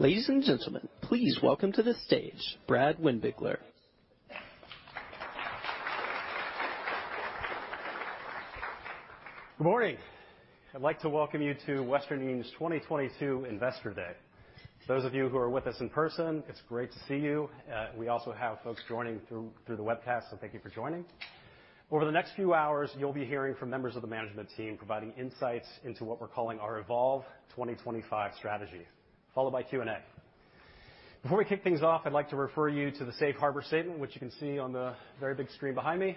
Ladies and gentlemen, please welcome to the stage Brad Windbigler. Good morning. I'd like to welcome you to Western Union's 2022 Investor Day. Those of you who are with us in person, it's great to see you. We also have folks joining through the webcast, so thank you for joining. Over the next few hours, you'll be hearing from members of the management team providing insights into what we're calling our Evolve 2025 strategy, followed by Q&A. Before we kick things off, I'd like to refer you to the safe harbor statement, which you can see on the very big screen behind me.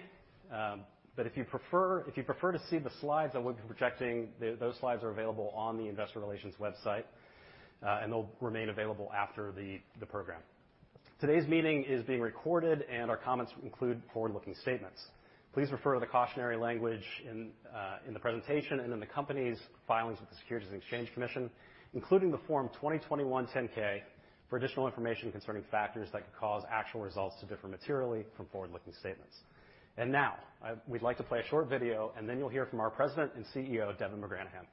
If you prefer to see the slides that we'll be projecting, those slides are available on the investor relations website, and they'll remain available after the program. Today's meeting is being recorded, and our comments include forward-looking statements. Please refer to the cautionary language in the presentation and in the company's filings with the Securities and Exchange Commission, including the 2021 Form 10-K for additional information concerning factors that could cause actual results to differ materially from forward-looking statements. We'd like to play a short video, and then you'll hear from our President and CEO, Devin McGranahan.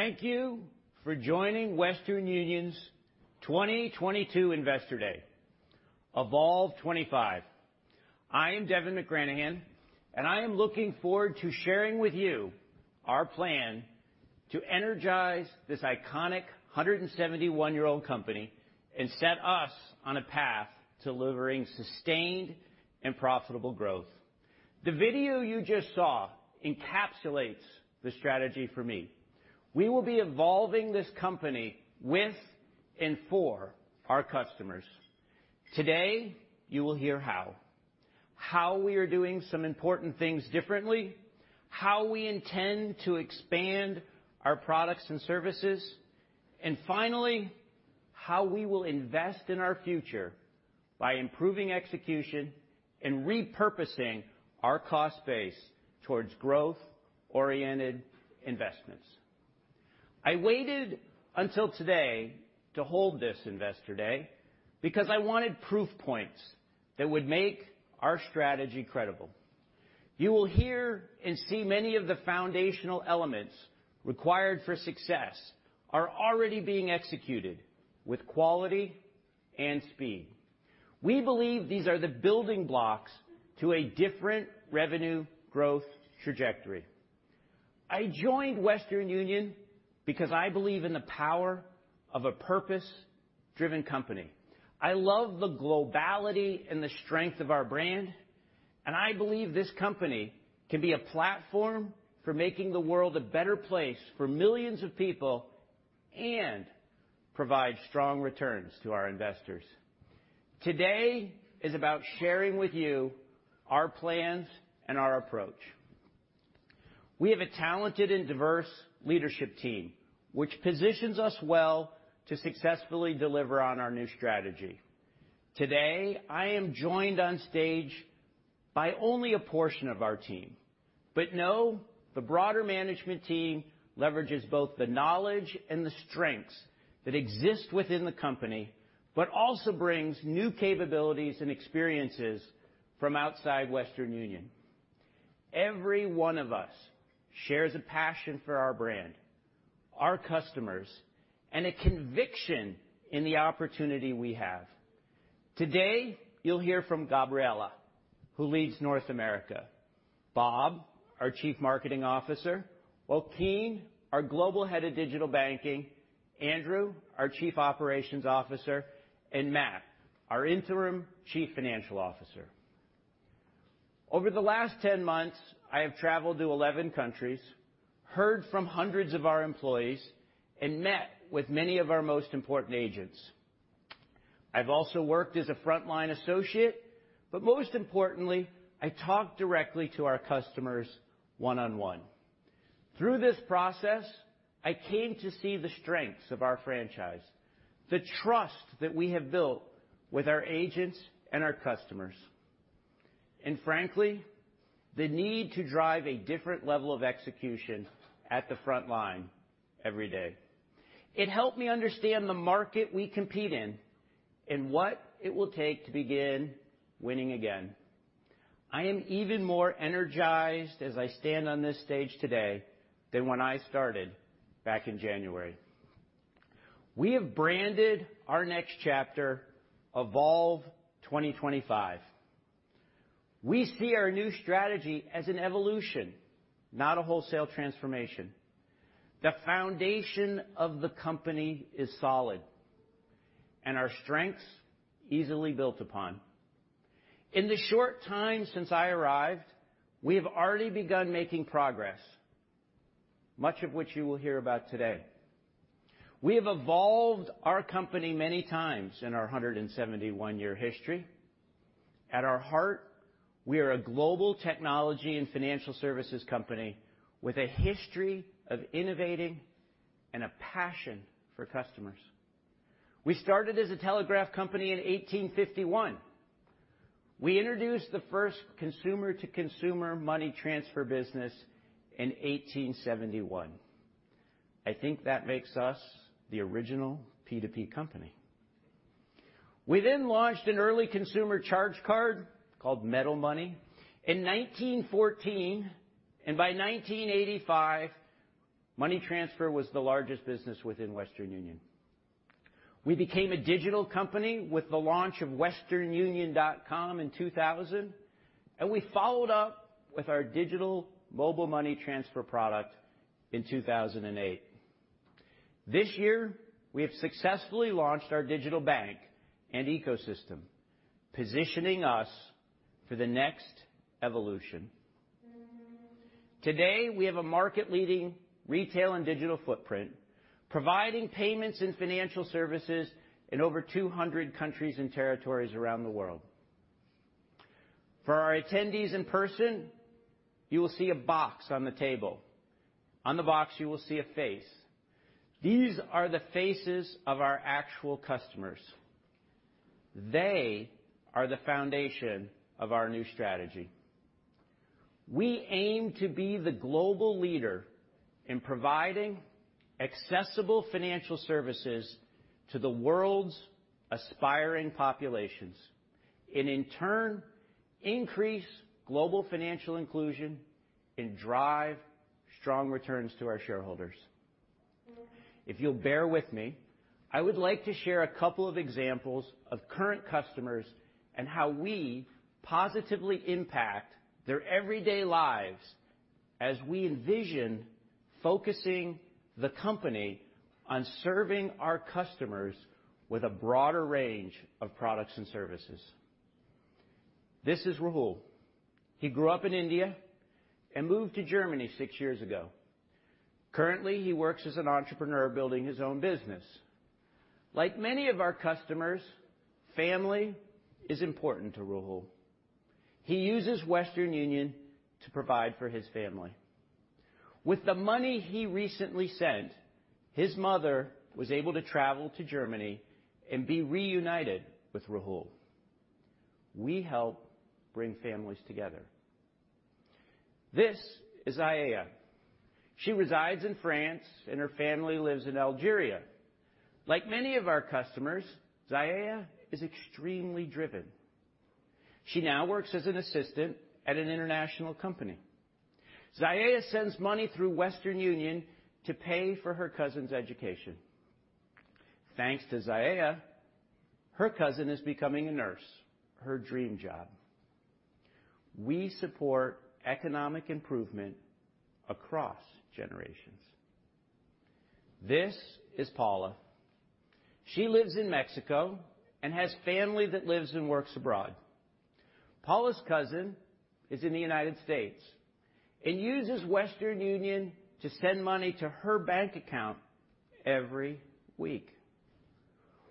Thank you for joining Western Union's 2022 Investor Day, Evolve 2025. I am Devin McGranahan, and I am looking forward to sharing with you our plan to energize this iconic 171-year-old company and set us on a path delivering sustained and growth. The video you just saw encapsulates the strategy for me. We will be evolving this company with and for our customers. Today, you will hear how. How we are doing some important things differently, how we intend to expand our products and services, and finally, how we will invest in our future by improving execution and repurposing our cost base towards growth-oriented investments. I waited until today to hold this Investor Day because I wanted proof points that would make our strategy credible. You will hear and see many of the foundational elements required for success are already being executed with quality and speed. We believe these are the building blocks to a different revenue growth trajectory. I joined Western Union because I believe in the power of a purpose-driven company. I love the globality and the strength of our brand, and I believe this company can be a platform for making the world a better place for millions of people and provide strong returns to our investors. Today is about sharing with you our plans and our approach. We have a talented and diverse leadership team, which positions us well to successfully deliver on our new strategy. Today, I am joined on stage by only a portion of our team, but now the broader management team leverages both the knowledge and the strengths that exist within the company, but also brings new capabilities and experiences from outside Western Union. Every one of us shares a passion for our brand, our customers, and a conviction in the opportunity we have. Today, you'll hear from Gabriela, who leads North America, Bob, our Chief Marketing Officer, Joaquim, our Global Head of Digital Banking, Andrew, our Chief Operations Officer, and Matt, our interim Chief Financial Officer. Over the last 10 months, I have traveled to 11 countries, heard from hundreds of our employees, and met with many of our most important agents. I've also worked as a frontline associate, but most importantly, I talked directly to our customers one on one. Through this process, I came to see the strengths of our franchise, the trust that we have built with our agents and our customers, and frankly, the need to drive a different level of execution at the front line every day. It helped me understand the market we compete in and what it will take to begin winning again. I am even more energized as I stand on this stage today than when I started back in January. We have branded our next chapter Evolve 2025. We see our new strategy as an evolution, not a wholesale transformation. The foundation of the company is solid, and our strengths easily built upon. In the short time since I arrived, we have already begun making progress, much of which you will hear about today. We have evolved our company many times in our 171-year history. At our heart, we are a global technology and financial services company with a history of innovating and a passion for customers. We started as a telegraph company in 1851. We introduced the first consumer-to-consumer money transfer business in 1871. I think that makes us the original P2P company. We then launched an early consumer charge card called Metal Money in 1914, and by 1985, money transfer was the largest business within Western Union. We became a digital company with the launch of westernunion.com in 2000, and we followed up with our digital mobile money transfer product in 2008. This year, we have successfully launched our digital bank and ecosystem, positioning us for the next evolution. Today, we have a market-leading retail and digital footprint, providing payments and financial services in over 200 countries and territories around the world. For our attendees in person, you will see a box on the table. On the box, you will see a face. These are the faces of our actual customers. They are the foundation of our new strategy. We aim to be the global leader in providing accessible financial services to the world's aspiring populations and, in turn, increase global financial inclusion and drive strong returns to our shareholders. If you'll bear with me, I would like to share a couple of examples of current customers and how we positively impact their everyday lives as we envision focusing the company on serving our customers with a broader range of products and services. This is Rahul. He grew up in India and moved to Germany six years ago. Currently, he works as an entrepreneur building his own business. Like many of our customers, family is important to Rahul. He uses Western Union to provide for his family. With the money he recently sent, his mother was able to travel to Germany and be reunited with Rahul. We help bring families together. This is Zaea. She resides in France, and her family lives in Algeria. Like many of our customers, Zaea is extremely driven. She now works as an assistant at an international company. Zaea sends money through Western Union to pay for her cousin's education. Thanks to Zaea, her cousin is becoming a nurse, her dream job. We support economic improvement across generations. This is Paula. She lives in Mexico and has family that lives and works abroad. Paula's cousin is in the United States and uses Western Union to send money to her bank account every week.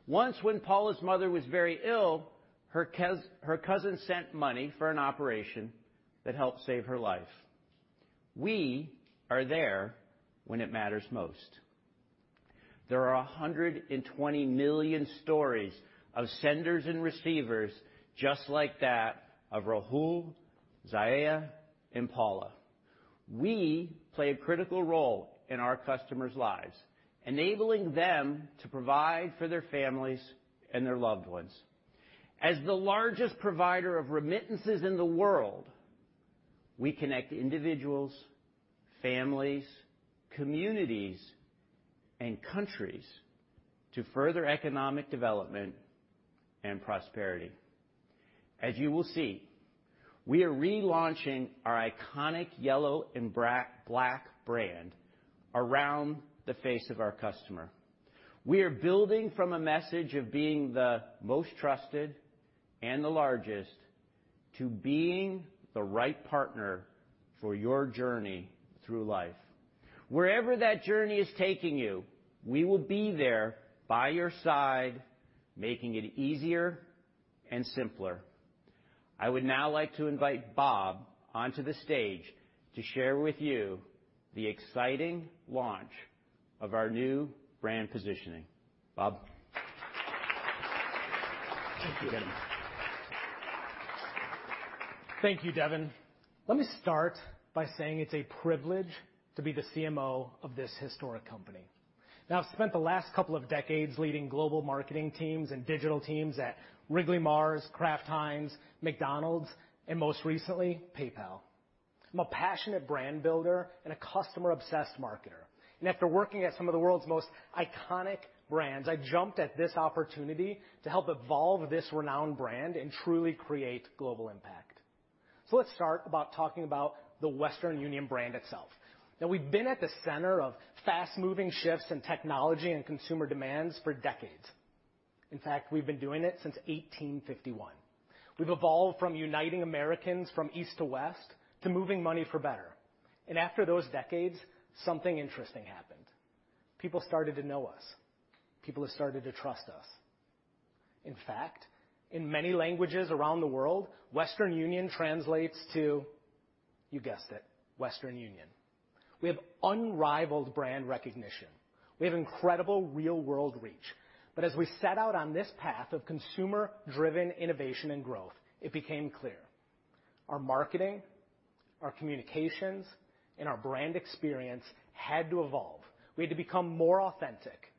Once, when Paula's mother was very ill, her cousin sent money for an operation that helped save her life. We are there when it matters most. There are 120 million stories of senders and receivers just like that of Rahul, Zaea, and Paula. We play a critical role in our customers' lives, enabling them to provide for their families and their loved ones. As the largest provider of remittances in the world, we connect individuals, families, communities, and countries to further economic development and prosperity. As you will see, we are relaunching our iconic yellow and black brand around the face of our customer. We are building from a message of being the most trusted and the largest. To being the right partner for your journey through life. Wherever that journey is taking you, we will be there by your side, making it easier and simpler. I would now like to invite Bob onto the stage to share with you the exciting launch of our new brand positioning. Bob. Thank you, Devin. Let me start by saying it's a privilege to be the CMO of this historic company. Now, I've spent the last couple of decades leading global marketing teams and digital teams at Wrigley, Mars, Kraft Heinz, McDonald's, and most recently, PayPal. I'm a passionate brand builder and a customer-obsessed marketer. After working at some of the world's most iconic brands, I jumped at this opportunity to help evolve this renowned brand and truly create global impact. Let's start by talking about the Western Union brand itself. Now, we've been at the center of fast-moving shifts in technology and consumer demands for decades. In fact, we've been doing it since 1851. We've evolved from uniting Americans from East to West to moving money for better. After those decades, something interesting happened. People started to know us. People have started to trust us. In fact, in many languages around the world, Western Union translates to, you guessed it, Western Union. We have unrivaled brand recognition. We have incredible real-world reach. As we set out on this path of consumer-driven innovation and growth, it became clear our marketing, our communications, and our brand experience had to evolve. We had to become more authentic,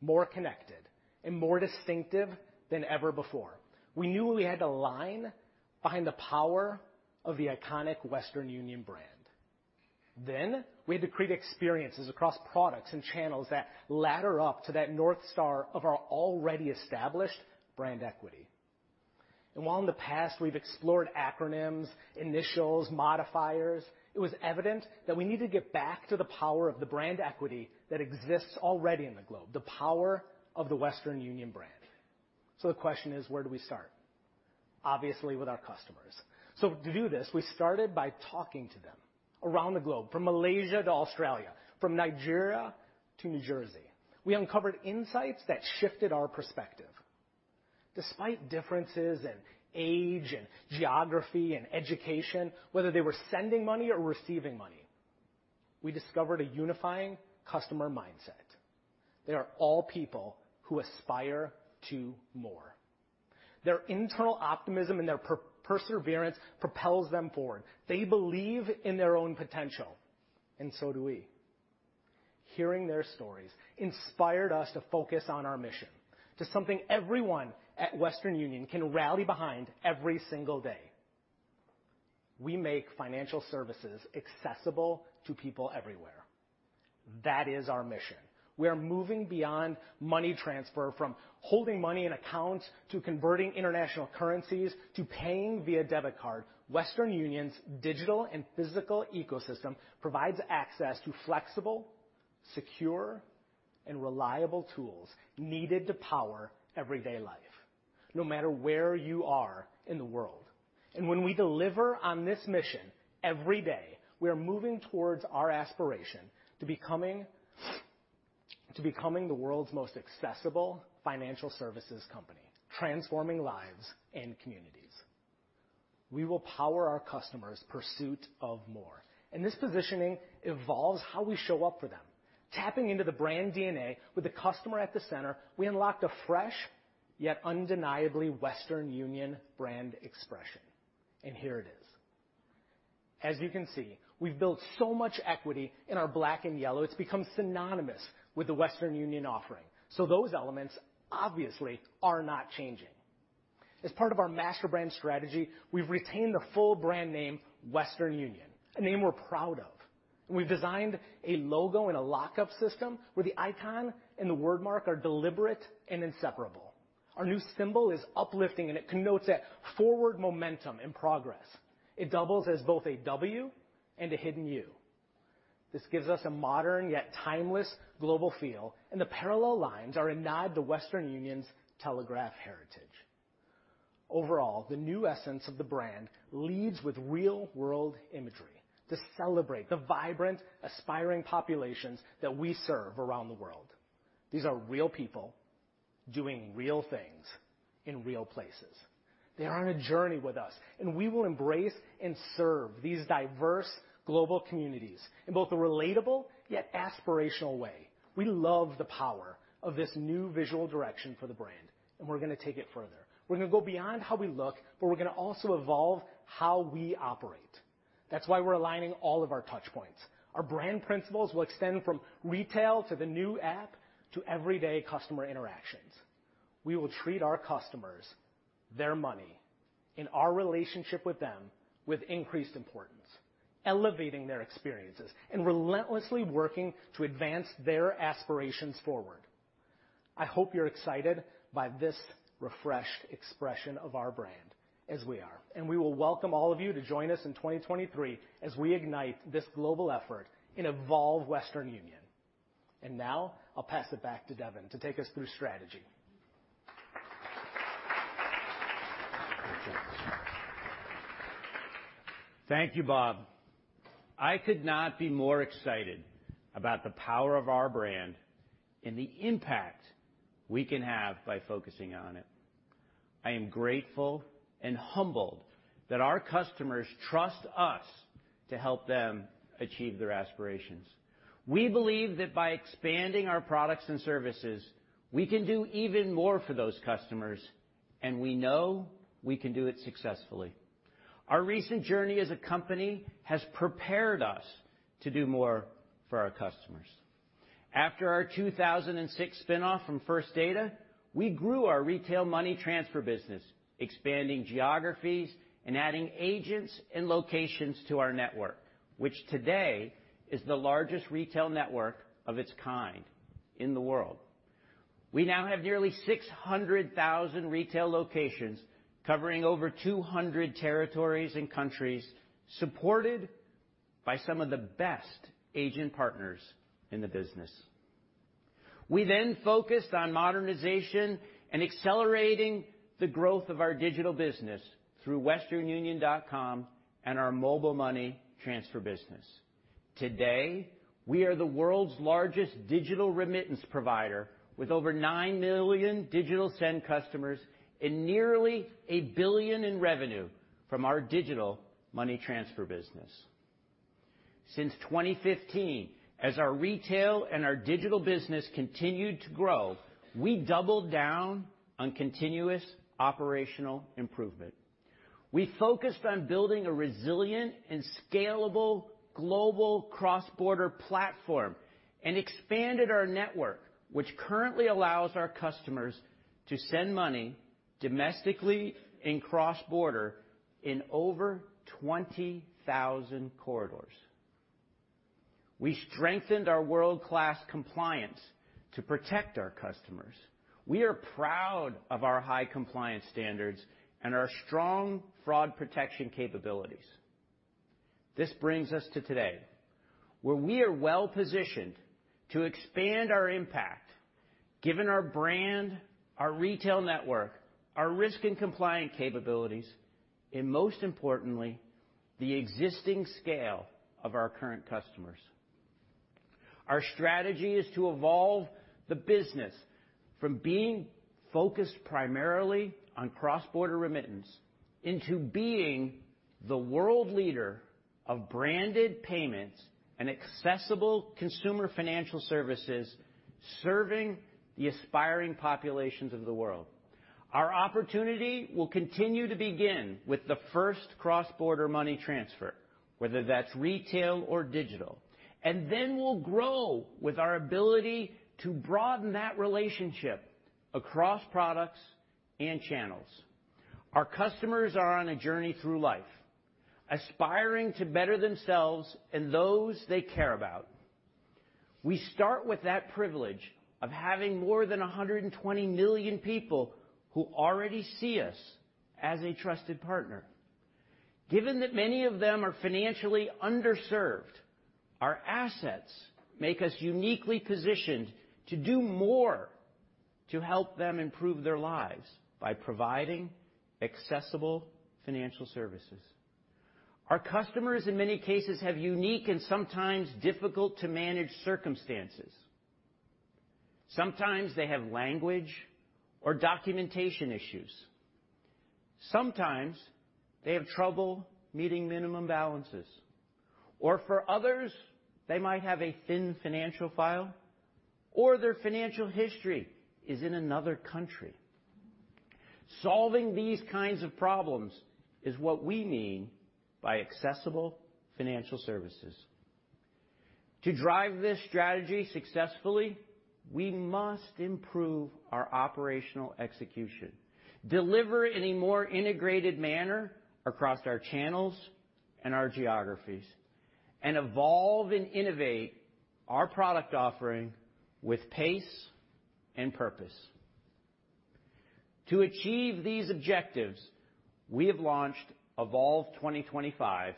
more connected, and more distinctive than ever before. We knew we had to align behind the power of the iconic Western Union brand. We had to create experiences across products and channels that ladder up to that North Star of our already established brand equity. While in the past, we've explored acronyms, initials, modifiers, it was evident that we need to get back to the power of the brand equity that exists already in the globe, the power of the Western Union brand. The question is, where do we start? Obviously, with our customers. To do this, we started by talking to them around the globe, from Malaysia to Australia, from Nigeria to New Jersey. We uncovered insights that shifted our perspective. Despite differences in age and geography and education, whether they were sending money or receiving money, we discovered a unifying customer mindset. They are all people who aspire to more. Their internal optimism and their perseverance propels them forward. They believe in their own potential, and so do we. Hearing their stories inspired us to focus on our mission to something everyone at Western Union can rally behind every single day. We make financial services accessible to people everywhere. That is our mission. We are moving beyond money transfer from holding money in accounts to converting international currencies, to paying via debit card. Western Union's digital and physical ecosystem provides access to flexible, secure, and reliable tools needed to power everyday life, no matter where you are in the world. When we deliver on this mission every day, we are moving towards our aspiration to becoming the world's most accessible financial services company, transforming lives and communities. We will power our customers' pursuit of more. This positioning evolves how we show up for them. Tapping into the brand DNA with the customer at the center, we unlocked a fresh, yet undeniably Western Union brand expression. Here it is. As you can see, we've built so much equity in our black and yellow, it's become synonymous with the Western Union offering. Those elements obviously are not changing. As part of our master brand strategy, we've retained the full brand name Western Union, a name we're proud of. We've designed a logo and a lockup system where the icon and the word mark are deliberate and inseparable. Our new symbol is uplifting, and it connotes that forward momentum and progress. It doubles as both a W and a hidden U. This gives us a modern yet timeless global feel, and the parallel lines are a nod to Western Union's telegraph heritage. Overall, the new essence of the brand leads with real-world imagery to celebrate the vibrant, aspiring populations that we serve around the world. These are real people doing real things in real places. They're on a journey with us, and we will embrace and serve these diverse global communities in both a relatable yet aspirational way. We love the power of this new visual direction for the brand, and we're going to take it further. We're going to go beyond how we look, but we're going to also evolve how we operate. That's why we're aligning all of our touch points. Our brand principles will extend from retail to the new app to everyday customer interactions. We will treat our customers, their money, and our relationship with them with increased importance, elevating their experiences and relentlessly working to advance their aspirations forward. I hope you're excited by this refreshed expression of our brand as we are, and we will welcome all of you to join us in 2023 as we ignite this global effort in Evolve Western Union. Now I'll pass it back to Devin to take us through strategy. Thank you, Bob. I could not be more excited about the power of our brand and the impact we can have by focusing on it. I am grateful and humbled that our customers trust us to help them achieve their aspirations. We believe that by expanding our products and services, we can do even more for those customers, and we know we can do it successfully. Our recent journey as a company has prepared us to do more for our customers. After our 2006 spinoff from First Data, we grew our retail money transfer business, expanding geographies and adding agents and locations to our network, which today is the largest retail network of its kind in the world. We now have nearly 600,000 retail locations covering over 200 territories and countries, supported by some of the best agent partners in the business. We then focused on modernization and accelerating the growth of our digital business through westernunion.com and our mobile money transfer business. Today, we are the world's largest digital remittance provider with over 9 million digital send customers and nearly $1 billion in revenue from our digital money transfer business. Since 2015, as our retail and our digital business continued to grow, we doubled down on continuous operational improvement. We focused on building a resilient and scalable global cross-border platform and expanded our network, which currently allows our customers to send money domestically and cross-border in over 20,000 corridors. We strengthened our world-class compliance to protect our customers. We are proud of our high compliance standards and our strong fraud protection capabilities. This brings us to today, where we are well-positioned to expand our impact given our brand, our retail network, our risk and compliance capabilities, and most importantly, the existing scale of our current customers. Our strategy is to evolve the business from being focused primarily on cross-border remittance into being the world leader of branded payments and accessible consumer financial services serving the aspiring populations of the world. Our opportunity will continue to begin with the first cross-border money transfer, whether that's retail or digital, and then we'll grow with our ability to broaden that relationship across products and channels. Our customers are on a journey through life, aspiring to better themselves and those they care about. We start with that privilege of having more than 120 million people who already see us as a trusted partner. Given that many of them are financially underserved, our assets make us uniquely positioned to do more to help them improve their lives by providing accessible financial services. Our customers, in many cases, have unique and sometimes difficult to manage circumstances. Sometimes they have language or documentation issues. Sometimes they have trouble meeting minimum balances, or for others, they might have a thin financial file, or their financial history is in another country. Solving these kinds of problems is what we mean by accessible financial services. To drive this strategy successfully, we must improve our operational execution, deliver in a more integrated manner across our channels and our geographies, and evolve and innovate our product offering with pace and purpose. To achieve these objectives, we have launched Evolve 2025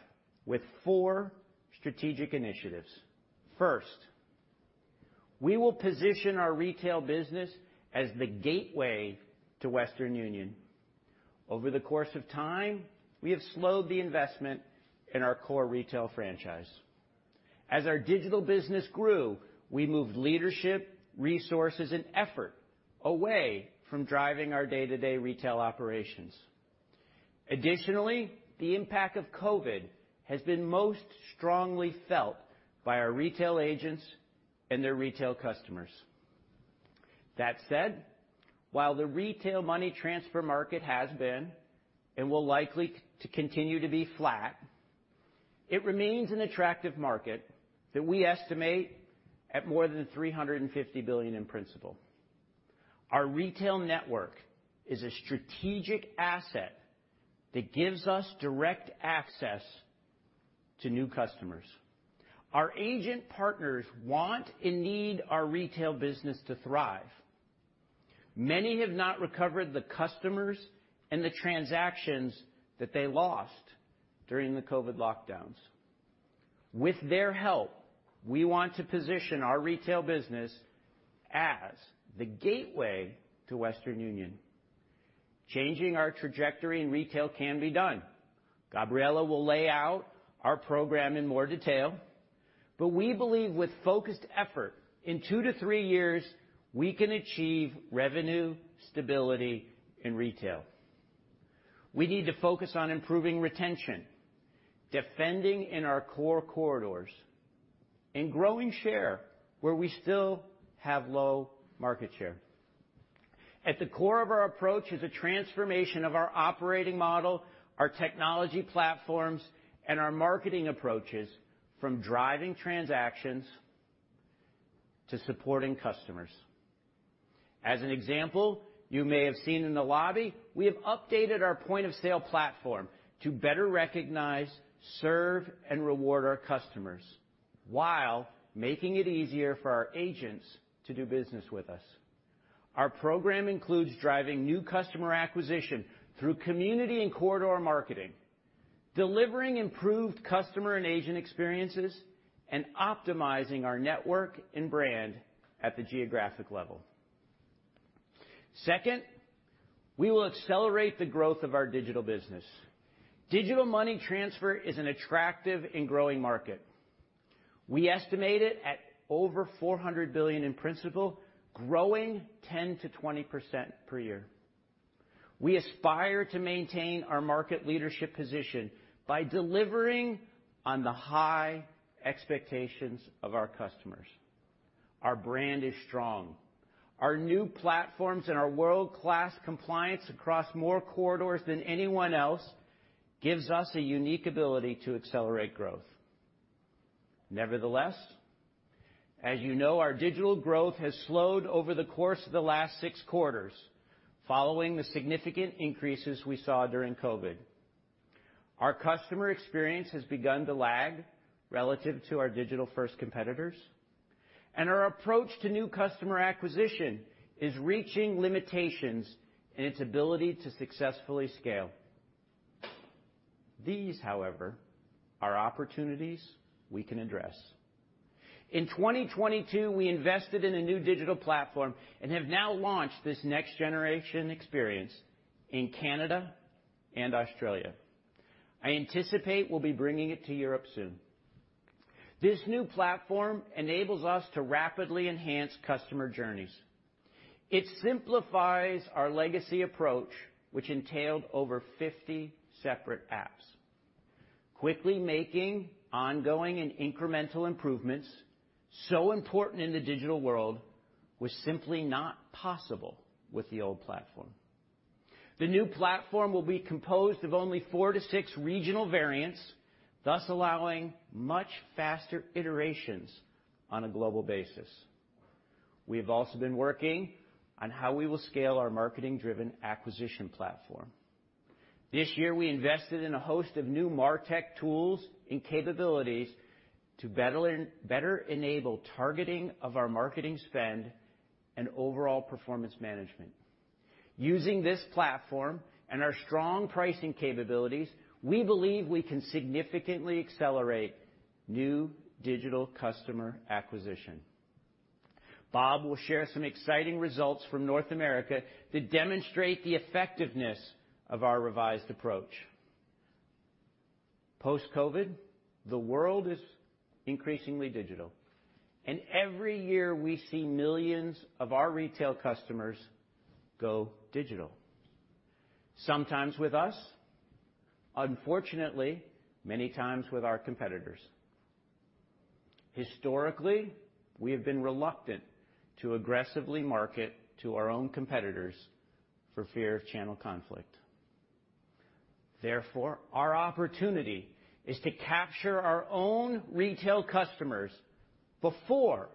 with four strategic initiatives. First, we will position our retail business as the gateway to Western Union. Over the course of time, we have slowed the investment in our core retail franchise. As our digital business grew, we moved leadership, resources, and effort away from driving our day-to-day retail operations. Additionally, the impact of COVID has been most strongly felt by our retail agents and their retail customers. That said, while the retail money transfer market has been and will likely to continue to be flat, it remains an attractive market that we estimate at more than $350 billion in principle. Our retail network is a strategic asset that gives us direct access to new customers. Our agent partners want and need our retail business to thrive. Many have not recovered the customers and the transactions that they lost during the COVID lockdowns. With their help, we want to position our retail business as the gateway to Western Union. Changing our trajectory in retail can be done. Gabriela will lay out our program in more detail. We believe with focused effort, in 2-3 years, we can achieve revenue stability in retail. We need to focus on improving retention, defending in our core corridors, and growing share where we still have low market share. At the core of our approach is a transformation of our operating model, our technology platforms, and our marketing approaches from driving transactions to supporting customers. As an example, you may have seen in the lobby, we have updated our point-of-sale platform to better recognize, serve, and reward our customers while making it easier for our agents to do business with us. Our program includes driving new customer acquisition through community and corridor marketing, delivering improved customer and agent experiences, and optimizing our network and brand at the geographic level. Second, we will accelerate the growth of our digital business. Digital money transfer is an attractive and growing market. We estimate it at over $400 billion in principle, growing 10%-20% per year. We aspire to maintain our market leadership position by delivering on the high expectations of our customers. Our brand is strong. Our new platforms and our world-class compliance across more corridors than anyone else gives us a unique ability to accelerate growth. Nevertheless, as you know, our digital growth has slowed over the course of the last six quarters following the significant increases we saw during COVID. Our customer experience has begun to lag relative to our digital-first competitors, and our approach to new customer acquisition is reaching limitations in its ability to successfully scale. These, however, are opportunities we can address. In 2022, we invested in a new digital platform and have now launched this next generation experience in Canada and Australia. I anticipate we'll be bringing it to Europe soon. This new platform enables us to rapidly enhance customer journeys. It simplifies our legacy approach, which entailed over 50 separate apps. Quickly making ongoing and incremental improvements so important in the digital world was simply not possible with the old platform. The new platform will be composed of only 4 to 6 regional variants, thus allowing much faster iterations on a global basis. We have also been working on how we will scale our marketing-driven acquisition platform. This year, we invested in a host of new martech tools and capabilities to better enable targeting of our marketing spend and overall performance management. Using this platform and our strong pricing capabilities, we believe we can significantly accelerate new digital customer acquisition. Bob will share some exciting results from North America that demonstrate the effectiveness of our revised approach. Post-COVID, the world is increasingly digital, and every year, we see millions of our retail customers go digital, sometimes with us, unfortunately, many times with our competitors. Historically, we have been reluctant to aggressively market to our own competitors for fear of channel conflict. Therefore, our opportunity is to capture our own retail customers before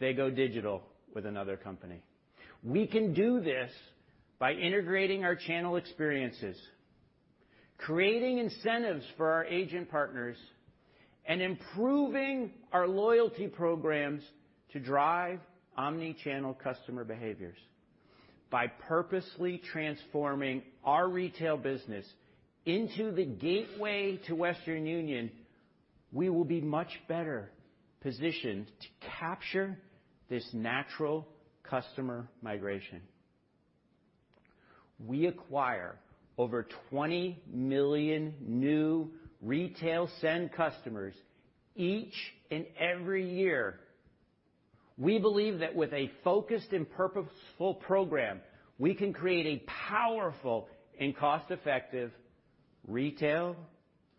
they go digital with another company. We can do this by integrating our channel experiences, creating incentives for our agent partners, and improving our loyalty programs to drive omni-channel customer behaviors. By purposely transforming our retail business into the gateway to Western Union, we will be much better positioned to capture this natural customer migration. We acquire over 20 million new retail send customers each and every year. We believe that with a focused and purposeful program, we can create a powerful and cost-effective retail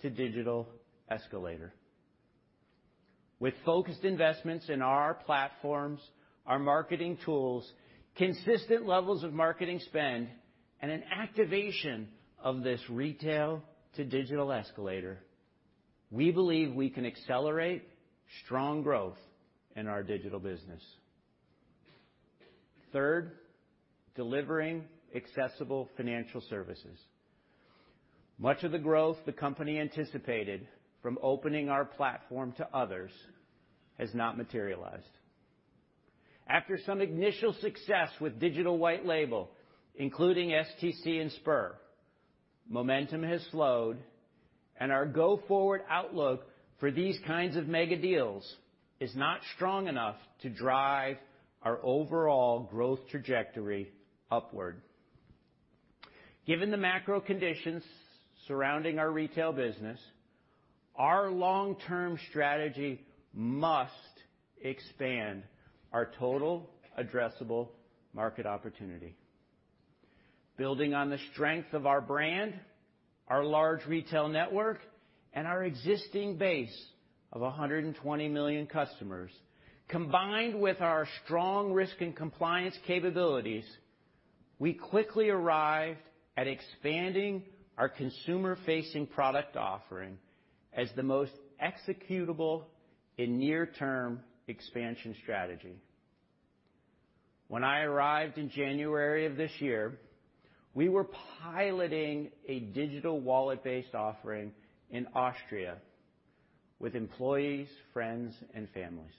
to digital escalator. With focused investments in our platforms, our marketing tools, consistent levels of marketing spend, and an activation of this retail to digital escalator, we believe we can accelerate strong growth in our digital business. Third, delivering accessible financial services. Much of the growth the company anticipated from opening our platform to others has not materialized. After some initial success with digital white label, including STC and Sber, momentum has slowed and our go forward outlook for these kinds of mega deals is not strong enough to drive our overall growth trajectory upward. Given the macro conditions surrounding our retail business, our long term strategy must expand our total addressable market opportunity. Building on the strength of our brand, our large retail network, and our existing base of 120 million customers, combined with our strong risk and compliance capabilities, we quickly arrived at expanding our consumer facing product offering as the most executable in near term expansion strategy. When I arrived in January of this year, we were piloting a digital wallet based offering in Austria with employees, friends and families.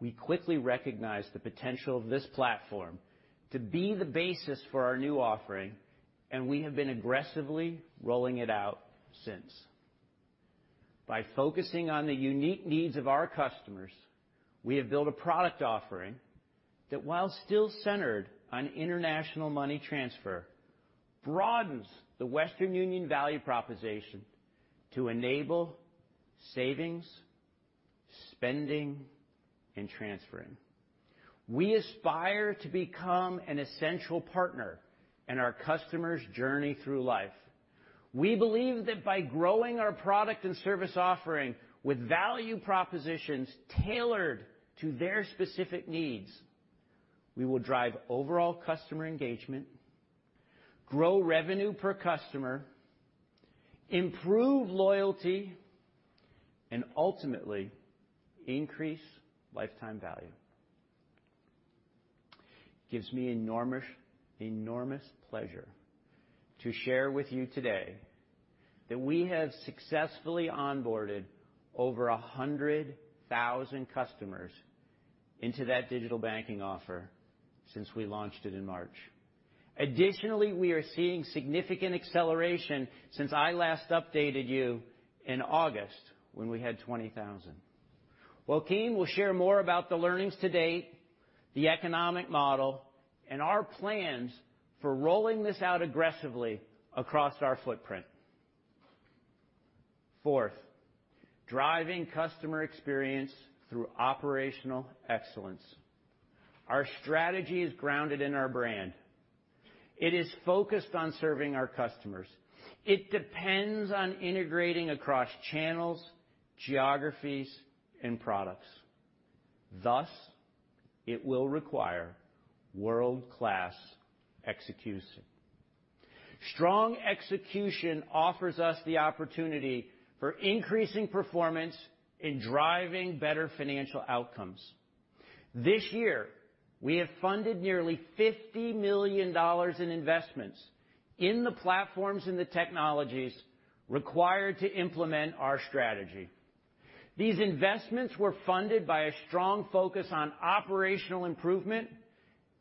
We quickly recognized the potential of this platform to be the basis for our new offering, and we have been aggressively rolling it out since. By focusing on the unique needs of our customers, we have built a product offering that, while still centered on international money transfer, broadens the Western Union value proposition to enable savings, spending, and transferring. We aspire to become an essential partner in our customers' journey through life. We believe that by growing our product and service offering with value propositions tailored to their specific needs, we will drive overall customer engagement, grow revenue per customer, improve loyalty, and ultimately increase lifetime value. It gives me enormous pleasure to share with you today that we have successfully onboarded over 100,000 customers into that digital banking offer since we launched it in March. Additionally, we are seeing significant acceleration since I last updated you in August when we had 20,000. Joaquim will share more about the learnings to date, the economic model, and our plans for rolling this out aggressively across our footprint. Fourth, driving customer experience through operational excellence. Our strategy is grounded in our brand. It is focused on serving our customers. It depends on integrating across channels, geographies, and products. Thus, it will require world class execution. Strong execution offers us the opportunity for increasing performance in driving better financial outcomes. This year we have funded nearly $50 million in investments in the platforms and the technologies required to implement our strategy. These investments were funded by a strong focus on operational improvement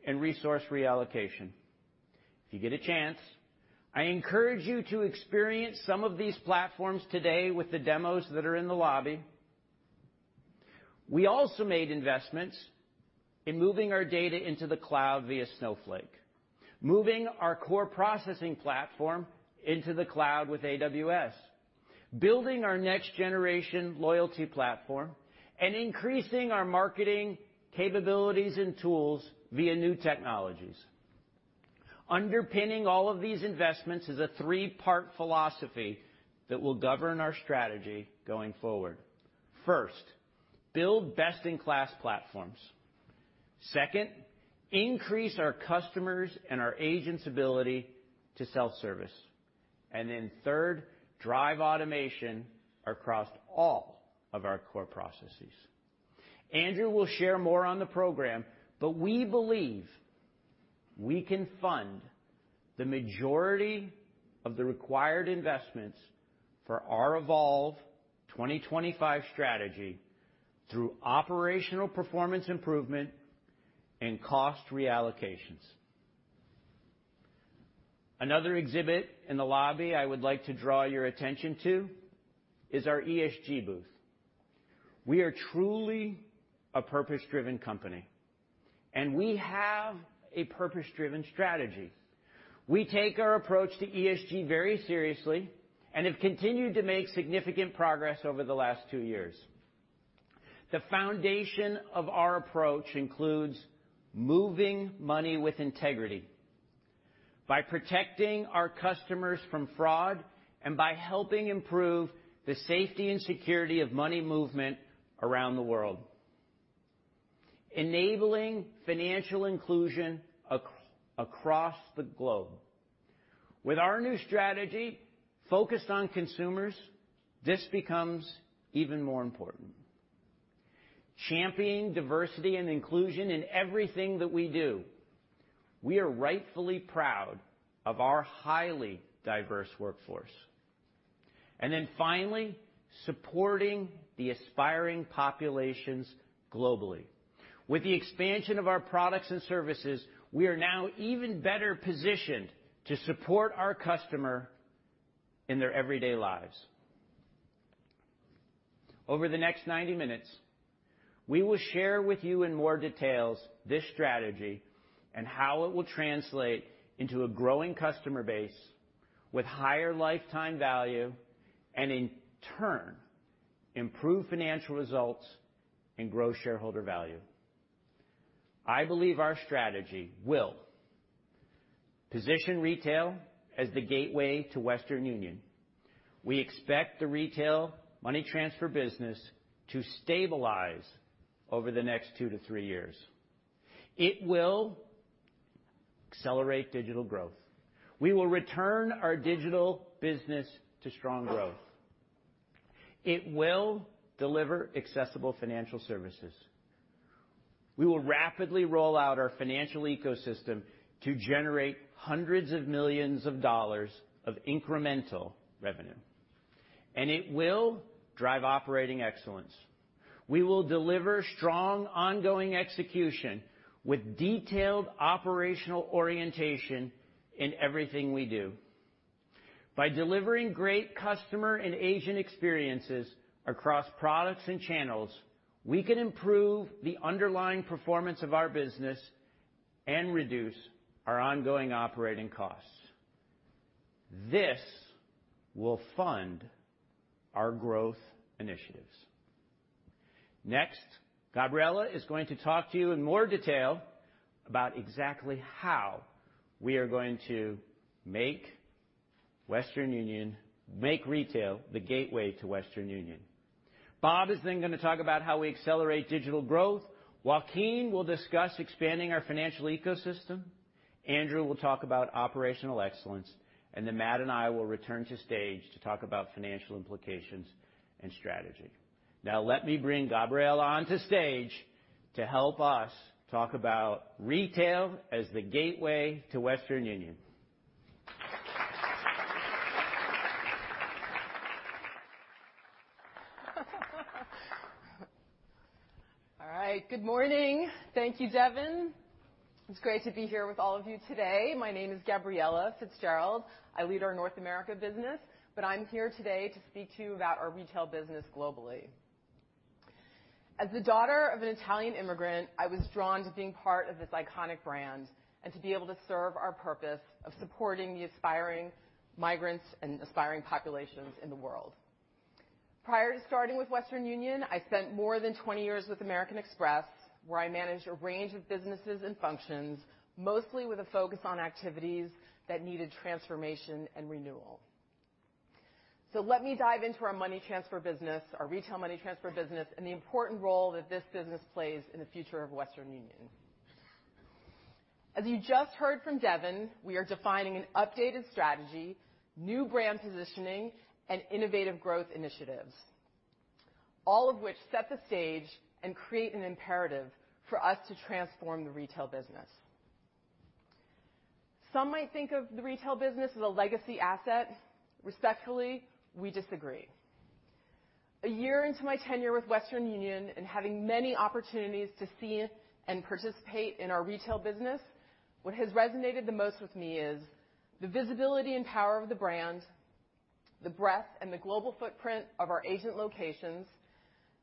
and resource reallocation. If you get a chance, I encourage you to experience some of these platforms today with the demos that are in the lobby. We also made investments in moving our data into the cloud via Snowflake, moving our core processing platform into the cloud with AWS, building our next generation loyalty platform and increasing our marketing capabilities and tools via new technologies. Underpinning all of these investments is a three-part philosophy that will govern our strategy going forward. First, build best in class platforms. Second, increase our customers and our agents ability to self-service. Third, drive automation across all of our core processes. Andrew will share more on the program, but we believe we can fund the majority of the required investments for our Evolve 2025 strategy through operational performance improvement and cost reallocations. Another exhibit in the lobby I would like to draw your attention to is our ESG booth. We are truly a purpose driven company and we have a purpose driven strategy. We take our approach to ESG very seriously and have continued to make significant progress over the last two years. The foundation of our approach includes moving money with integrity by protecting our customers from fraud and by helping improve the safety and security of money movement around the world. Enabling financial inclusion across the globe. With our new strategy focused on consumers, this becomes even more important. Championing diversity and inclusion in everything that we do. We are rightfully proud of our highly diverse workforce. Finally, supporting the aspiring populations globally. With the expansion of our products and services, we are now even better positioned to support our customer in their everyday lives. Over the next 90 minutes, we will share with you in more details this strategy and how it will translate into a growing customer base with higher lifetime value and in turn, improve financial results and grow shareholder value. I believe our strategy will position retail as the gateway to Western Union. We expect the retail money transfer business to stabilize over the next 2-3 years. It will accelerate digital growth. We will return our digital business to strong growth. It will deliver accessible financial services. We will rapidly roll out our financial ecosystem to generate $hundreds of millions of incremental revenue. It will drive operating excellence. We will deliver strong ongoing execution with detailed operational orientation in everything we do. By delivering great customer and agent experiences across products and channels, we can improve the underlying performance of our business and reduce our ongoing operating costs. This will fund our growth initiatives. Next, Gabriela is going to talk to you in more detail about exactly how we are going to make Western Union make retail the gateway to Western Union. Bob is then going to talk about how we accelerate digital growth. Joaquim will discuss expanding our financial ecosystem. Andrew will talk about operational excellence, and then Matt and I will return to stage to talk about financial implications and strategy. Now let me bring Gabriela onto stage to help us talk about retail as the gateway to Western Union. All right. Good morning. Thank you, Devin. It's great to be here with all of you today. My name is Gabriela Fitzgerald. I lead our North America business, but I'm here today to speak to you about our retail business globally. As the daughter of an Italian immigrant, I was drawn to being part of this iconic brand and to be able to serve our purpose of supporting the aspiring migrants and aspiring populations in the world. Prior to starting with Western Union, I spent more than 20 years with American Express, where I managed a range of businesses and functions, mostly with a focus on activities that needed transformation and renewal. Let me dive into our money transfer business, our retail money transfer business, and the important role that this business plays in the future of Western Union. As you just heard from Devin, we are defining an updated strategy, new brand positioning and innovative growth initiatives, all of which set the stage and create an imperative for us to transform the retail business. Some might think of the retail business as a legacy asset. Respectfully, we disagree. A year into my tenure with Western Union and having many opportunities to see and participate in our retail business, what has resonated the most with me is the visibility and power of the brand, the breadth and the global footprint of our agent locations,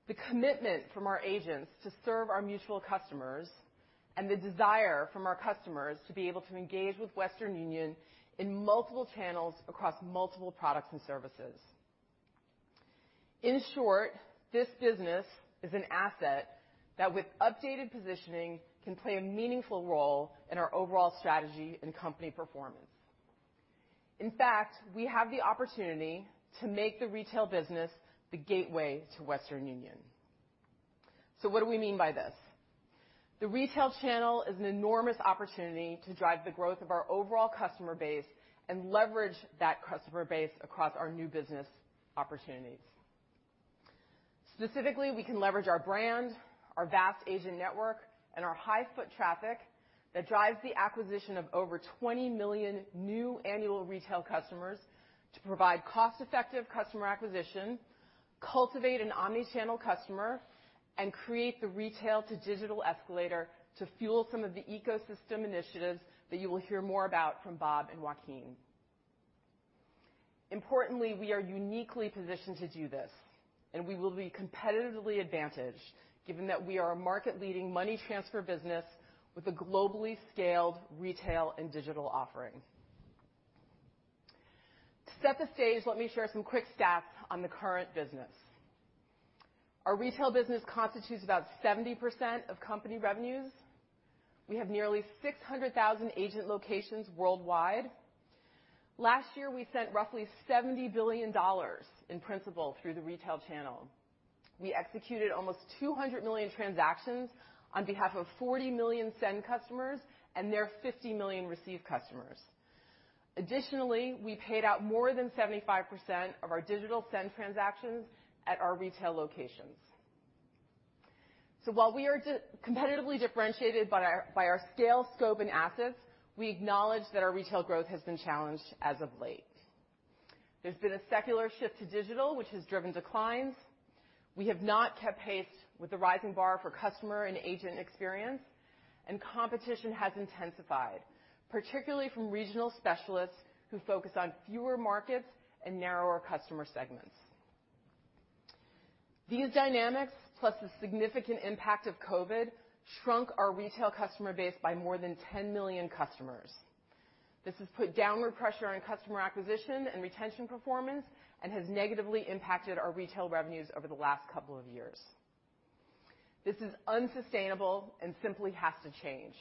the commitment from our agents to serve our mutual customers, and the desire from our customers to be able to engage with Western Union in multiple channels across multiple products and services. In short, this business is an asset that with updated positioning can play a meaningful role in our overall strategy and company performance. In fact, we have the opportunity to make the retail business the gateway to Western Union. What do we mean by this? The retail channel is an enormous opportunity to drive the growth of our overall customer base and leverage that customer base across our new business opportunities. Specifically, we can leverage our brand, our vast agent network, and our high foot traffic that drives the acquisition of over 20 million new annual retail customers to provide cost-effective customer acquisition, cultivate an omni-channel customer, and create the retail-to-digital escalator to fuel some of the ecosystem initiatives that you will hear more about from Bob and Joaquim. Importantly, we are uniquely positioned to do this, and we will be competitively advantaged given that we are a market leading money transfer business with a globally scaled retail and digital offering. To set the stage, let me share some quick stats on the current business. Our retail business constitutes about 70% of company revenues. We have nearly 600,000 agent locations worldwide. Last year, we sent roughly $70 billion in principal through the retail channel. We executed almost 200 million transactions on behalf of 40 million send customers and their 50 million receive customers. Additionally, we paid out more than 75% of our digital send transactions at our retail locations. While we are competitively differentiated by our scale, scope, and assets, we acknowledge that our retail growth has been challenged as of late. There's been a secular shift to digital, which has driven declines. We have not kept pace with the rising bar for customer and agent experience. Competition has intensified, particularly from regional specialists who focus on fewer markets and narrower customer segments. These dynamics, plus the significant impact of COVID, shrunk our retail customer base by more than 10 million customers. This has put downward pressure on customer acquisition and retention performance and has negatively impacted our retail revenues over the last couple of years. This is unsustainable and simply has to change.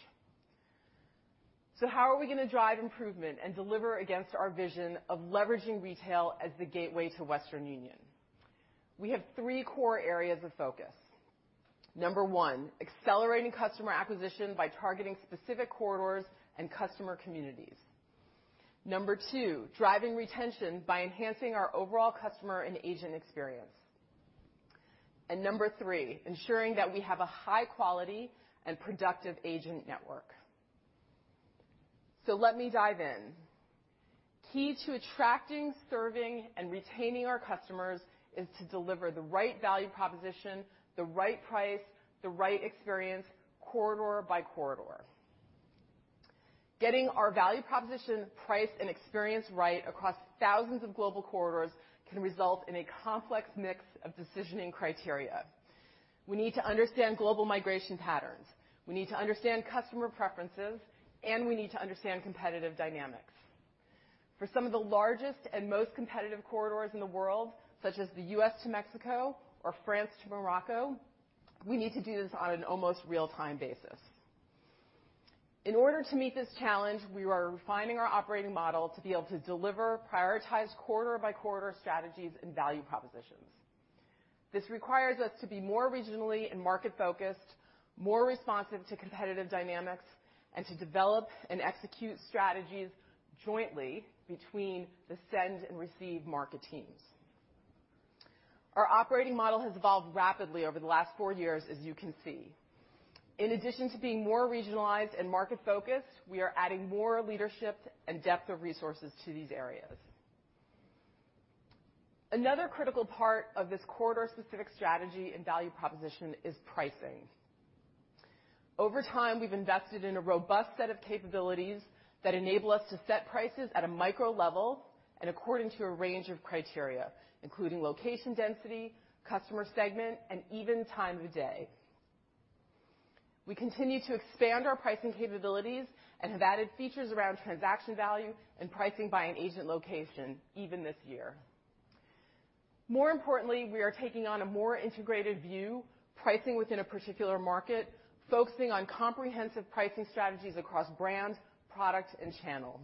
How are we going to drive improvement and deliver against our vision of leveraging retail as the gateway to Western Union? We have three core areas of focus. Number one, accelerating customer acquisition by targeting specific corridors and customer communities. Number two, driving retention by enhancing our overall customer and agent experience. Number three, ensuring that we have a high quality and productive agent network. Let me dive in. Key to attracting, serving, and retaining our customers is to deliver the right value proposition, the right price, the right experience, corridor by corridor. Getting our value proposition, price, and experience right across thousands of global corridors can result in a complex mix of decisioning criteria. We need to understand global migration patterns, we need to understand customer preferences, and we need to understand competitive dynamics. For some of the largest and most competitive corridors in the world, such as the U.S. to Mexico or France to Morocco, we need to do this on an almost real-time basis. In order to meet this challenge, we are refining our operating model to be able to deliver prioritized corridor by corridor strategies and value propositions. This requires us to be more regionally and market-focused, more responsive to competitive dynamics, and to develop and execute strategies jointly between the send and receive market teams. Our operating model has evolved rapidly over the last four years, as you can see. In addition to being more regionalized and market-focused, we are adding more leadership and depth of resources to these areas. Another critical part of this corridor-specific strategy and value proposition is pricing. Over time, we've invested in a robust set of capabilities that enable us to set prices at a micro level and according to a range of criteria, including location density, customer segment, and even time of day. We continue to expand our pricing capabilities and have added features around transaction value and pricing by an agent location even this year. More importantly, we are taking on a more integrated view, pricing within a particular market, focusing on comprehensive pricing strategies across brands, products, and channel.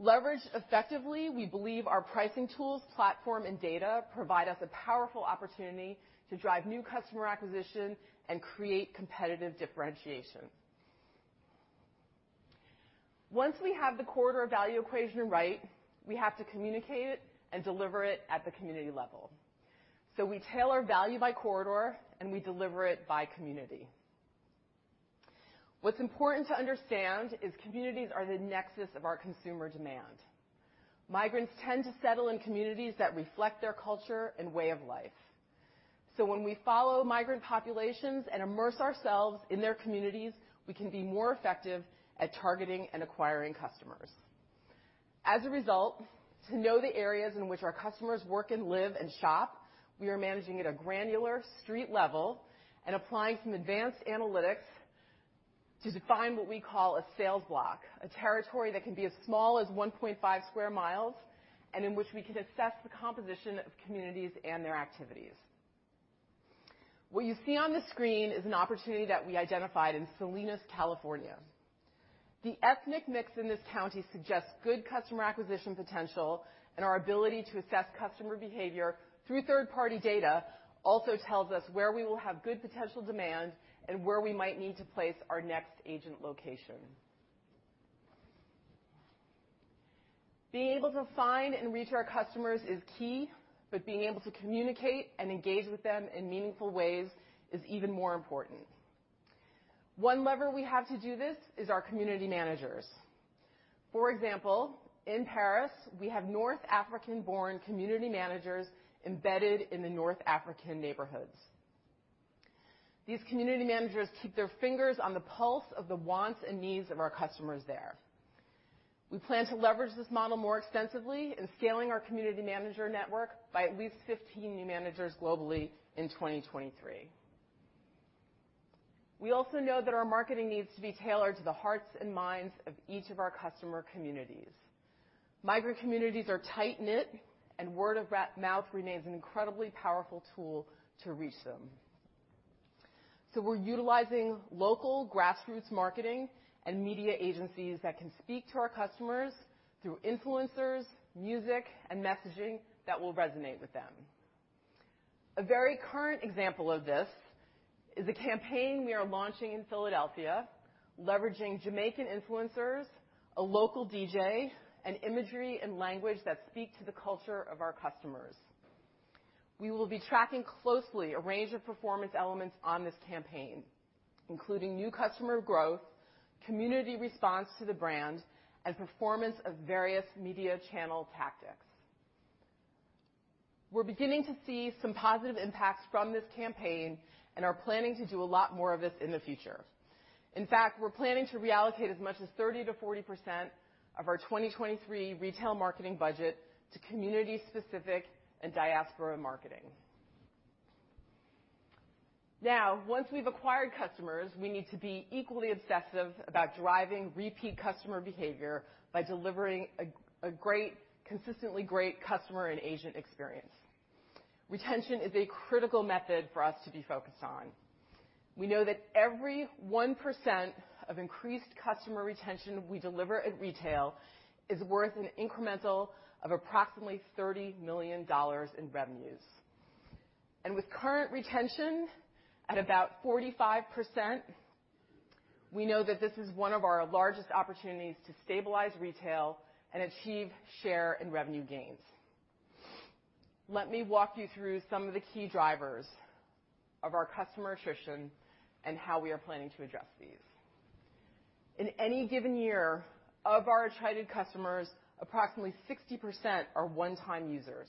Leveraged effectively, we believe our pricing tools, platform, and data provide us a powerful opportunity to drive new customer acquisition and create competitive differentiation. Once we have the corridor value equation right, we have to communicate it and deliver it at the community level. We tailor value by corridor, and we deliver it by community. What's important to understand is communities are the nexus of our consumer demand. Migrants tend to settle in communities that reflect their culture and way of life. When we follow migrant populations and immerse ourselves in their communities, we can be more effective at targeting and acquiring customers. As a result, to know the areas in which our customers work and live and shop, we are managing at a granular street level and applying some advanced analytics to define what we call a sales block, a territory that can be as small as 1.5 sq mi and in which we can assess the composition of communities and their activities. What you see on the screen is an opportunity that we identified in Salinas, California. The ethnic mix in this county suggests good customer acquisition potential and our ability to assess customer behavior through third-party data also tells us where we will have good potential demand and where we might need to place our next agent location. Being able to find and reach our customers is key, but being able to communicate and engage with them in meaningful ways is even more important. One lever we have to do this is our community managers. For example, in Paris, we have North African-born community managers embedded in the North African neighborhoods. These community managers keep their fingers on the pulse of the wants and needs of our customers there. We plan to leverage this model more extensively in scaling our community manager network by at least 15 new managers globally in 2023. We also know that our marketing needs to be tailored to the hearts and minds of each of our customer communities. Migrant communities are tight-knit, and word of mouth remains an incredibly powerful tool to reach them. We're utilizing local grassroots marketing and media agencies that can speak to our customers through influencers, music, and messaging that will resonate with them. A very current example of this is a campaign we are launching in Philadelphia, leveraging Jamaican influencers, a local DJ, and imagery and language that speak to the culture of our customers. We will be tracking closely a range of performance elements on this campaign, including new customer growth, community response to the brand, and performance of various media channel tactics. We're beginning to see some positive impacts from this campaign and are planning to do a lot more of this in the future. In fact, we're planning to reallocate as much as 30%-40% of our 2023 retail marketing budget to community-specific and diaspora marketing. Now, once we've acquired customers, we need to be equally obsessive about driving repeat customer behavior by delivering consistently great customer and agent experience. Retention is a critical method for us to be focused on. We know that every 1% of increased customer retention we deliver at retail is worth an incremental of approximately $30 million in revenues. With current retention at about 45%, we know that this is one of our largest opportunities to stabilize retail and achieve share and revenue gains. Let me walk you through some of the key drivers of our customer attrition and how we are planning to address these. In any given year, of our attracted customers, approximately 60% are one-time users.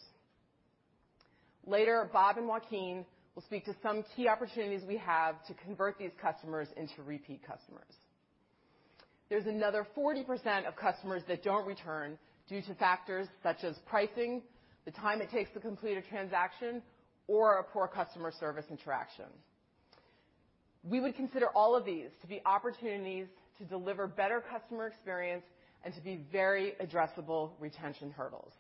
Later, Bob and Joaquim will speak to some key opportunities we have to convert these customers into repeat customers. There's another 40% of customers that don't return due to factors such as pricing, the time it takes to complete a transaction, or a poor customer service interaction. We would consider all of these to be opportunities to deliver better customer experience and to be very addressable retention hurdles.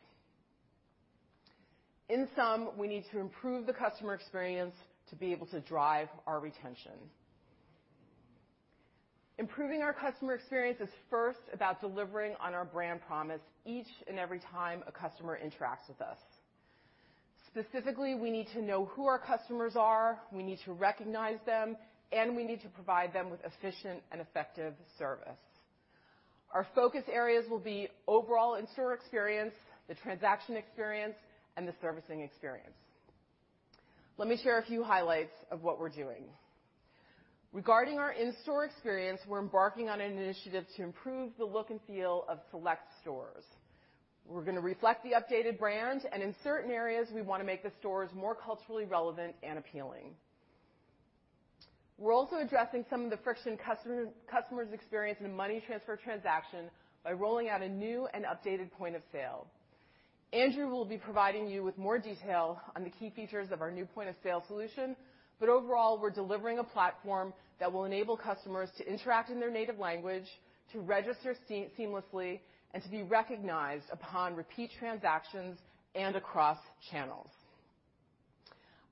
In sum, we need to improve the customer experience to be able to drive our retention. Improving our customer experience is first about delivering on our brand promise each and every time a customer interacts with us. Specifically, we need to know who our customers are, we need to recognize them, and we need to provide them with efficient and effective service. Our focus areas will be overall in-store experience, the transaction experience, and the servicing experience. Let me share a few highlights of what we're doing. Regarding our in-store experience, we're embarking on an initiative to improve the look and feel of select stores. We're going to reflect the updated brand, and in certain areas, we want to make the stores more culturally relevant and appealing. We're also addressing some of the friction customers experience in a money transfer transaction by rolling out a new and updated point of sale. Andrew will be providing you with more detail on the key features of our new point-of-sale solution. Overall, we're delivering a platform that will enable customers to interact in their native language, to register seamlessly, and to be recognized upon repeat transactions and across channels.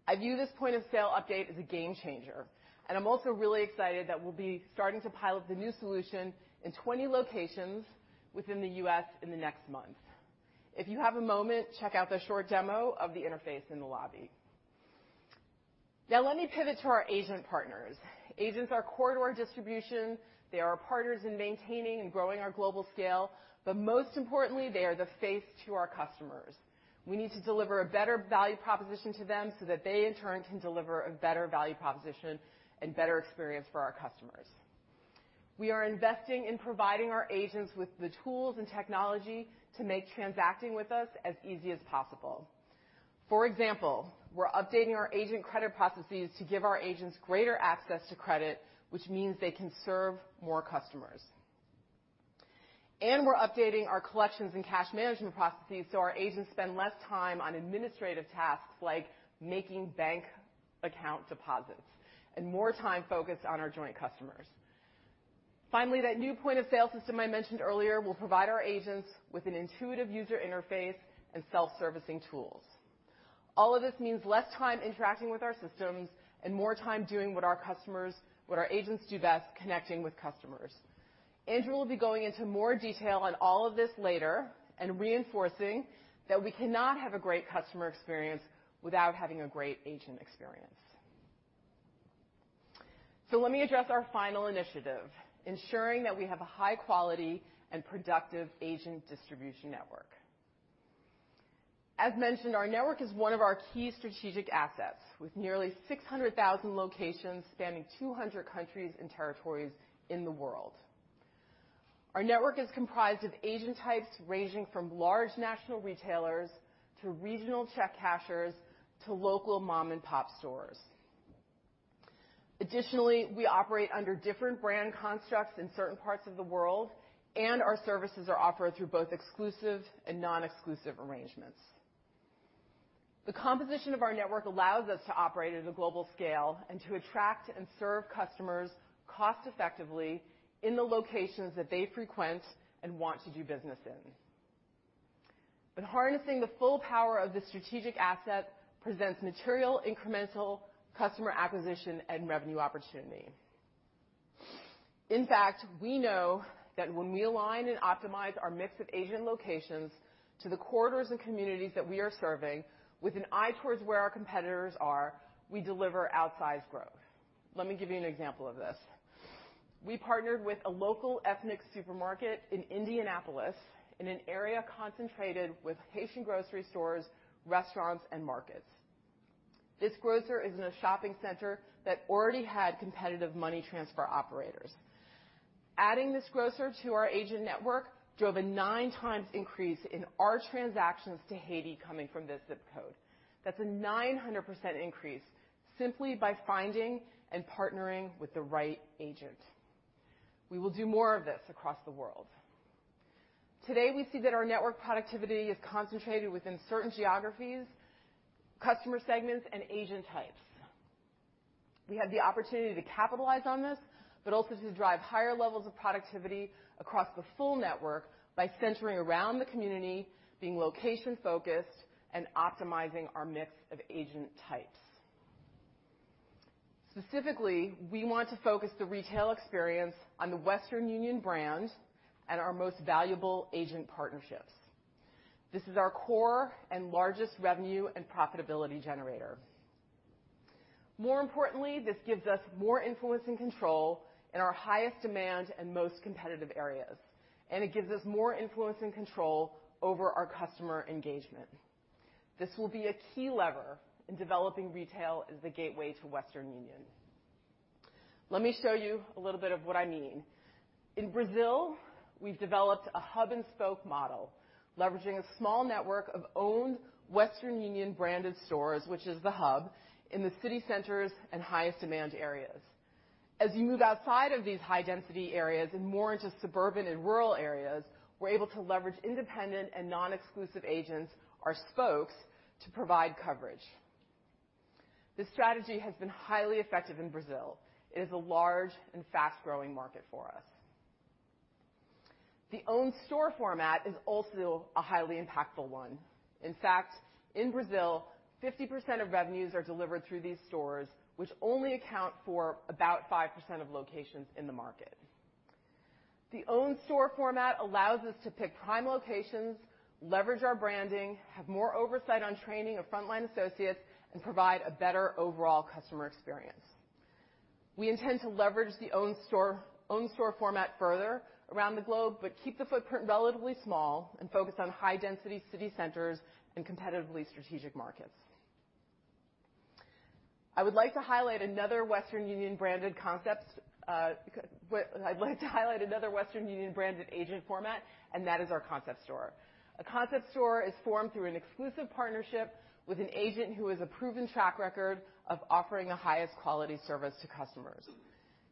I view this point-of-sale update as a game-changer, and I'm also really excited that we'll be starting to pilot the new solution in 20 locations within the U.S. in the next month. If you have a moment, check out the short demo of the interface in the lobby. Now let me pivot to our agent partners. Agents are core to our distribution. They are partners in maintaining and growing our global scale, but most importantly, they are the face to our customers. We need to deliver a better value proposition to them so that they, in turn, can deliver a better value proposition and better experience for our customers. We are investing in providing our agents with the tools and technology to make transacting with us as easy as possible. For example, we're updating our agent credit processes to give our agents greater access to credit, which means they can serve more customers. We're updating our collections and cash management processes, so our agents spend less time on administrative tasks like making bank account deposits and more time focused on our joint customers. Finally, that new point-of-sale system I mentioned earlier will provide our agents with an intuitive user interface and self-servicing tools. All of this means less time interacting with our systems and more time doing what our agents do best, connecting with customers. Andrew will be going into more detail on all of this later and reinforcing that we cannot have a great customer experience without having a great agent experience. Let me address our final initiative, ensuring that we have a high-quality and productive agent distribution network. As mentioned, our network is one of our key strategic assets, with nearly 600,000 locations spanning 200 countries and territories in the world. Our network is comprised of agent types ranging from large national retailers to regional check cashers to local mom-and-pop stores. Additionally, we operate under different brand constructs in certain parts of the world, and our services are offered through both exclusive and non-exclusive arrangements. The composition of our network allows us to operate at a global scale and to attract and serve customers cost-effectively in the locations that they frequent and want to do business in. Harnessing the full power of this strategic asset presents material incremental customer acquisition and revenue opportunity. In fact, we know that when we align and optimize our mix of agent locations to the corridors and communities that we are serving with an eye towards where our competitors are, we deliver outsized growth. Let me give you an example of this. We partnered with a local ethnic supermarket in Indianapolis in an area concentrated with Haitian grocery stores, restaurants, and markets. This grocer is in a shopping center that already had competitive money transfer operators. Adding this grocer to our agent network drove a 9 times increase in our transactions to Haiti coming from this zip code. That's a 900% increase simply by finding and partnering with the right agent. We will do more of this across the world. Today, we see that our network productivity is concentrated within certain geographies, customer segments, and agent types. We have the opportunity to capitalize on this, but also to drive higher levels of productivity across the full network by centering around the community, being location-focused, and optimizing our mix of agent types. Specifically, we want to focus the retail experience on the Western Union brand and our most valuable agent partnerships. This is our core and largest revenue and profitability generator. More importantly, this gives us more influence and control in our highest demand and most competitive areas, and it gives us more influence and control over our customer engagement. This will be a key lever in developing retail as the gateway to Western Union. Let me show you a little bit of what I mean. In Brazil, we've developed a hub-and-spoke model, leveraging a small network of owned Western Union branded stores, which is the hub in the city centers and highest demand areas. As you move outside of these high density areas and more into suburban and rural areas, we're able to leverage independent and non-exclusive agents or spokes to provide coverage. This strategy has been highly effective in Brazil. It is a large and fast-growing market for us. The own store format is also a highly impactful one. In fact, in Brazil, 50% of revenues are delivered through these stores, which only account for about 5% of locations in the market. The own store format allows us to pick prime locations, leverage our branding, have more oversight on training of frontline associates, and provide a better overall customer experience. We intend to leverage the own store, own store format further around the globe, but keep the footprint relatively small and focus on high density city centers and competitively strategic markets. I'd like to highlight another Western Union branded agent format, and that is our concept store. A concept store is formed through an exclusive partnership with an agent who has a proven track record of offering the highest quality service to customers.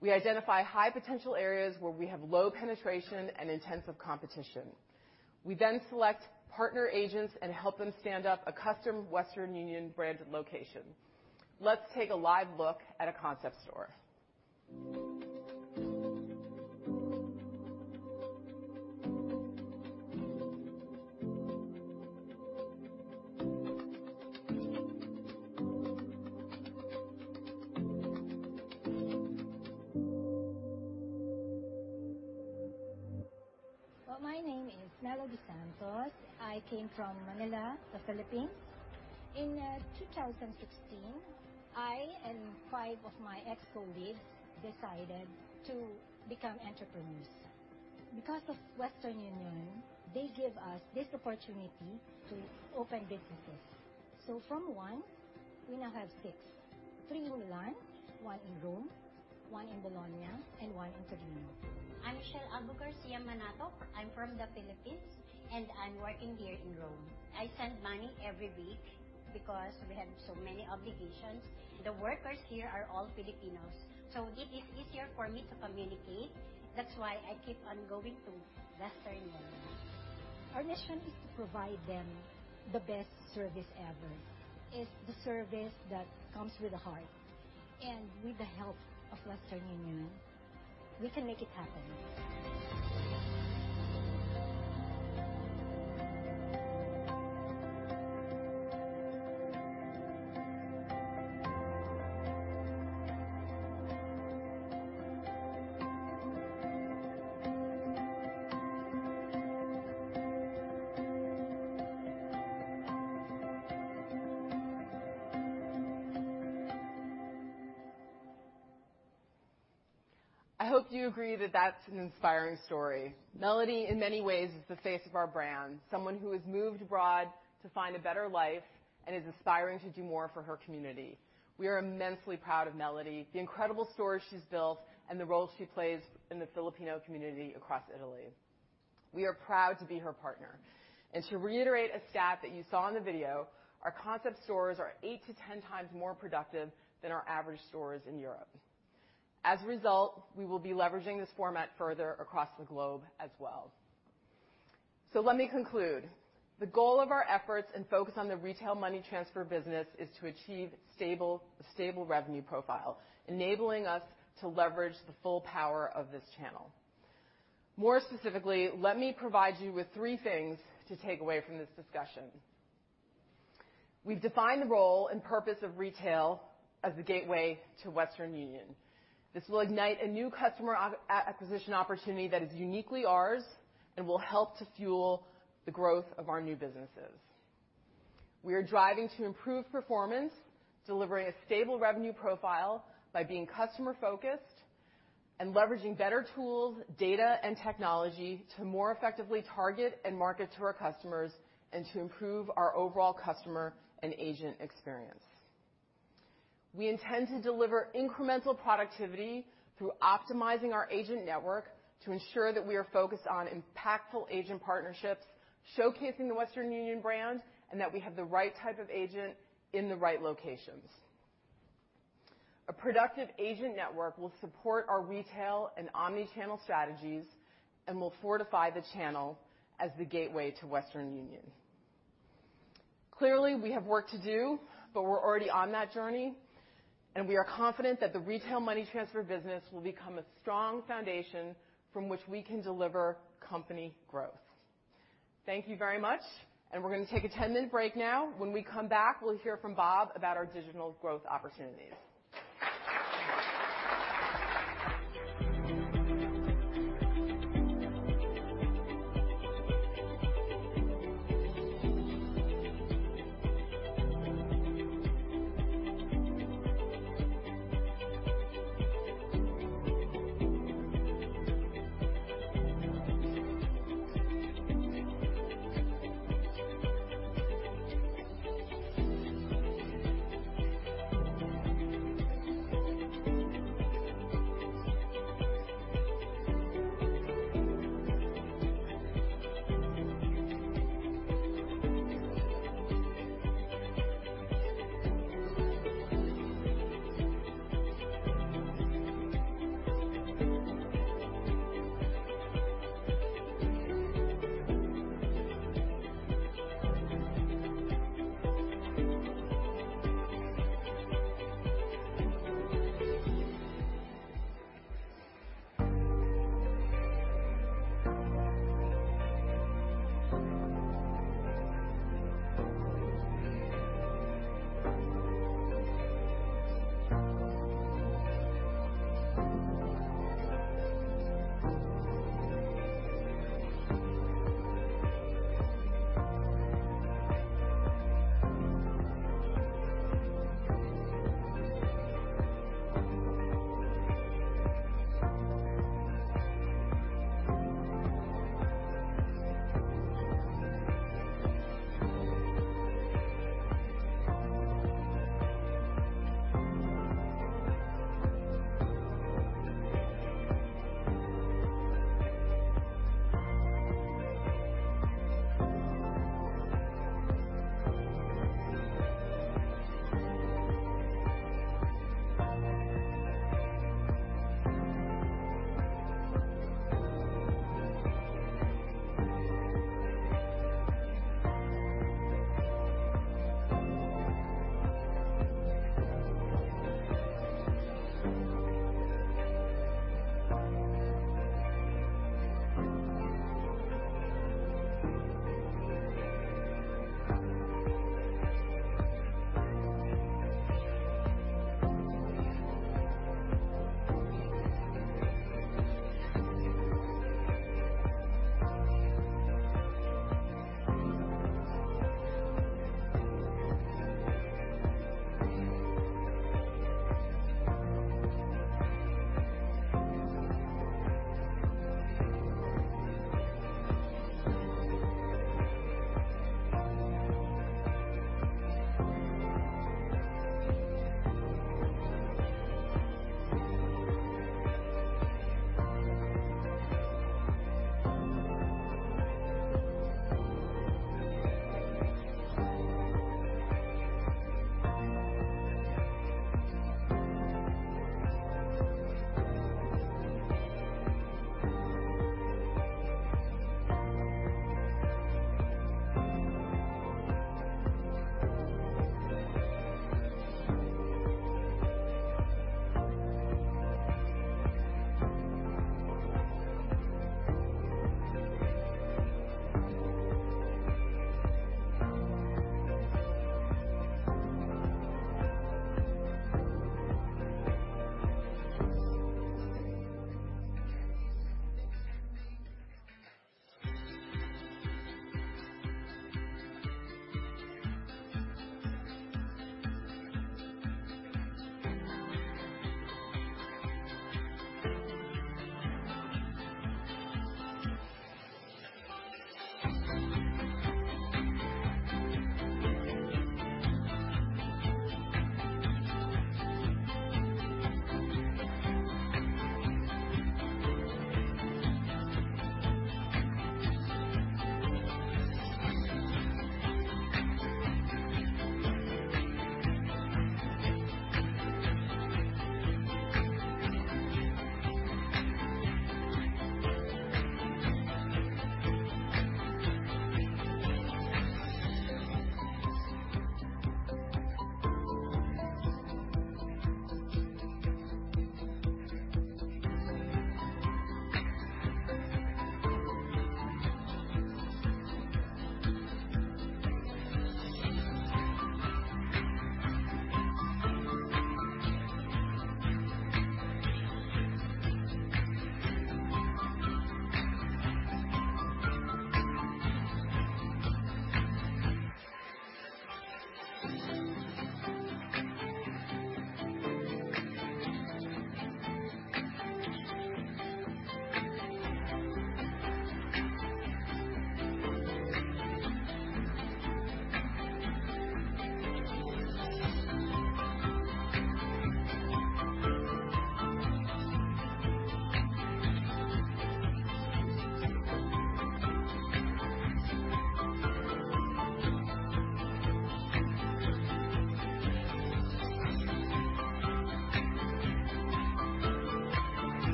We identify high potential areas where we have low penetration and intensive competition. We then select partner agents and help them stand up a custom Western Union branded location. Let's take a live look at a concept store. Well, my name is Melody Santos. I came from Manila, the Philippines. In 2016, I and five of my ex-colleagues decided to become entrepreneurs. Because of Western Union, they give us this opportunity to open businesses. From one, we now have six. Three in Milan, one in Rome, one in Bologna, and one in Torino. I'm Michelle Abu Garcia Manato. I'm from the Philippines, and I'm working here in Rome. I send money every week because we have so many obligations. The workers here are all Filipinos, so it is easier for me to communicate. That's why I keep on going to Western Union. Our mission is to provide them the best service ever. It's the service that comes with a heart, and with the help of Western Union, we can make it happen. I hope you agree that that's an inspiring story. Melody, in many ways, is the face of our brand, someone who has moved abroad to find a better life and is aspiring to do more for her community. We are immensely proud of Melody, the incredible stories she's built, and the role she plays in the Filipino community across Italy. We are proud to be her partner. To reiterate a stat that you saw in the video, our concept stores are 8-10 times more productive than our average stores in Europe. As a result, we will be leveraging this format further across the globe as well. Let me conclude. The goal of our efforts and focus on the retail money transfer business is to achieve stable revenue profile, enabling us to leverage the full power of this channel. More specifically, let me provide you with three things to take away from this discussion. We've defined the role and purpose of retail as the gateway to Western Union. This will ignite a new customer acquisition opportunity that is uniquely ours and will help to fuel the growth of our new businesses. We are driving to improve performance, delivering a stable revenue profile by being customer-focused and leveraging better tools, data, and technology to more effectively target and market to our customers and to improve our overall customer and agent experience. We intend to deliver incremental productivity through optimizing our agent network to ensure that we are focused on impactful agent partnerships, showcasing the Western Union brand, and that we have the right type of agent in the right locations. A productive agent network will support our retail and omni-channel strategies and will fortify the channel as the gateway to Western Union. Clearly, we have work to do, but we're already on that journey, and we are confident that the retail money transfer business will become a strong foundation from which we can deliver company growth. Thank you very much, and we're going to take a 10-minute break now. When we come back, we'll hear from Bob about our digital growth opportunities.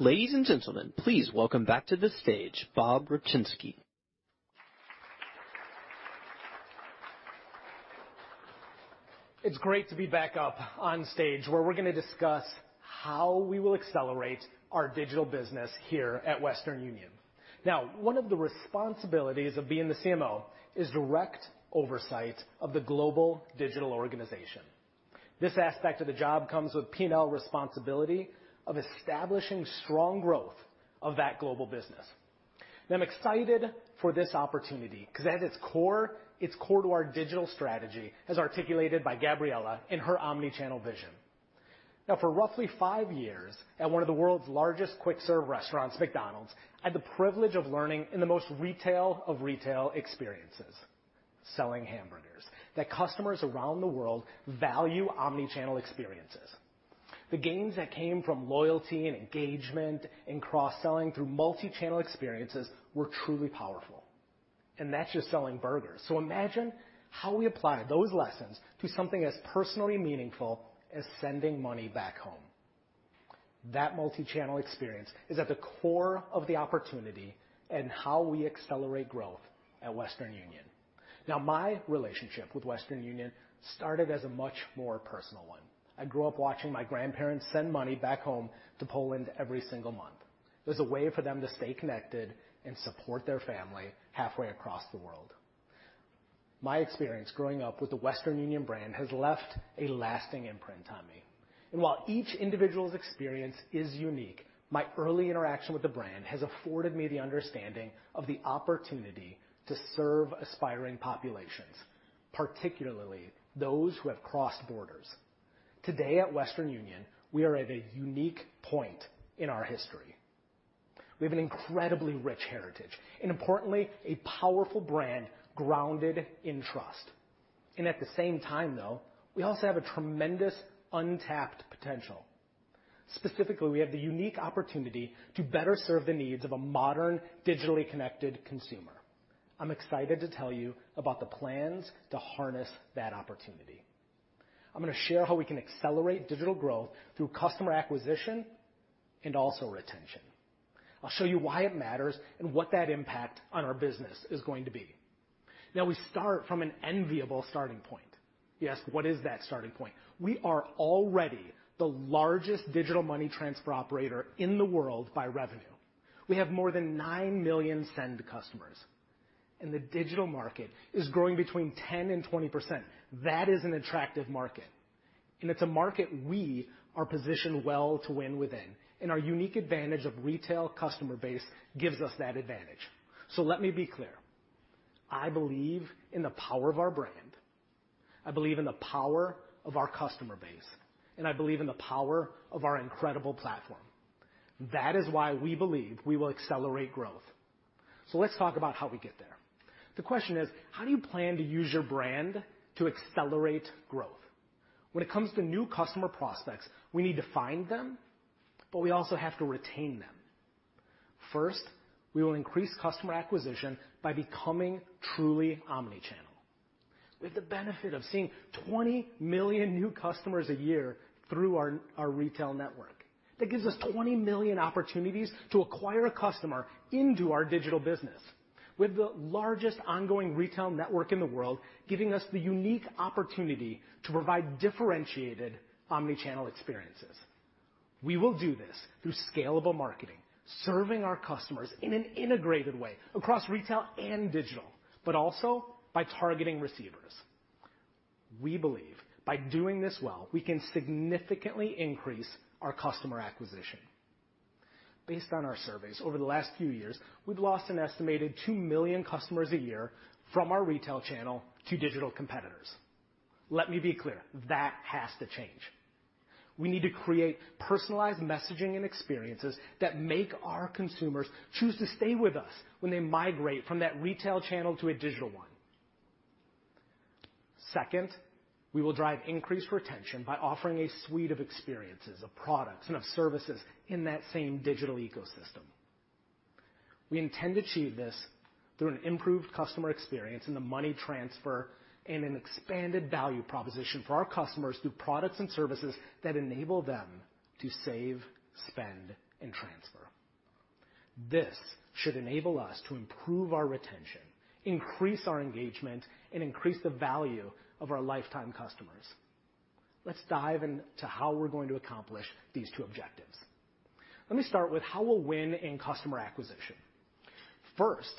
Ladies and gentlemen, please welcome back to the stage Bob Rupczynski. It's great to be back up on stage where we're going to discuss how we will accelerate our digital business here at Western Union. Now, one of the responsibilities of being the CMO is direct oversight of the global digital organization. This aspect of the job comes with P&L responsibility of establishing strong growth of that global business. I'm excited for this opportunity 'cause at its core, it's core to our digital strategy, as articulated by Gabriela and her omni-channel vision. Now, for roughly five years, at one of the world's largest quick-serve restaurants, McDonald's, I had the privilege of learning in the most retail of retail experiences, selling hamburgers. That customers around the world value omni-channel experiences. The gains that came from loyalty and engagement and cross-selling through multi-channel experiences were truly powerful, and that's just selling burgers. Imagine how we apply those lessons to something as personally meaningful as sending money back home. That multi-channel experience is at the core of the opportunity and how we accelerate growth at Western Union. Now, my relationship with Western Union started as a much more personal one. I grew up watching my grandparents send money back home to Poland every single month. It was a way for them to stay connected and support their family halfway across the world. My experience growing up with the Western Union brand has left a lasting imprint on me. While each individual's experience is unique, my early interaction with the brand has afforded me the understanding of the opportunity to serve aspiring populations, particularly those who have crossed borders. Today at Western Union, we are at a unique point in our history. We have an incredibly rich heritage and importantly, a powerful brand grounded in trust. At the same time though, we also have a tremendous untapped potential. Specifically, we have the unique opportunity to better serve the needs of a modern, digitally connected consumer. I'm excited to tell you about the plans to harness that opportunity. I'm going to share how we can accelerate digital growth through customer acquisition and also retention. I'll show you why it matters and what that impact on our business is going to be. Now, we start from an enviable starting point. Yes. What is that starting point? We are already the largest digital money transfer operator in the world by revenue. We have more than 9 million send customers, and the digital market is growing between 10% and 20%. That is an attractive market, and it's a market we are positioned well to win within, and our unique advantage of retail customer base gives us that advantage. Let me be clear. I believe in the power of our brand. I believe in the power of our customer base, and I believe in the power of our incredible platform. That is why we believe we will accelerate growth. Let's talk about how we get there. The question is: How do you plan to use your brand to accelerate growth? When it comes to new customer prospects, we need to find them, but we also have to retain them. First, we will increase customer acquisition by becoming truly omni-channel. With the benefit of seeing 20 million new customers a year through our retail network, that gives us 20 million opportunities to acquire a customer into our digital business. With the largest ongoing retail network in the world, giving us the unique opportunity to provide differentiated omni-channel experiences. We will do this through scalable marketing, serving our customers in an integrated way across retail and digital, but also by targeting receivers. We believe by doing this well, we can significantly increase our customer acquisition. Based on our surveys over the last few years, we've lost an estimated 2 million customers a year from our retail channel to digital competitors. Let me be clear. That has to change. We need to create personalized messaging and experiences that make our consumers choose to stay with us when they migrate from that retail channel to a digital one. Second, we will drive increased retention by offering a suite of experiences, of products, and of services in that same digital ecosystem. We intend to achieve this through an improved customer experience in the money transfer and an expanded value proposition for our customers through products and services that enable them to save, spend, and transfer. This should enable us to improve our retention, increase our engagement, and increase the value of our lifetime customers. Let's dive into how we're going to accomplish these two objectives. Let me start with how we'll win in customer acquisition. First,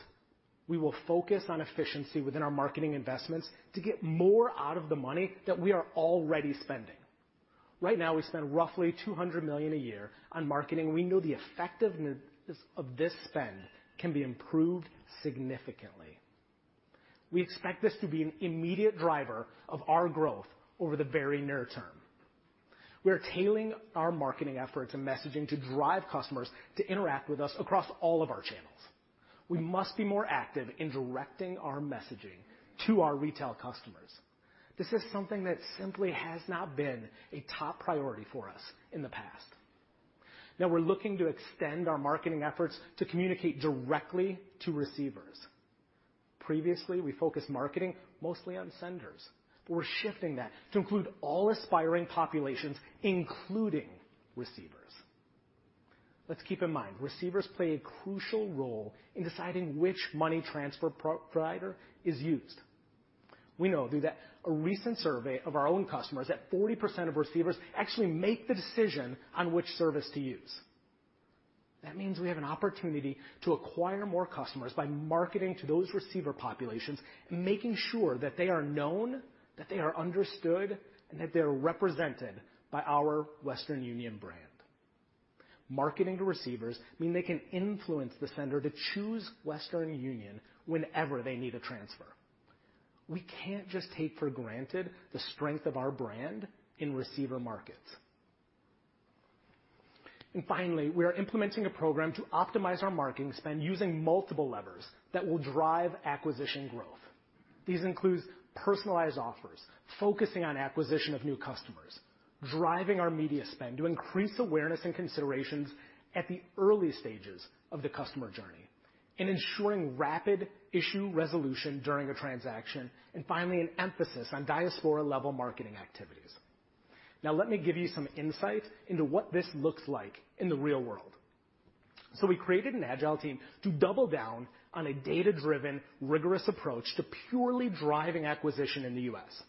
we will focus on efficiency within our marketing investments to get more out of the money that we are already spending. Right now, we spend roughly $200 million a year on marketing, and we know the effectiveness of this spend can be improved significantly. We expect this to be an immediate driver of our growth over the very near term. We are tailoring our marketing efforts and messaging to drive customers to interact with us across all of our channels. We must be more active in directing our messaging to our retail customers. This is something that simply has not been a top priority for us in the past. Now we're looking to extend our marketing efforts to communicate directly to receivers. Previously, we focused marketing mostly on senders, but we're shifting that to include all aspiring populations, including receivers. Let's keep in mind, receivers play a crucial role in deciding which money transfer provider is used. We know that through a recent survey of our own customers that 40% of receivers actually make the decision on which service to use. That means we have an opportunity to acquire more customers by marketing to those receiver populations and making sure that they are known, that they are understood, and that they're represented by our Western Union brand. Marketing to receivers mean they can influence the sender to choose Western Union whenever they need a transfer. We can't just take for granted the strength of our brand in receiver markets. Finally, we are implementing a program to optimize our marketing spend using multiple levers that will drive acquisition growth. These includes personalized offers, focusing on acquisition of new customers, driving our media spend to increase awareness and considerations at the early stages of the customer journey, and ensuring rapid issue resolution during a transaction, and finally, an emphasis on diaspora-level marketing activities. Now let me give you some insight into what this looks like in the real world. We created an agile team to double down on a data-driven, rigorous approach to purely driving acquisition in the U.S.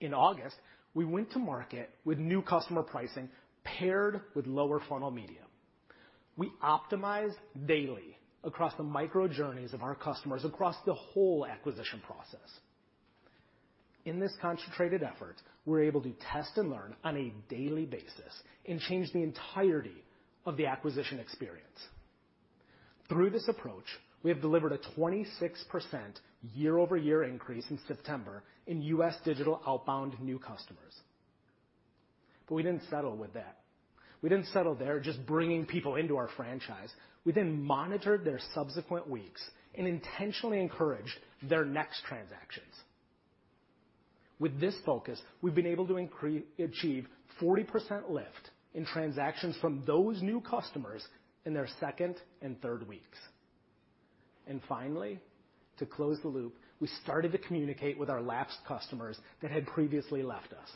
In August, we went to market with new customer pricing paired with lower funnel media. We optimize daily across the micro journeys of our customers across the whole acquisition process. In this concentrated effort, we're able to test and learn on a daily basis and change the entirety of the acquisition experience. Through this approach, we have delivered a 26% year-over-year increase in September in U.S. digital outbound new customers. We didn't settle with that. We didn't settle there just bringing people into our franchise. We then monitored their subsequent weeks and intentionally encouraged their next transactions. With this focus, we've been able to achieve 40% lift in transactions from those new customers in their second and third weeks. Finally, to close the loop, we started to communicate with our lapsed customers that had previously left us.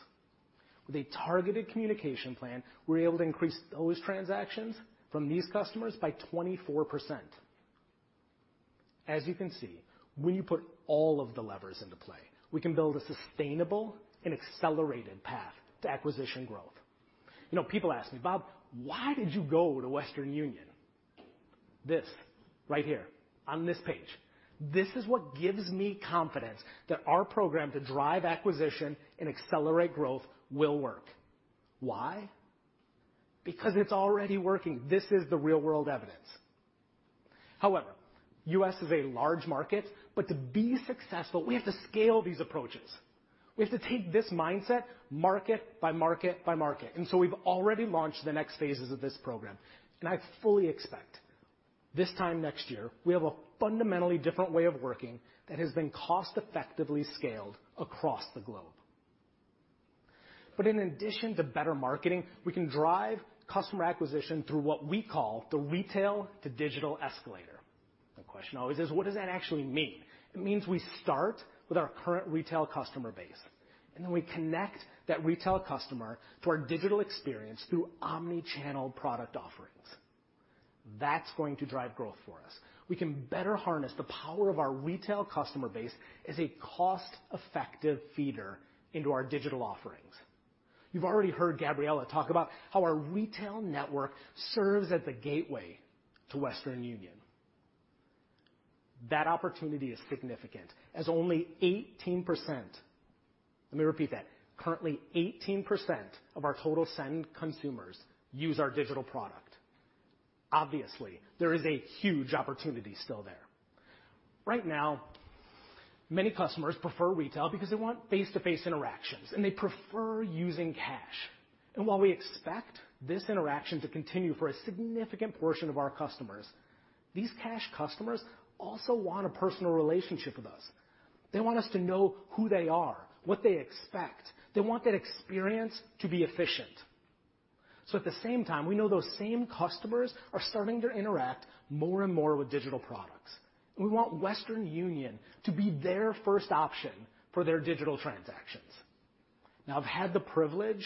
With a targeted communication plan, we were able to increase those transactions from these customers by 24%. As you can see, when you put all of the levers into play, we can build a sustainable and accelerated path to acquisition growth. You know, people ask me, "Bob, why did you go to Western Union?" This right here on this page, this is what gives me confidence that our program to drive acquisition and accelerate growth will work. Why? Because it's already working. This is the real-world evidence. However, U.S. is a large market, but to be successful, we have to scale these approaches. We have to take this mindset market by market by market. We've already launched the next Phases of this program. I fully expect this time next year, we have a fundamentally different way of working that has been cost effectively scaled across the globe. In addition to better marketing, we can drive customer acquisition through what we call the retail to digital escalator. The question always is, what does that actually mean? It means we start with our current retail customer base, and then we connect that retail customer to our digital experience through omni-channel product offerings. That's going to drive growth for us. We can better harness the power of our retail customer base as a cost-effective feeder into our digital offerings. You've already heard Gabriela talk about how our retail network serves as a gateway to Western Union. That opportunity is significant as only 18%. Let me repeat that. Currently, 18% of our total send consumers use our digital product. Obviously, there is a huge opportunity still there. Right now, many customers prefer retail because they want face-to-face interactions, and they prefer using cash. While we expect this interaction to continue for a significant portion of our customers, these cash customers also want a personal relationship with us. They want us to know who they are, what they expect. They want that experience to be efficient. So at the same time, we know those same customers are starting to interact more and more with digital products. We want Western Union to be their first option for their digital transactions. Now, I've had the privilege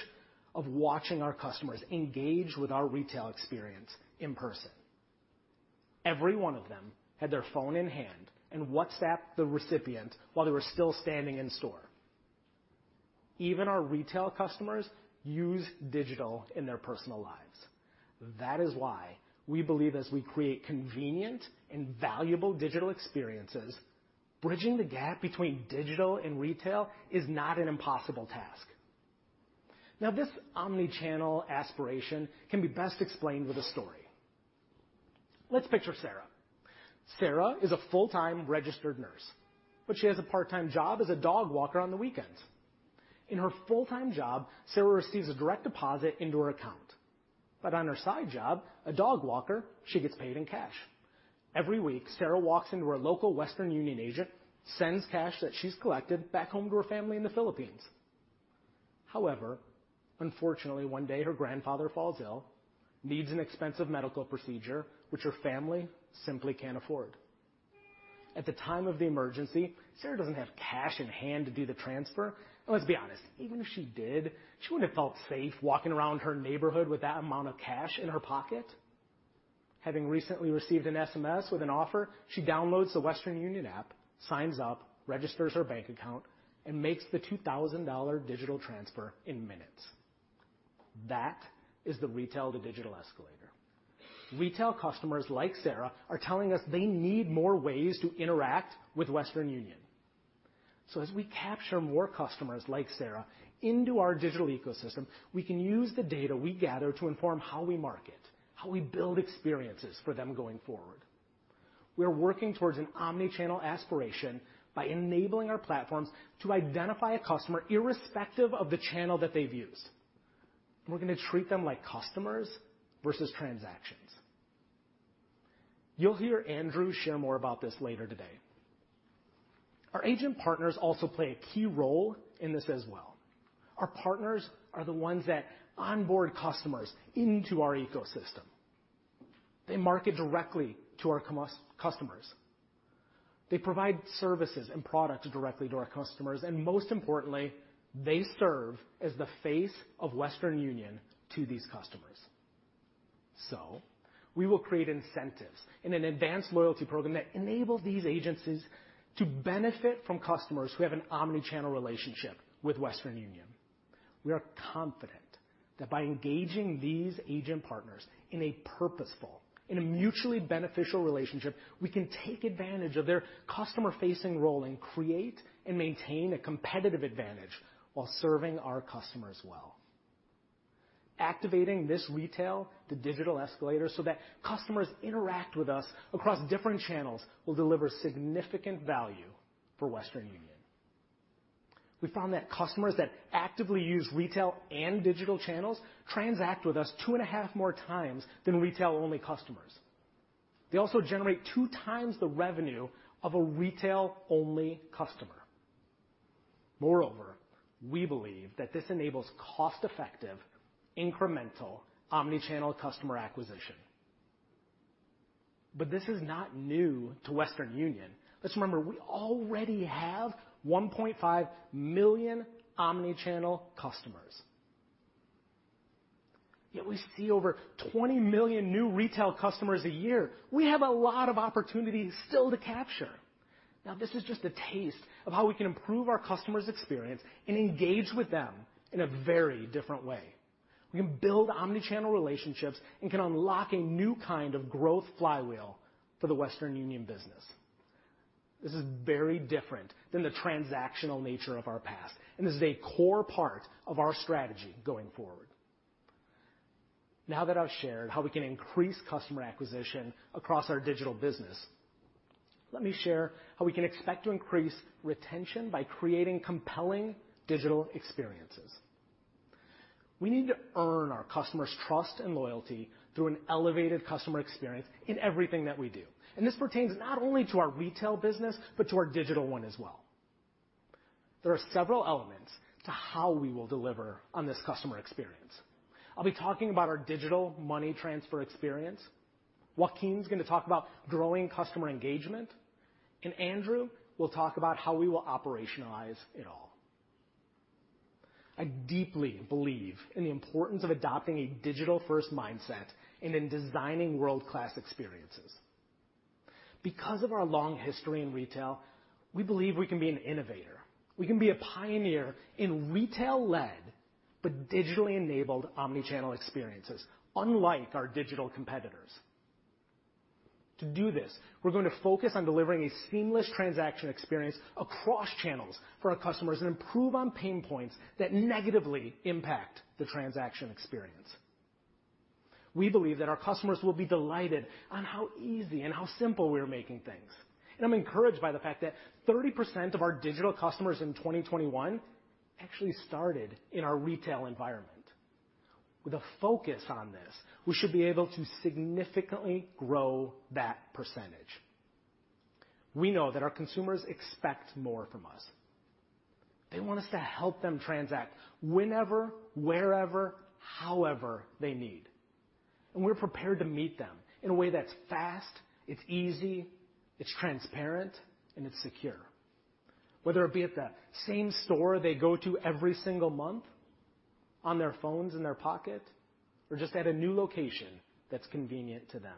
of watching our customers engage with our retail experience in person. Every one of them had their phone in hand and WhatsApp the recipient while they were still standing in store. Even our retail customers use digital in their personal lives. That is why we believe as we create convenient and valuable digital experiences, bridging the gap between digital and retail is not an impossible task. Now, this omni-channel aspiration can be best explained with a story. Let's picture Sarah. Sarah is a full-time registered nurse, but she has a part-time job as a dog walker on the weekends. In her full-time job, Sarah receives a direct deposit into her account. But on her side job, a dog walker, she gets paid in cash. Every week, Sarah walks into her local Western Union agent, sends cash that she's collected back home to her family in the Philippines. However, unfortunately, one day her grandfather falls ill, needs an expensive medical procedure, which her family simply can't afford. At the time of the emergency, Sarah doesn't have cash in hand to do the transfer, and let's be honest, even if she did, she wouldn't have felt safe walking around her neighborhood with that amount of cash in her pocket. Having recently received an SMS with an offer, she downloads the Western Union app, signs up, registers her bank account, and makes the $2,000 digital transfer in minutes. That is the retail to digital escalator. Retail customers like Sarah are telling us they need more ways to interact with Western Union. As we capture more customers like Sarah into our digital ecosystem, we can use the data we gather to inform how we market, how we build experiences for them going forward. We're working towards an omni-channel aspiration by enabling our platforms to identify a customer irrespective of the channel that they've used. We're going to treat them like customers versus transactions. You'll hear Andrew share more about this later today. Our agent partners also play a key role in this as well. Our partners are the ones that onboard customers into our ecosystem. They market directly to our customers. They provide services and products directly to our customers, and most importantly, they serve as the face of Western Union to these customers. We will create incentives in an advanced loyalty program that enables these agencies to benefit from customers who have an omni-channel relationship with Western Union. We are confident that by engaging these agent partners in a purposeful, mutually beneficial relationship, we can take advantage of their customer-facing role and create and maintain a competitive advantage while serving our customers well. Activating this retail to digital escalator so that customers interact with us across different channels will deliver significant value for Western Union. We found that customers that actively use retail and digital channels transact with us 2.5 more times than retail-only customers. They also generate 2 times the revenue of a retail-only customer. Moreover, we believe that this enables cost-effective, incremental, omni-channel customer acquisition. This is not new to Western Union. Let's remember, we already have 1.5 million omni-channel customers. Yet we see over 20 million new retail customers a year. We have a lot of opportunity still to capture. Now, this is just a taste of how we can improve our customer's experience and engage with them in a very different way. We can build omni-channel relationships and can unlock a new kind of growth flywheel for the Western Union business. This is very different than the transactional nature of our past, and this is a core part of our strategy going forward. Now that I've shared how we can increase customer acquisition across our digital business, let me share how we can expect to increase retention by creating compelling digital experiences. We need to earn our customer's trust and loyalty through an elevated customer experience in everything that we do. This pertains not only to our retail business, but to our digital one as well. There are several elements to how we will deliver on this customer experience. I'll be talking about our digital money transfer experience. Joaquim's going to talk about growing customer engagement, and Andrew will talk about how we will operationalize it all. I deeply believe in the importance of adopting a digital-first mindset and in designing world-class experiences. Because of our long history in retail, we believe we can be an innovator. We can be a pioneer in retail-led, but digitally enabled omni-channel experiences, unlike our digital competitors. To do this, we're going to focus on delivering a seamless transaction experience across channels for our customers and improve on pain points that negatively impact the transaction experience. We believe that our customers will be delighted on how easy and how simple we're making things. I'm encouraged by the fact that 30% of our digital customers in 2021 actually started in our retail environment. With a focus on this, we should be able to significantly grow that percentage. We know that our consumers expect more from us. They want us to help them transact whenever, wherever, however they need. We're prepared to meet them in a way that's fast, it's easy, it's transparent, and it's secure, whether it be at the same store they go to every single month, on their phones in their pocket, or just at a new location that's convenient to them.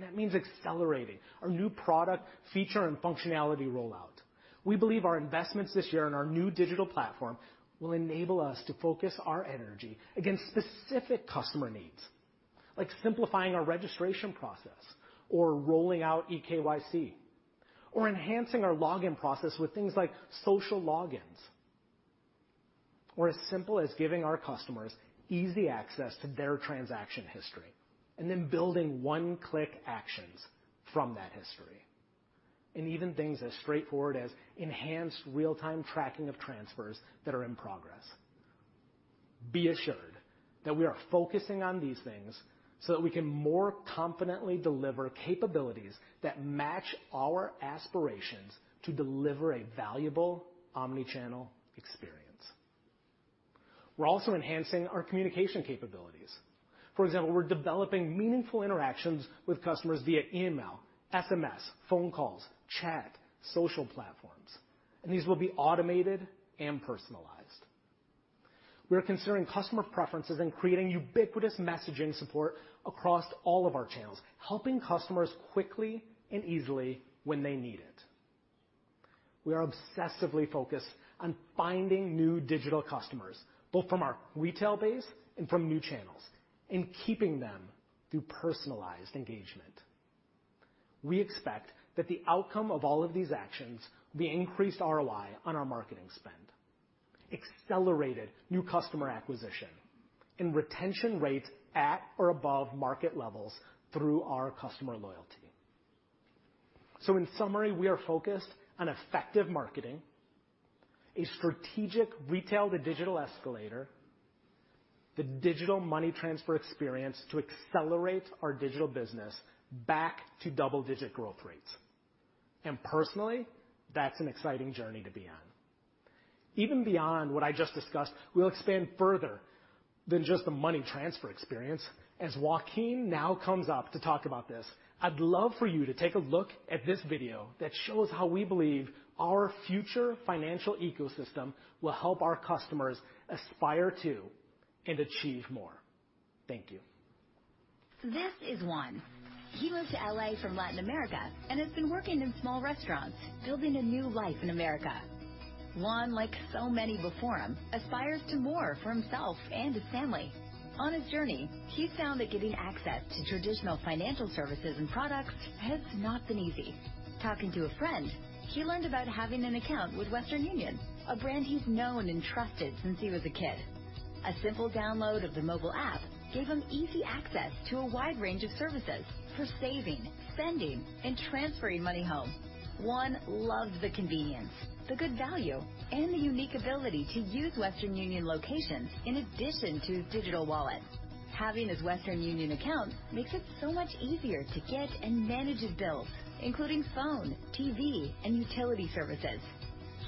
That means accelerating our new product feature and functionality rollout. We believe our investments this year in our new digital platform will enable us to focus our energy against specific customer needs, like simplifying our registration process or rolling out eKYC or enhancing our login process with things like social logins, or as simple as giving our customers easy access to their transaction history, and then building one-click actions from that history, and even things as straightforward as enhanced real-time tracking of transfers that are in progress. Be assured that we are focusing on these things so that we can more confidently deliver capabilities that match our aspirations to deliver a valuable omni-channel experience. We're also enhancing our communication capabilities. For example, we're developing meaningful interactions with customers via email, SMS, phone calls, chat, social platforms, and these will be automated and personalized. We are considering customer preferences and creating ubiquitous messaging support across all of our channels, helping customers quickly and easily when they need it. We are obsessively focused on finding new digital customers, both from our retail base and from new channels, and keeping them through personalized engagement. We expect that the outcome of all of these actions will be increased ROI on our marketing spend, accelerated new customer acquisition, and retention rates at or above market levels through our customer loyalty. In summary, we are focused on effective marketing, a strategic retail-to-digital escalator, the digital money transfer experience to accelerate our digital business back to double-digit growth rates. Personally, that's an exciting journey to be on. Even beyond what I just discussed, we'll expand further than just the money transfer experience. As Joaquim now comes up to talk about this, I'd love for you to take a look at this video that shows how we believe our future financial ecosystem will help our customers aspire to and achieve more. Thank you. This is Juan. He moved to L.A. from Latin America and has been working in small restaurants, building a new life in America. Juan, like so many before him, aspires to more for himself and his family. On his journey, he's found that getting access to traditional financial services and products has not been easy. Talking to a friend, he learned about having an account with Western Union, a brand he's known and trusted since he was a kid. A simple download of the mobile app gave him easy access to a wide range of services for saving, sending, and transferring money home. Juan loves the convenience, the good value, and the unique ability to use Western Union locations in addition to his digital wallet. Having his Western Union account makes it so much easier to get and manage his bills, including phone, TV, and utility services.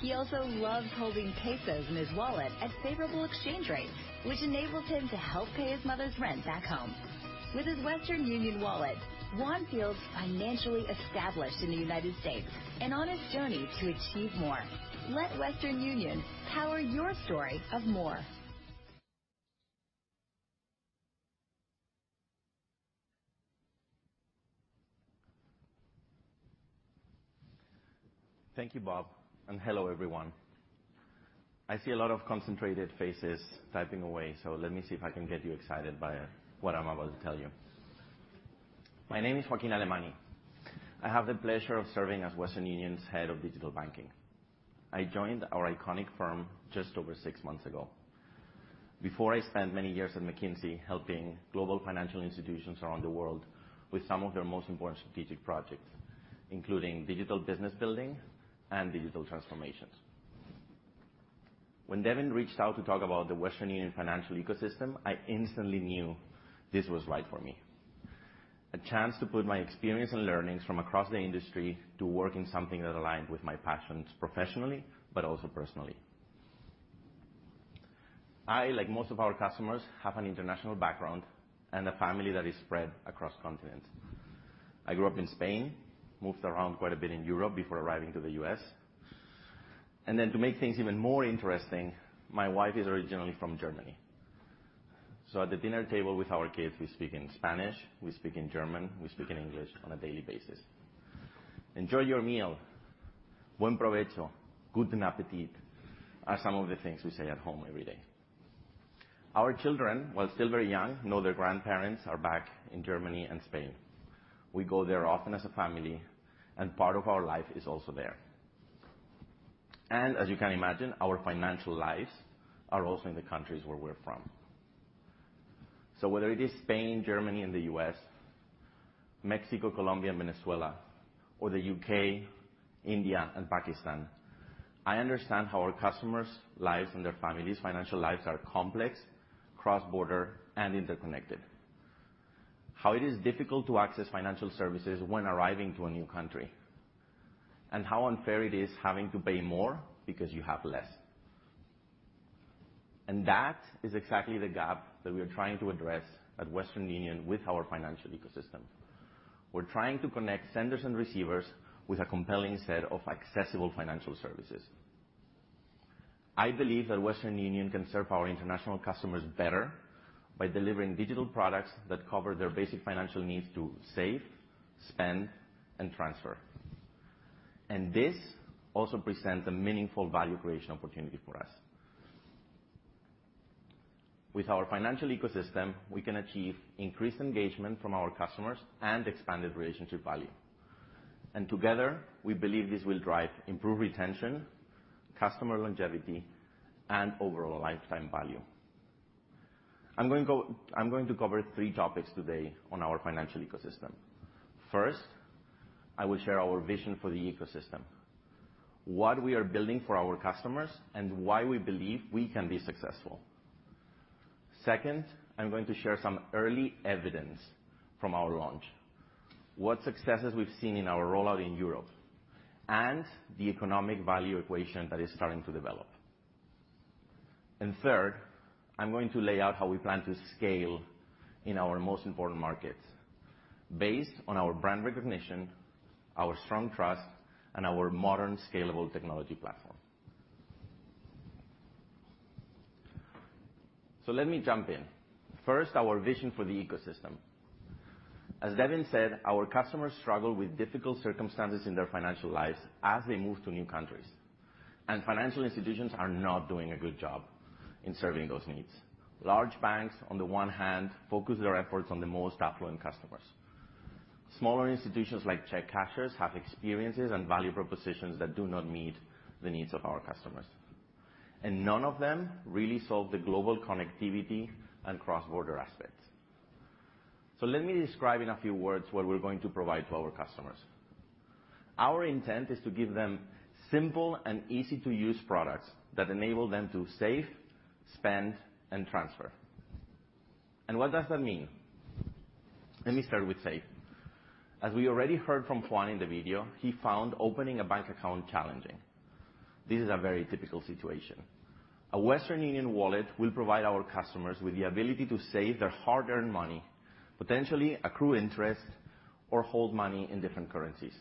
He also loves holding pesos in his wallet at favorable exchange rates, which enables him to help pay his mother's rent back home. With his Western Union wallet, Juan feels financially established in the United States and on his journey to achieve more. Let Western Union power your story of more. Thank you, Bob, and hello, everyone. I see a lot of concentrated faces typing away, so let me see if I can get you excited by what I'm about to tell you. My name is Joaquim Alemany. I have the pleasure of serving as Western Union's Head of Digital Banking. I joined our iconic firm just over six months ago. Before, I spent many years at McKinsey helping global financial institutions around the world with some of their most important strategic projects, including digital business building and digital transformations. When Devin reached out to talk about the Western Union financial ecosystem, I instantly knew this was right for me. A chance to put my experience and learnings from across the industry to work in something that aligned with my passions professionally but also personally. I like most of our customers, have an international background and a family that is spread across continents. I grew up in Spain, moved around quite a bit in Europe before arriving to the U.S. Then to make things even more interesting, my wife is originally from Germany. At the dinner table with our kids, we speak in Spanish, we speak in German, we speak in English on a daily basis. Enjoy your meal, buen provecho, guten Appetit, are some of the things we say at home every day. Our children, while still very young, know their grandparents are back in Germany and Spain. We go there often as a family, and part of our life is also there. As you can imagine, our financial lives are also in the countries where we're from. Whether it is Spain, Germany, and the U.S., Mexico, Colombia and Venezuela, or the U.K., India and Pakistan, I understand how our customers' lives and their families' financial lives are complex, cross-border, and interconnected, how it is difficult to access financial services when arriving to a new country, and how unfair it is having to pay more because you have less. That is exactly the gap that we are trying to address at Western Union with our financial ecosystem. We're trying to connect senders and receivers with a compelling set of accessible financial services. I believe that Western Union can serve our international customers better by delivering digital products that cover their basic financial needs to save, spend, and transfer. This also presents a meaningful value creation opportunity for us. With our financial ecosystem, we can achieve increased engagement from our customers and expanded relationship value. Together, we believe this will drive improved retention, customer longevity, and overall lifetime value. I'm going to cover three topics today on our financial ecosystem. First, I will share our vision for the ecosystem, what we are building for our customers, and why we believe we can be successful. Second, I'm going to share some early evidence from our launch, what successes we've seen in our rollout in Europe, and the economic value equation that is starting to develop. Third, I'm going to lay out how we plan to scale in our most important markets based on our brand recognition, our strong trust, and our modern, scalable technology platform. Let me jump in. First, our vision for the ecosystem. As Devin said, our customers struggle with difficult circumstances in their financial lives as they move to new countries, and financial institutions are not doing a good job in serving those needs. Large banks, on the one hand, focus their efforts on the most affluent customers. Smaller institutions like check cashers have experiences and value propositions that do not meet the needs of our customers, and none of them really solve the global connectivity and cross-border aspects. Let me describe in a few words what we're going to provide to our customers. Our intent is to give them simple and easy-to-use products that enable them to save, spend, and transfer. What does that mean? Let me start with save. As we already heard from Juan in the video, he found opening a bank account challenging. This is a very typical situation. A Western Union wallet will provide our customers with the ability to save their hard-earned money, potentially accrue interest, or hold money in different currencies.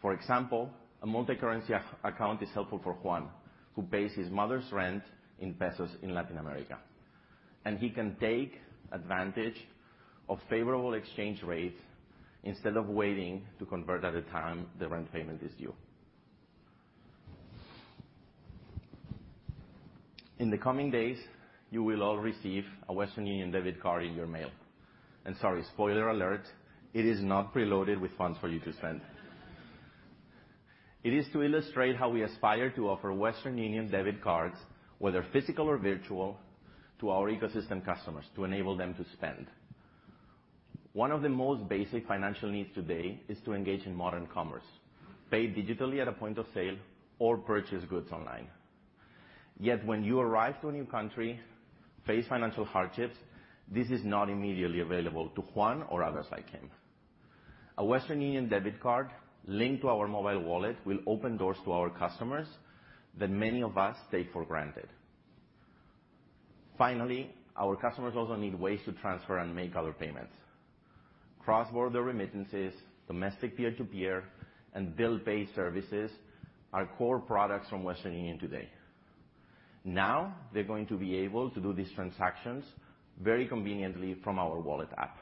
For example, a multicurrency account is helpful for Juan, who pays his mother's rent in pesos in Latin America, and he can take advantage of favorable exchange rates instead of waiting to convert at a time the rent payment is due. In the coming days, you will all receive a Western Union debit card in your mail. Sorry, spoiler alert, it is not preloaded with funds for you to spend. It is to illustrate how we aspire to offer Western Union debit cards, whether physical or virtual, to our ecosystem customers to enable them to spend. One of the most basic financial needs today is to engage in modern commerce, pay digitally at a point of sale, or purchase goods online. Yet when you arrive to a new country, face financial hardships, this is not immediately available to Juan or others like him. A Western Union debit card linked to our mobile wallet will open doors to our customers that many of us take for granted. Finally, our customers also need ways to transfer and make other payments. Cross-border remittances, domestic peer-to-peer, and bill pay services are core products from Western Union today. Now they're going to be able to do these transactions very conveniently from our wallet app.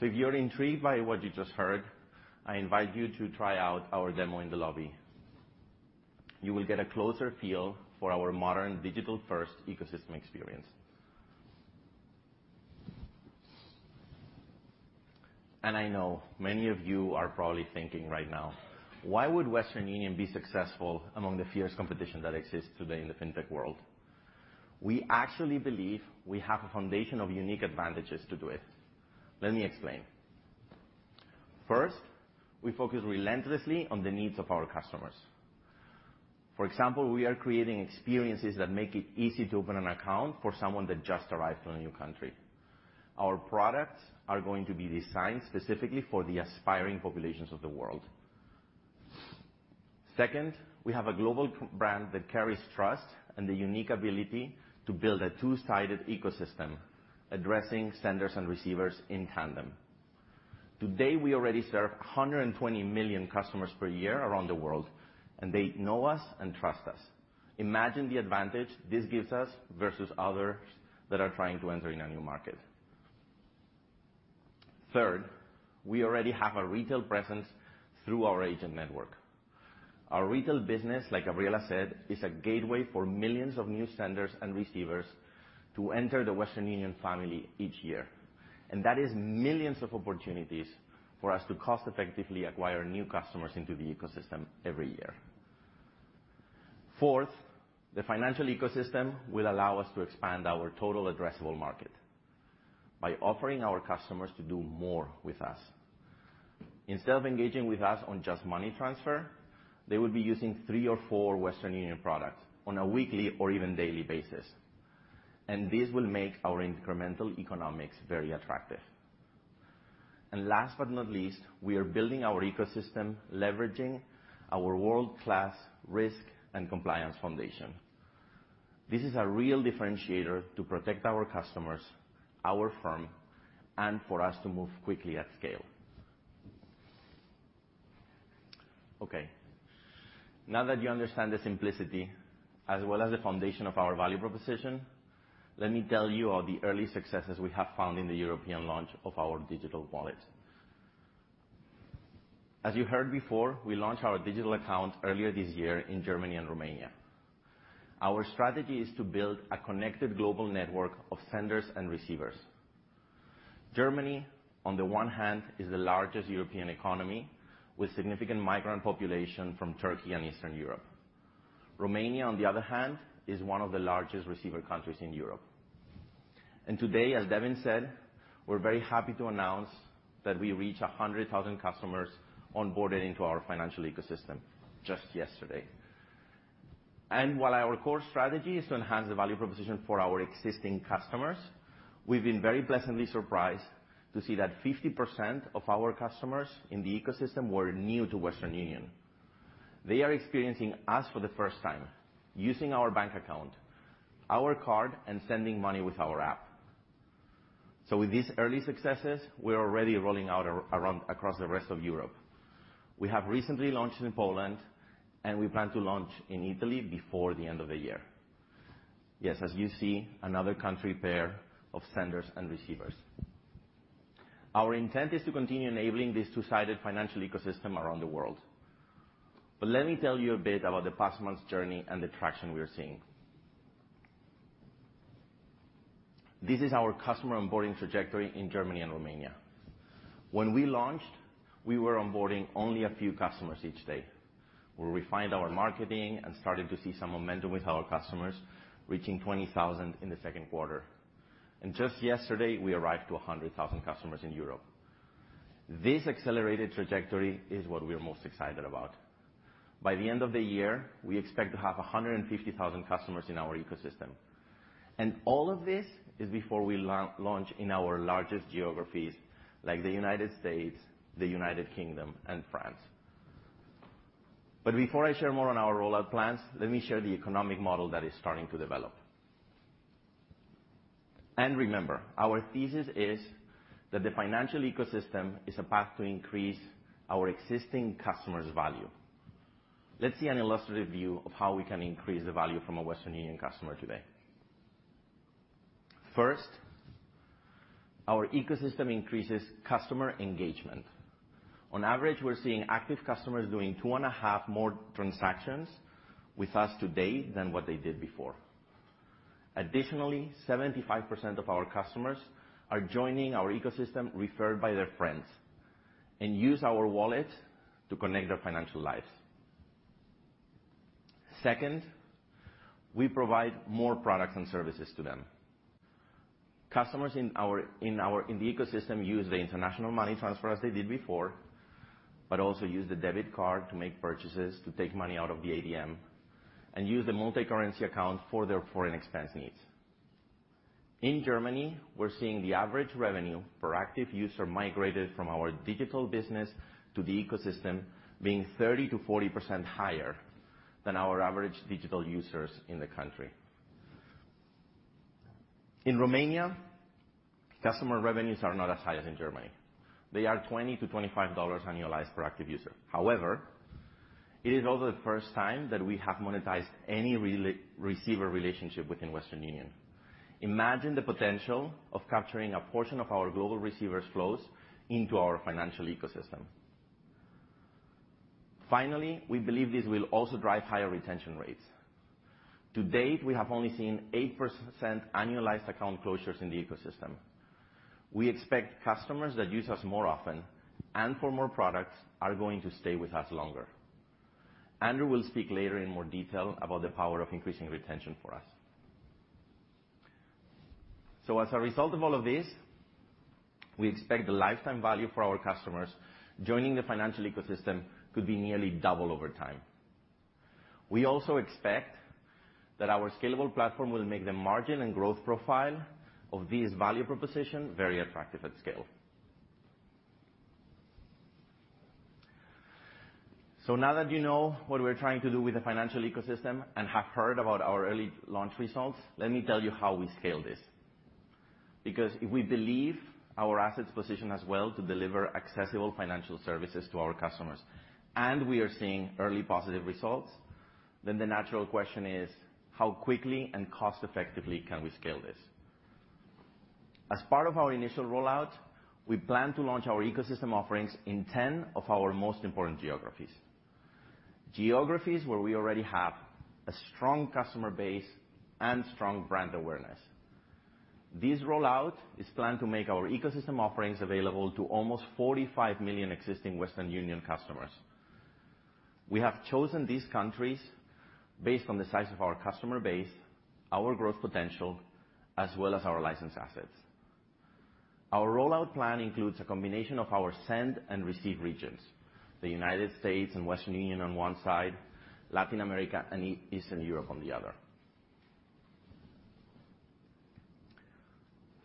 So if you're intrigued by what you just heard, I invite you to try out our demo in the lobby. You will get a closer feel for our modern digital-first ecosystem experience. I know many of you are probably thinking right now, why would Western Union be successful among the fierce competition that exists today in the fintech world? We actually believe we have a foundation of unique advantages to do it. Let me explain. First, we focus relentlessly on the needs of our customers. For example, we are creating experiences that make it easy to open an account for someone that just arrived from a new country. Our products are going to be designed specifically for the aspiring populations of the world. Second, we have a global brand that carries trust and the unique ability to build a two-sided ecosystem, addressing senders and receivers in tandem. Today, we already serve 120 million customers per year around the world, and they know us and trust us. Imagine the advantage this gives us versus others that are trying to enter in a new market. Third, we already have a retail presence through our agent network. Our retail business, like Gabriela said, is a gateway for millions of new senders and receivers to enter the Western Union family each year. That is millions of opportunities for us to cost-effectively acquire new customers into the ecosystem every year. Fourth, the financial ecosystem will allow us to expand our total addressable market by offering our customers to do more with us. Instead of engaging with us on just money transfer, they will be using three or four Western Union products on a weekly or even daily basis, and this will make our incremental economics very attractive. Last but not least, we are building our ecosystem leveraging our world-class risk and compliance foundation. This is a real differentiator to protect our customers, our firm, and for us to move quickly at scale. Okay. Now that you understand the simplicity as well as the foundation of our value proposition, let me tell you of the early successes we have found in the European launch of our digital wallet. As you heard before, we launched our digital account earlier this year in Germany and Romania. Our strategy is to build a connected global network of senders and receivers. Germany, on the one hand, is the largest European economy with significant migrant population from Turkey and Eastern Europe. Romania, on the other hand, is one of the largest receiver countries in Europe. Today, as Devin said, we're very happy to announce that we reached 100,000 customers onboarded into our financial ecosystem just yesterday. While our core strategy is to enhance the value proposition for our existing customers, we've been very pleasantly surprised to see that 50% of our customers in the ecosystem were new to Western Union. They are experiencing us for the first time using our bank account, our card, and sending money with our app. With these early successes, we're already rolling out across the rest of Europe. We have recently launched in Poland, and we plan to launch in Italy before the end of the year. Yes, as you see, another country pair of senders and receivers. Our intent is to continue enabling this two-sided financial ecosystem around the world. Let me tell you a bit about the past months' journey and the traction we are seeing. This is our customer onboarding trajectory in Germany and Romania. When we launched, we were onboarding only a few customers each day, where we refined our marketing and started to see some momentum with our customers, reaching 20,000 in the Q2. Just yesterday, we arrived to 100,000 customers in Europe. This accelerated trajectory is what we're most excited about. By the end of the year, we expect to have 150,000 customers in our ecosystem. All of this is before we launch in our largest geographies like the United States, the United Kingdom, and France. Before I share more on our rollout plans, let me share the economic model that is starting to develop. Remember, our thesis is that the financial ecosystem is a path to increase our existing customers' value. Let's see an illustrative view of how we can increase the value from a Western Union customer today. First, our ecosystem increases customer engagement. On average, we're seeing active customers doing 2.5 more transactions with us today than what they did before. Additionally, 75% of our customers are joining our ecosystem referred by their friends and use our wallet to connect their financial lives. Second, we provide more products and services to them. Customers in the ecosystem use the international money transfer as they did before, but also use the debit card to make purchases, to take money out of the ATM, and use the multicurrency account for their foreign expense needs. In Germany, we're seeing the average revenue per active user migrated from our digital business to the ecosystem being 30%-40% higher than our average digital users in the country. In Romania, customer revenues are not as high as in Germany. They are $20-$25 annualized per active user. However, it is also the first time that we have monetized any receiver relationship within Western Union. Imagine the potential of capturing a portion of our global receivers' flows into our financial ecosystem. Finally, we believe this will also drive higher retention rates. To date, we have only seen 8% annualized account closures in the ecosystem. We expect customers that use us more often and for more products are going to stay with us longer. Andrew will speak later in more detail about the power of increasing retention for us. As a result of all of this, we expect the lifetime value for our customers joining the financial ecosystem could be nearly double over time. We also expect that our scalable platform will make the margin and growth profile of this value proposition very attractive at scale. Now that you know what we're trying to do with the financial ecosystem and have heard about our early launch results, let me tell you how we scale this. Because if we believe our assets position us well to deliver accessible financial services to our customers, and we are seeing early positive results, then the natural question is, how quickly and cost-effectively can we scale this? As part of our initial rollout, we plan to launch our ecosystem offerings in 10 of our most important geographies. Geographies where we already have a strong customer base and strong brand awareness. This rollout is planned to make our ecosystem offerings available to almost 45 million existing Western Union customers. We have chosen these countries based on the size of our customer base, our growth potential, as well as our licensed assets. Our rollout plan includes a combination of our send and receive regions, the United States and Western Europe on one side, Latin America and Eastern Europe on the other.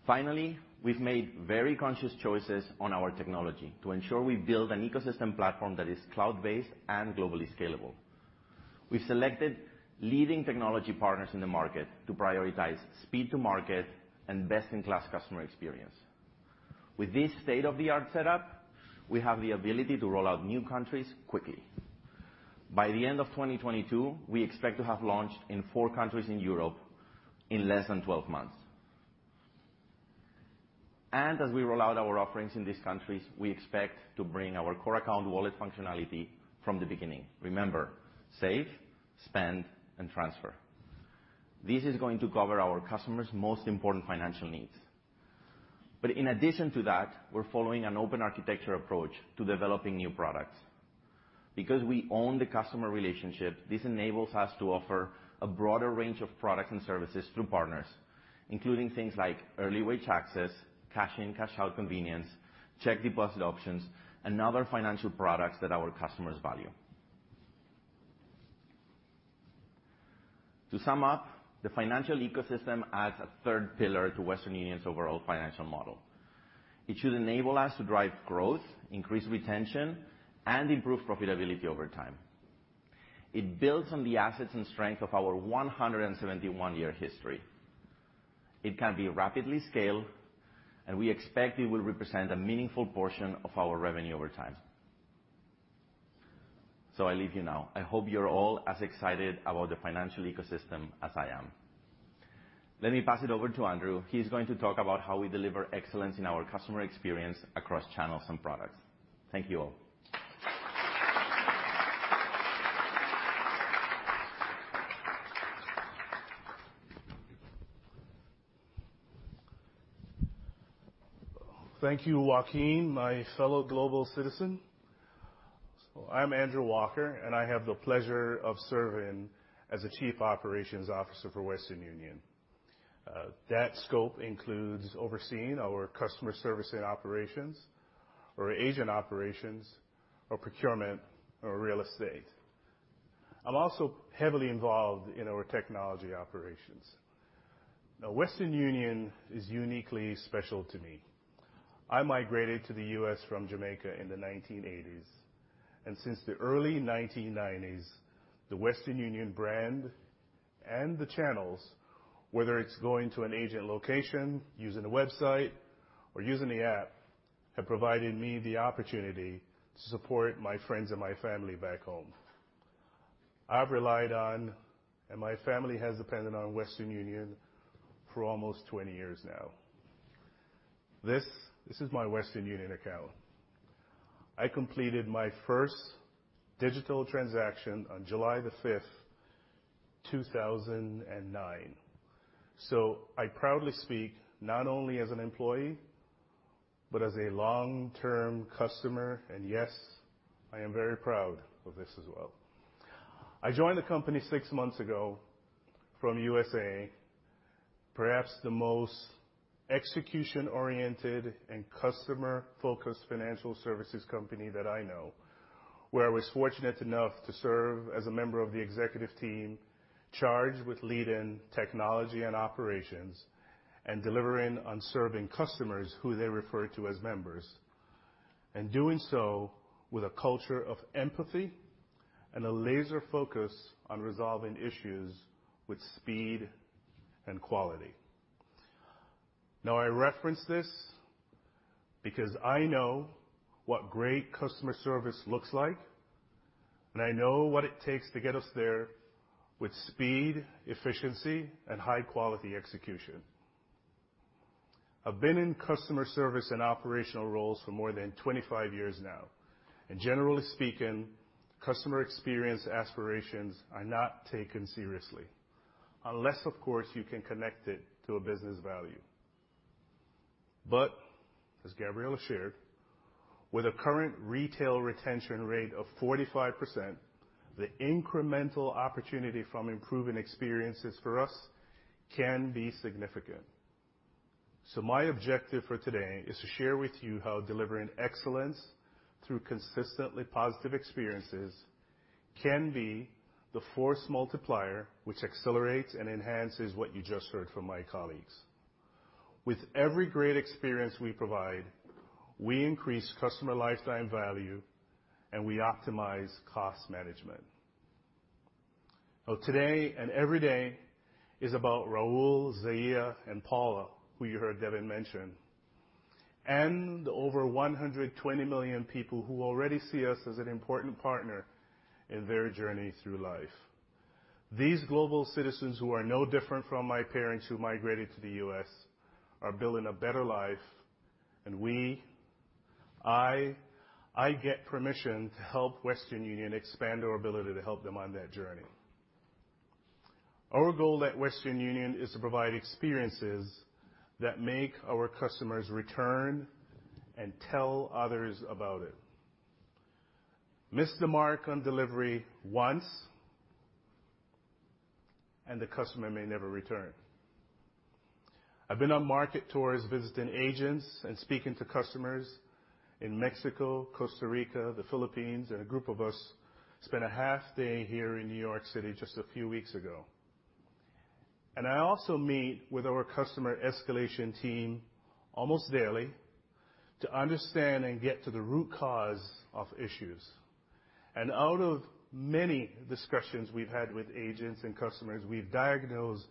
Finally, we've made very conscious choices on our technology to ensure we build an ecosystem platform that is cloud-based and globally scalable. We've selected leading technology partners in the market to prioritize speed to market and best-in-class customer experience. With this state-of-the-art setup, we have the ability to roll out new countries quickly. By the end of 2022, we expect to have launched in four countries in Europe in less than 12 months. As we roll out our offerings in these countries, we expect to bring our core account wallet functionality from the beginning. Remember, save, spend, and transfer. This is going to cover our customers' most important financial needs. In addition to that, we're following an open architecture approach to developing new products. Because we own the customer relationship, this enables us to offer a broader range of products and services through partners, including things like early wage access, cash in-cash out convenience, check deposit options, and other financial products that our customers value. To sum up, the financial ecosystem adds a third pillar to Western Union's overall financial model. It should enable us to drive growth, increase retention, and improve profitability over time. It builds on the assets and strength of our 171-year history. It can be rapidly scaled, and we expect it will represent a meaningful portion of our revenue over time. I leave you now. I hope you're all as excited about the financial ecosystem as I am. Let me pass it over to Andrew. He's going to talk about how we deliver excellence in our customer experience across channels and products. Thank you all. Thank you, Joaquim, my fellow global citizen. I'm Andrew Walker, and I have the pleasure of serving as the Chief Operations Officer for Western Union. That scope includes overseeing our customer service and operations or agent operations or procurement or real estate. I'm also heavily involved in our technology operations. Now, Western Union is uniquely special to me. I migrated to the U.S. from Jamaica in the 1980s, and since the early 1990s, the Western Union brand and the channels, whether it's going to an agent location, using the website or using the app, have provided me the opportunity to support my friends and my family back home. I've relied on, and my family has depended on, Western Union for almost 20 years now. This is my Western Union account. I completed my first digital transaction on July 5, 2009. I proudly speak not only as an employee, but as a long-term customer. Yes, I am very proud of this as well. I joined the company six months ago from USAA, perhaps the most execution-oriented and customer-focused financial services company that I know, where I was fortunate enough to serve as a member of the executive team charged with leading technology and operations and delivering on serving customers who they refer to as members, and doing so with a culture of empathy and a laser focus on resolving issues with speed and quality. Now I reference this because I know what great customer service looks like, and I know what it takes to get us there with speed, efficiency, and high quality execution. I've been in customer service and operational roles for more than 25 years now, and generally speaking, customer experience aspirations are not taken seriously unless, of course, you can connect it to a business value. As Gabriela shared, with a current retail retention rate of 45%, the incremental opportunity from improving experiences for us can be significant. My objective for today is to share with you how delivering excellence through consistently positive experiences can be the force multiplier which accelerates and enhances what you just heard from my colleagues. With every great experience we provide, we increase customer lifetime value, and we optimize cost management. Today and every day is about Rahul, Zaya, and Paula, who you heard Devin mention. And over 120 million people who already see us as an important partner in their journey through life. These global citizens who are no different from my parents who migrated to the U.S. are building a better life. I get permission to help Western Union expand our ability to help them on that journey. Our goal at Western Union is to provide experiences that make our customers return and tell others about it. Miss the mark on delivery once, and the customer may never return. I've been on market tours, visiting agents and speaking to customers in Mexico, Costa Rica, the Philippines, and a group of us spent a half day here in New York City just a few weeks ago. I also meet with our customer escalation team almost daily to understand and get to the root cause of issues. Out of many discussions we've had with agents and customers, we've diagnosed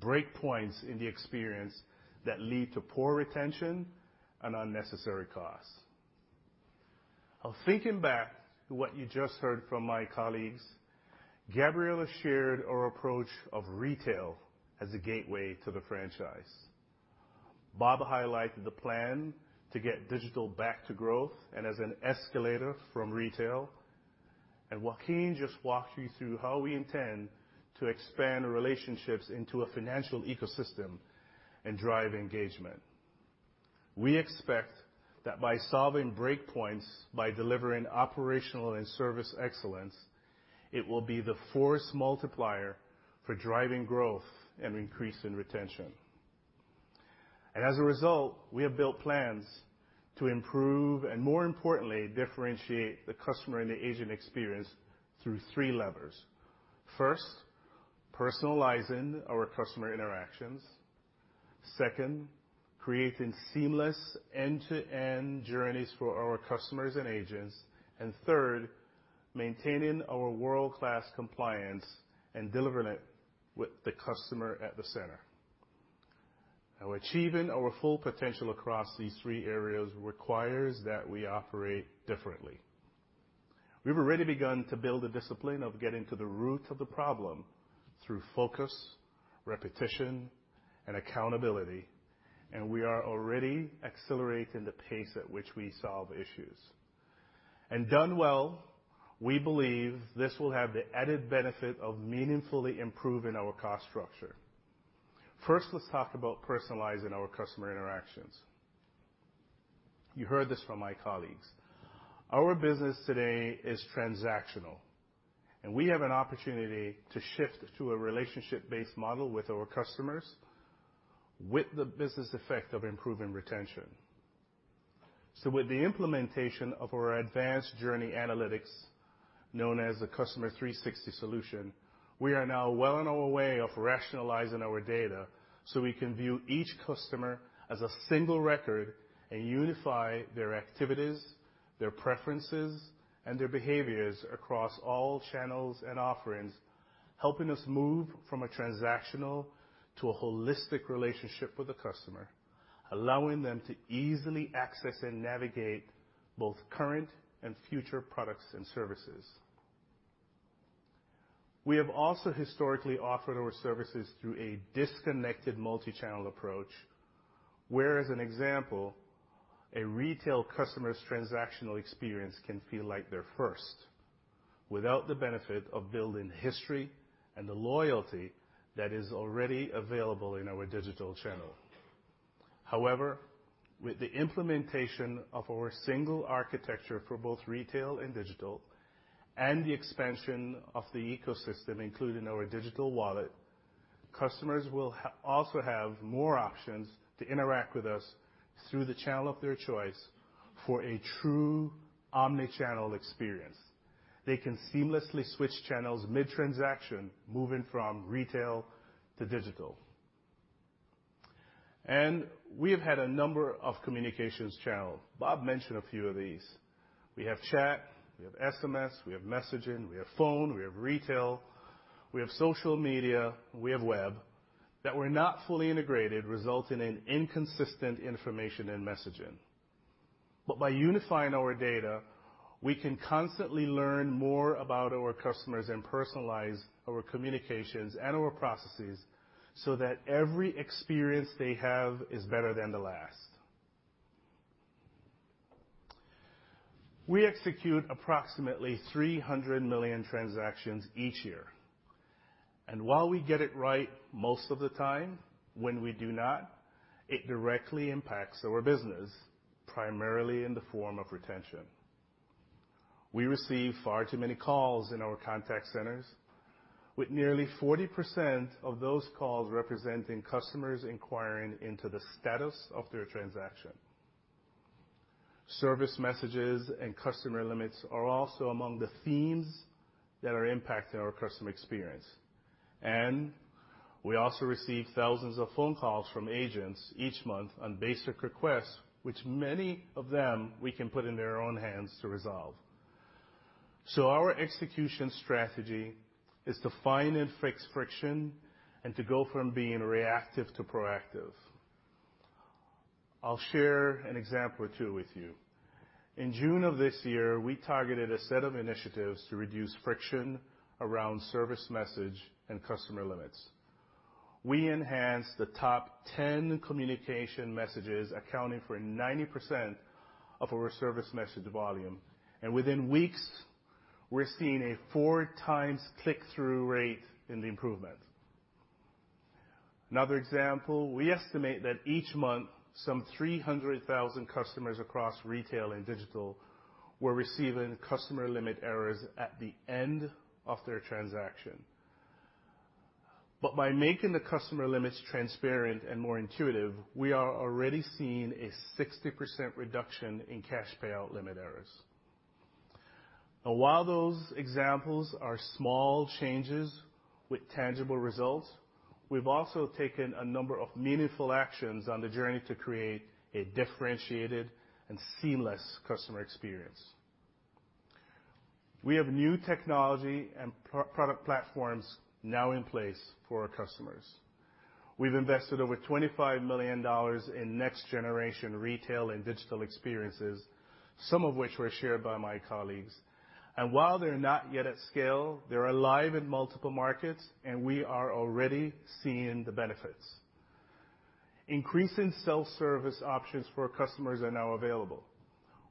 breakpoints in the experience that lead to poor retention and unnecessary costs. Now thinking back to what you just heard from my colleagues, Gabriela shared our approach of retail as a gateway to the franchise. Bob highlighted the plan to get digital back to growth and as an escalator from retail, and Joaquim just walked you through how we intend to expand relationships into a financial ecosystem and drive engagement. We expect that by solving breakpoints, by delivering operational and service excellence, it will be the force multiplier for driving growth and increase in retention. As a result, we have built plans to improve and more importantly, differentiate the customer and the agent experience through three levers. First, personalizing our customer interactions. Second, creating seamless end-to-end journeys for our customers and agents. Third, maintaining our world-class compliance and delivering it with the customer at the center. Now, achieving our full potential across these three areas requires that we operate differently. We've already begun to build a discipline of getting to the root of the problem through focus, repetition, and accountability, and we are already accelerating the pace at which we solve issues. Done well, we believe this will have the added benefit of meaningfully improving our cost structure. First, let's talk about personalizing our customer interactions. You heard this from my colleagues. Our business today is transactional, and we have an opportunity to shift to a relationship-based model with our customers with the business effect of improving retention. With the implementation of our advanced journey analytics, known as the Customer 360 solution, we are now well on our way of rationalizing our data, so we can view each customer as a single record and unify their activities, their preferences, and their behaviors across all channels and offerings, helping us move from a transactional to a holistic relationship with the customer, allowing them to easily access and navigate both current and future products and services. We have also historically offered our services through a disconnected multichannel approach, where, as an example, a retail customer's transactional experience can feel like their first, without the benefit of building history and the loyalty that is already available in our digital channel. However, with the implementation of our single architecture for both retail and digital and the expansion of the ecosystem, including our digital wallet, customers will also have more options to interact with us through the channel of their choice for a true omni-channel experience. They can seamlessly switch channels mid-transaction, moving from retail to digital. We have had a number of communications channels. Bob mentioned a few of these. We have chat, we have SMS, we have messaging, we have phone, we have retail, we have social media, we have web, that were not fully integrated, resulting in inconsistent information and messaging. By unifying our data, we can constantly learn more about our customers and personalize our communications and our processes so that every experience they have is better than the last. We execute approximately 300 million transactions each year, and while we get it right most of the time, when we do not, it directly impacts our business, primarily in the form of retention. We receive far too many calls in our contact centers, with nearly 40% of those calls representing customers inquiring into the status of their transaction. Service messages and customer limits are also among the themes that are impacting our customer experience. We also receive thousands of phone calls from agents each month on basic requests, which many of them we can put in their own hands to resolve. Our execution strategy is to find and fix friction and to go from being reactive to proactive. I'll share an example or 2 with you. In June of this year, we targeted a set of initiatives to reduce friction around service message and customer limits. We enhanced the top 10 communication messages accounting for 90% of our service message volume. Within weeks, we're seeing a four times improvement in the click-through rate. Another example, we estimate that each month some 300,000 customers across retail and digital were receiving customer limit errors at the end of their transaction. By making the customer limits transparent and more intuitive, we are already seeing a 60% reduction in cash payout limit errors. While those examples are small changes with tangible results, we've also taken a number of meaningful actions on the journey to create a differentiated and seamless customer experience. We have new technology and product platforms now in place for our customers. We've invested over $25 million in next generation retail and digital experiences, some of which were shared by my colleagues. While they're not yet at scale, they're alive in multiple markets, and we are already seeing the benefits. Increasing self-service options for customers are now available.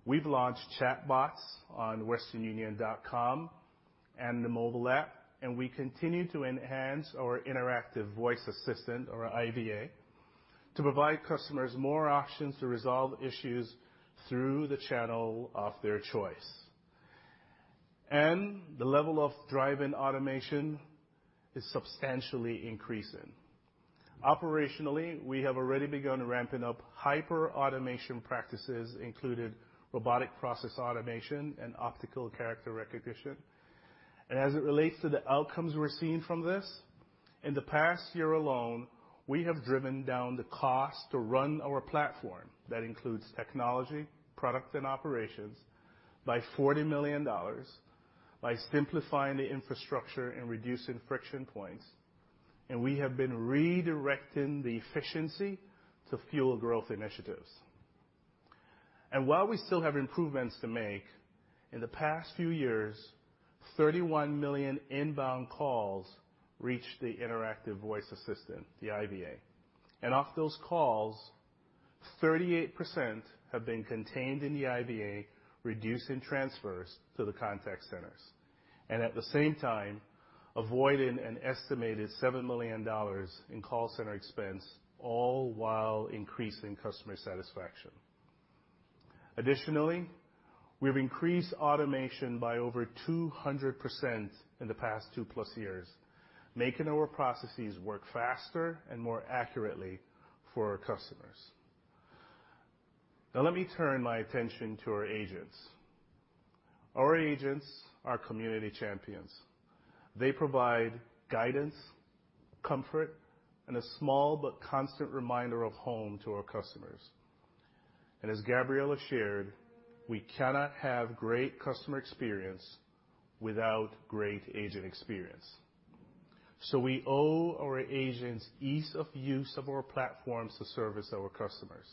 We've launched chatbots on westernunion.com and the mobile app, and we continue to enhance our interactive voice assistant or IVA to provide customers more options to resolve issues through the channel of their choice. The level of drive and automation is substantially increasing. Operationally, we have already begun ramping up hyperautomation practices, including robotic process automation and optical character recognition. As it relates to the outcomes we're seeing from this, in the past year alone, we have driven down the cost to run our platform. That includes technology, products and operations by $40 million by simplifying the infrastructure and reducing friction points. We have been redirecting the efficiency to fuel growth initiatives. While we still have improvements to make, in the past few years, 31 million inbound calls reached the interactive voice assistant, the IVA. Of those calls, 38% have been contained in the IVA, reducing transfers to the contact centers, and at the same time avoiding an estimated $7 million in call center expense, all while increasing customer satisfaction. Additionally, we've increased automation by over 200% in the past 2+ years, making our processes work faster and more accurately for our customers. Now let me turn my attention to our agents. Our agents are community champions. They provide guidance, comfort, and a small but constant reminder of home to our customers. As Gabriela shared, we cannot have great customer experience without great agent experience. We owe our agents ease of use of our platforms to service our customers.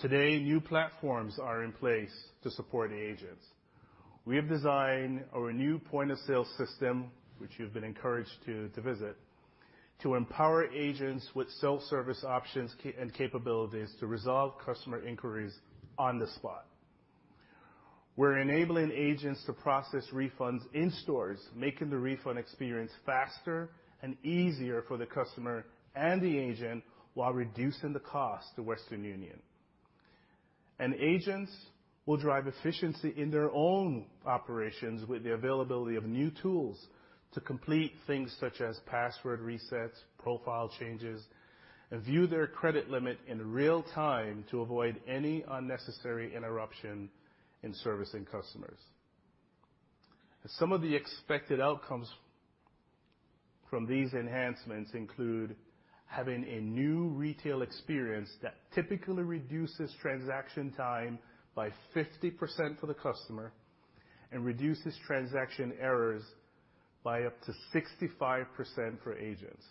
Today, new platforms are in place to support agents. We have designed our new point-of-sale system, which you've been encouraged to visit, to empower agents with self-service options and capabilities to resolve customer inquiries on the spot. We're enabling agents to process refunds in stores, making the refund experience faster and easier for the customer and the agent while reducing the cost to Western Union. Agents will drive efficiency in their own operations with the availability of new tools to complete things such as password resets, profile changes, and view their credit limit in real time to avoid any unnecessary interruption in servicing customers. Some of the expected outcomes from these enhancements include having a new retail experience that typically reduces transaction time by 50% for the customer and reduces transaction errors by up to 65% for agents.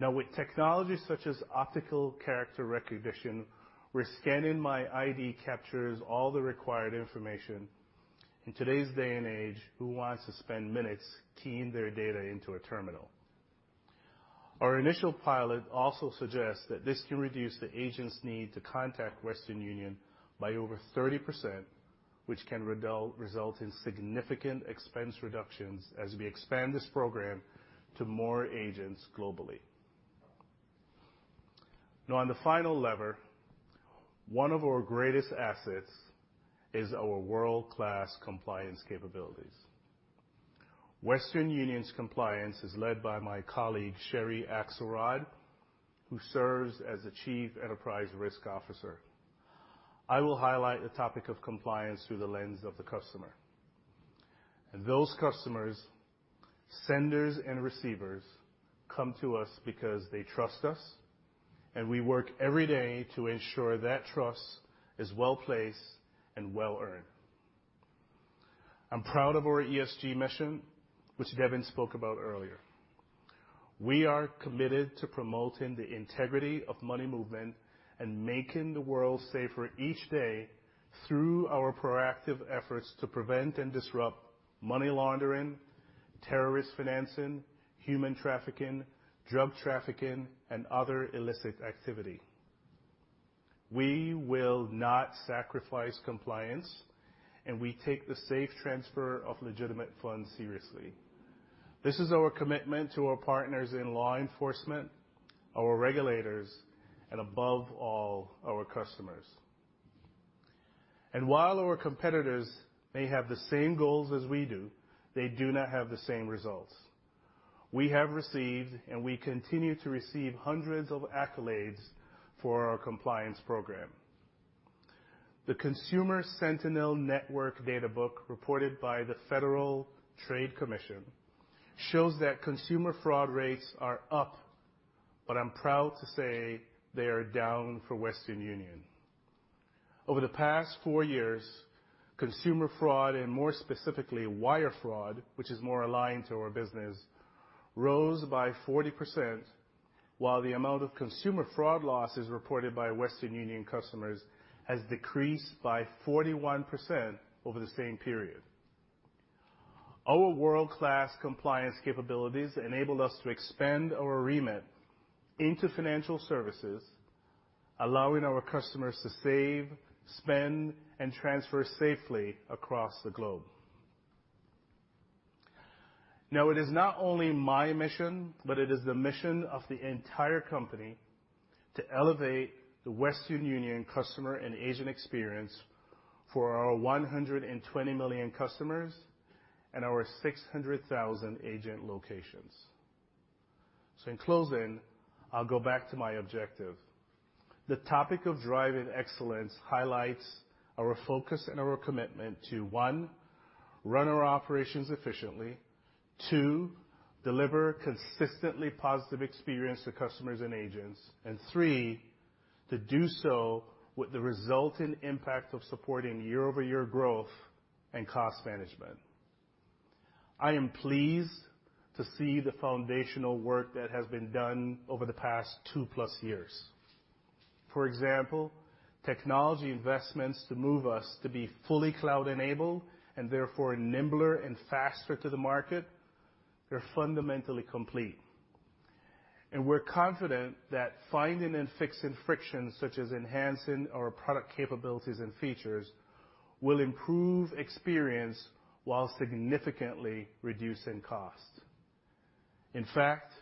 Now with technologies such as optical character recognition, where scanning my ID captures all the required information. In today's day and age, who wants to spend minutes keying their data into a terminal? Our initial pilot also suggests that this can reduce the agent's need to contact Western Union by over 30%, which can result in significant expense reductions as we expand this program to more agents globally. Now on the final lever, one of our greatest assets is our world-class compliance capabilities. Western Union's compliance is led by my colleague, Cheri Axelrod, who serves as the Chief Enterprise Risk Officer. I will highlight the topic of compliance through the lens of the customer. Those customers, senders and receivers come to us because they trust us, and we work every day to ensure that trust is well-placed and well-earned. I'm proud of our ESG mission, which Devin spoke about earlier. We are committed to promoting the integrity of money movement and making the world safer each day through our proactive efforts to prevent and disrupt money laundering, terrorist financing, human trafficking, drug trafficking, and other illicit activity. We will not sacrifice compliance, and we take the safe transfer of legitimate funds seriously. This is our commitment to our partners in law enforcement, our regulators, and above all, our customers. While our competitors may have the same goals as we do, they do not have the same results. We have received, and we continue to receive hundreds of accolades for our compliance program. The Consumer Sentinel Network Data Book reported by the Federal Trade Commission shows that consumer fraud rates are up, but I'm proud to say they are down for Western Union. Over the past 4 years, consumer fraud and more specifically, wire fraud, which is more aligned to our business, rose by 40% while the amount of consumer fraud losses reported by Western Union customers has decreased by 41% over the same period. Our world-class compliance capabilities enable us to expand our remit into financial services, allowing our customers to save, spend, and transfer safely across the globe. Now it is not only my mission, but it is the mission of the entire company to elevate the Western Union customer and agent experience for our 120 million customers and our 600,000 agent locations. In closing, I'll go back to my objective. The topic of driving excellence highlights our focus and our commitment to, one, run our operations efficiently. Two, deliver consistently positive experience to customers and agents. Three, to do so with the resulting impact of supporting year-over-year growth and cost management. I am pleased to see the foundational work that has been done over the past 2-plus years. For example, technology investments to move us to be fully cloud-enabled and therefore nimbler and faster to the market are fundamentally complete. We're confident that finding and fixing friction, such as enhancing our product capabilities and features, will improve experience while significantly reducing costs. In fact,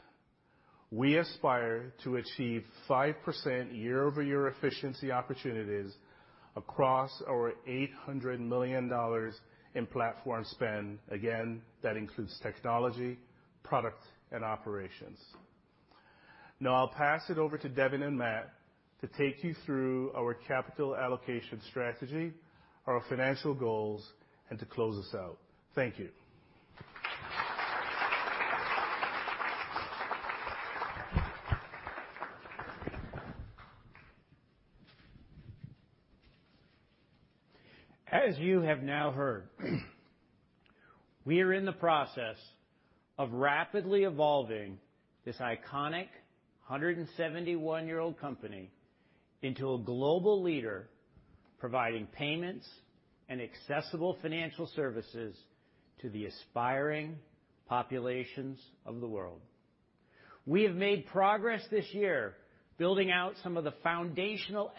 we aspire to achieve 5% year-over-year efficiency opportunities across our $800 million in platform spend. Again, that includes technology, product, and operations. Now I'll pass it over to Devin and Matt to take you through our capital allocation strategy, our financial goals, and to close us out. Thank you. As you have now heard, we are in the process of rapidly evolving this iconic 171-year-old company into a global leader, providing payments and accessible financial services to the aspiring populations of the world. We have made progress this year building out some of the foundational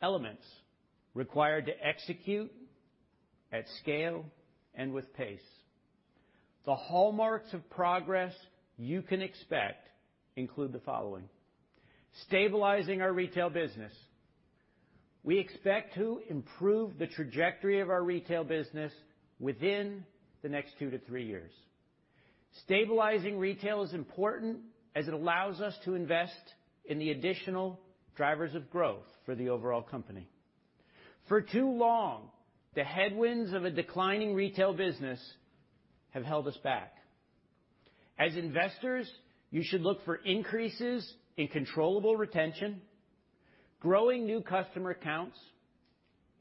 elements required to execute at scale and with pace. The hallmarks of progress you can expect include the following. Stabilizing our retail business. We expect to improve the trajectory of our retail business within the next 2-3 years. Stabilizing retail is important as it allows us to invest in the additional drivers of growth for the overall company. For too long, the headwinds of a declining retail business have held us back. As investors, you should look for increases in controllable retention, growing new customer accounts,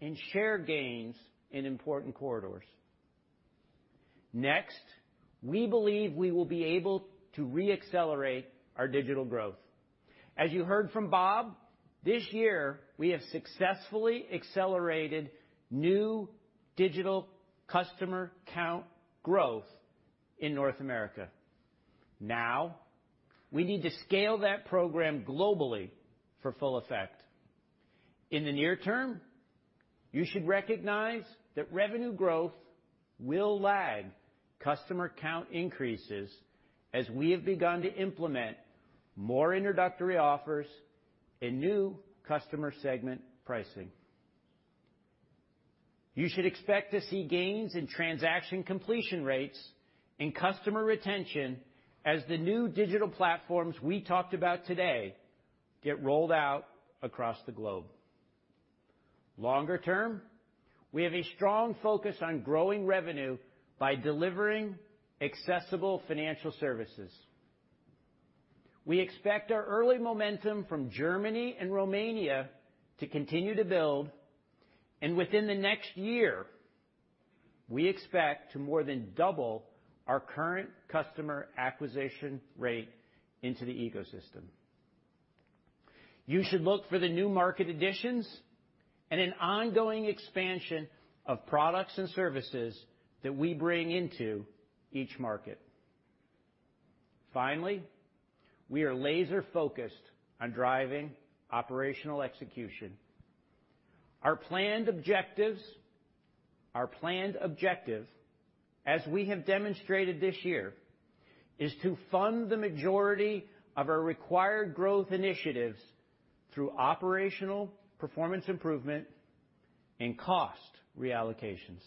and share gains in important corridors. Next, we believe we will be able to re-accelerate our digital growth. As you heard from Bob, this year we have successfully accelerated new digital customer count growth in North America. Now, we need to scale that program globally for full effect. In the near term, you should recognize that revenue growth will lag customer count increases as we have begun to implement more introductory offers and new customer segment pricing. You should expect to see gains in transaction completion rates and customer retention as the new digital platforms we talked about today get rolled out across the globe. Longer term, we have a strong focus on growing revenue by delivering accessible financial services. We expect our early momentum from Germany and Romania to continue to build, and within the next year, we expect to more than double our current customer acquisition rate into the ecosystem. You should look for the new market additions and an ongoing expansion of products and services that we bring into each market. Finally, we are laser-focused on driving operational execution. Our planned objective, as we have demonstrated this year, is to fund the majority of our required growth initiatives through operational performance improvement and cost reallocations.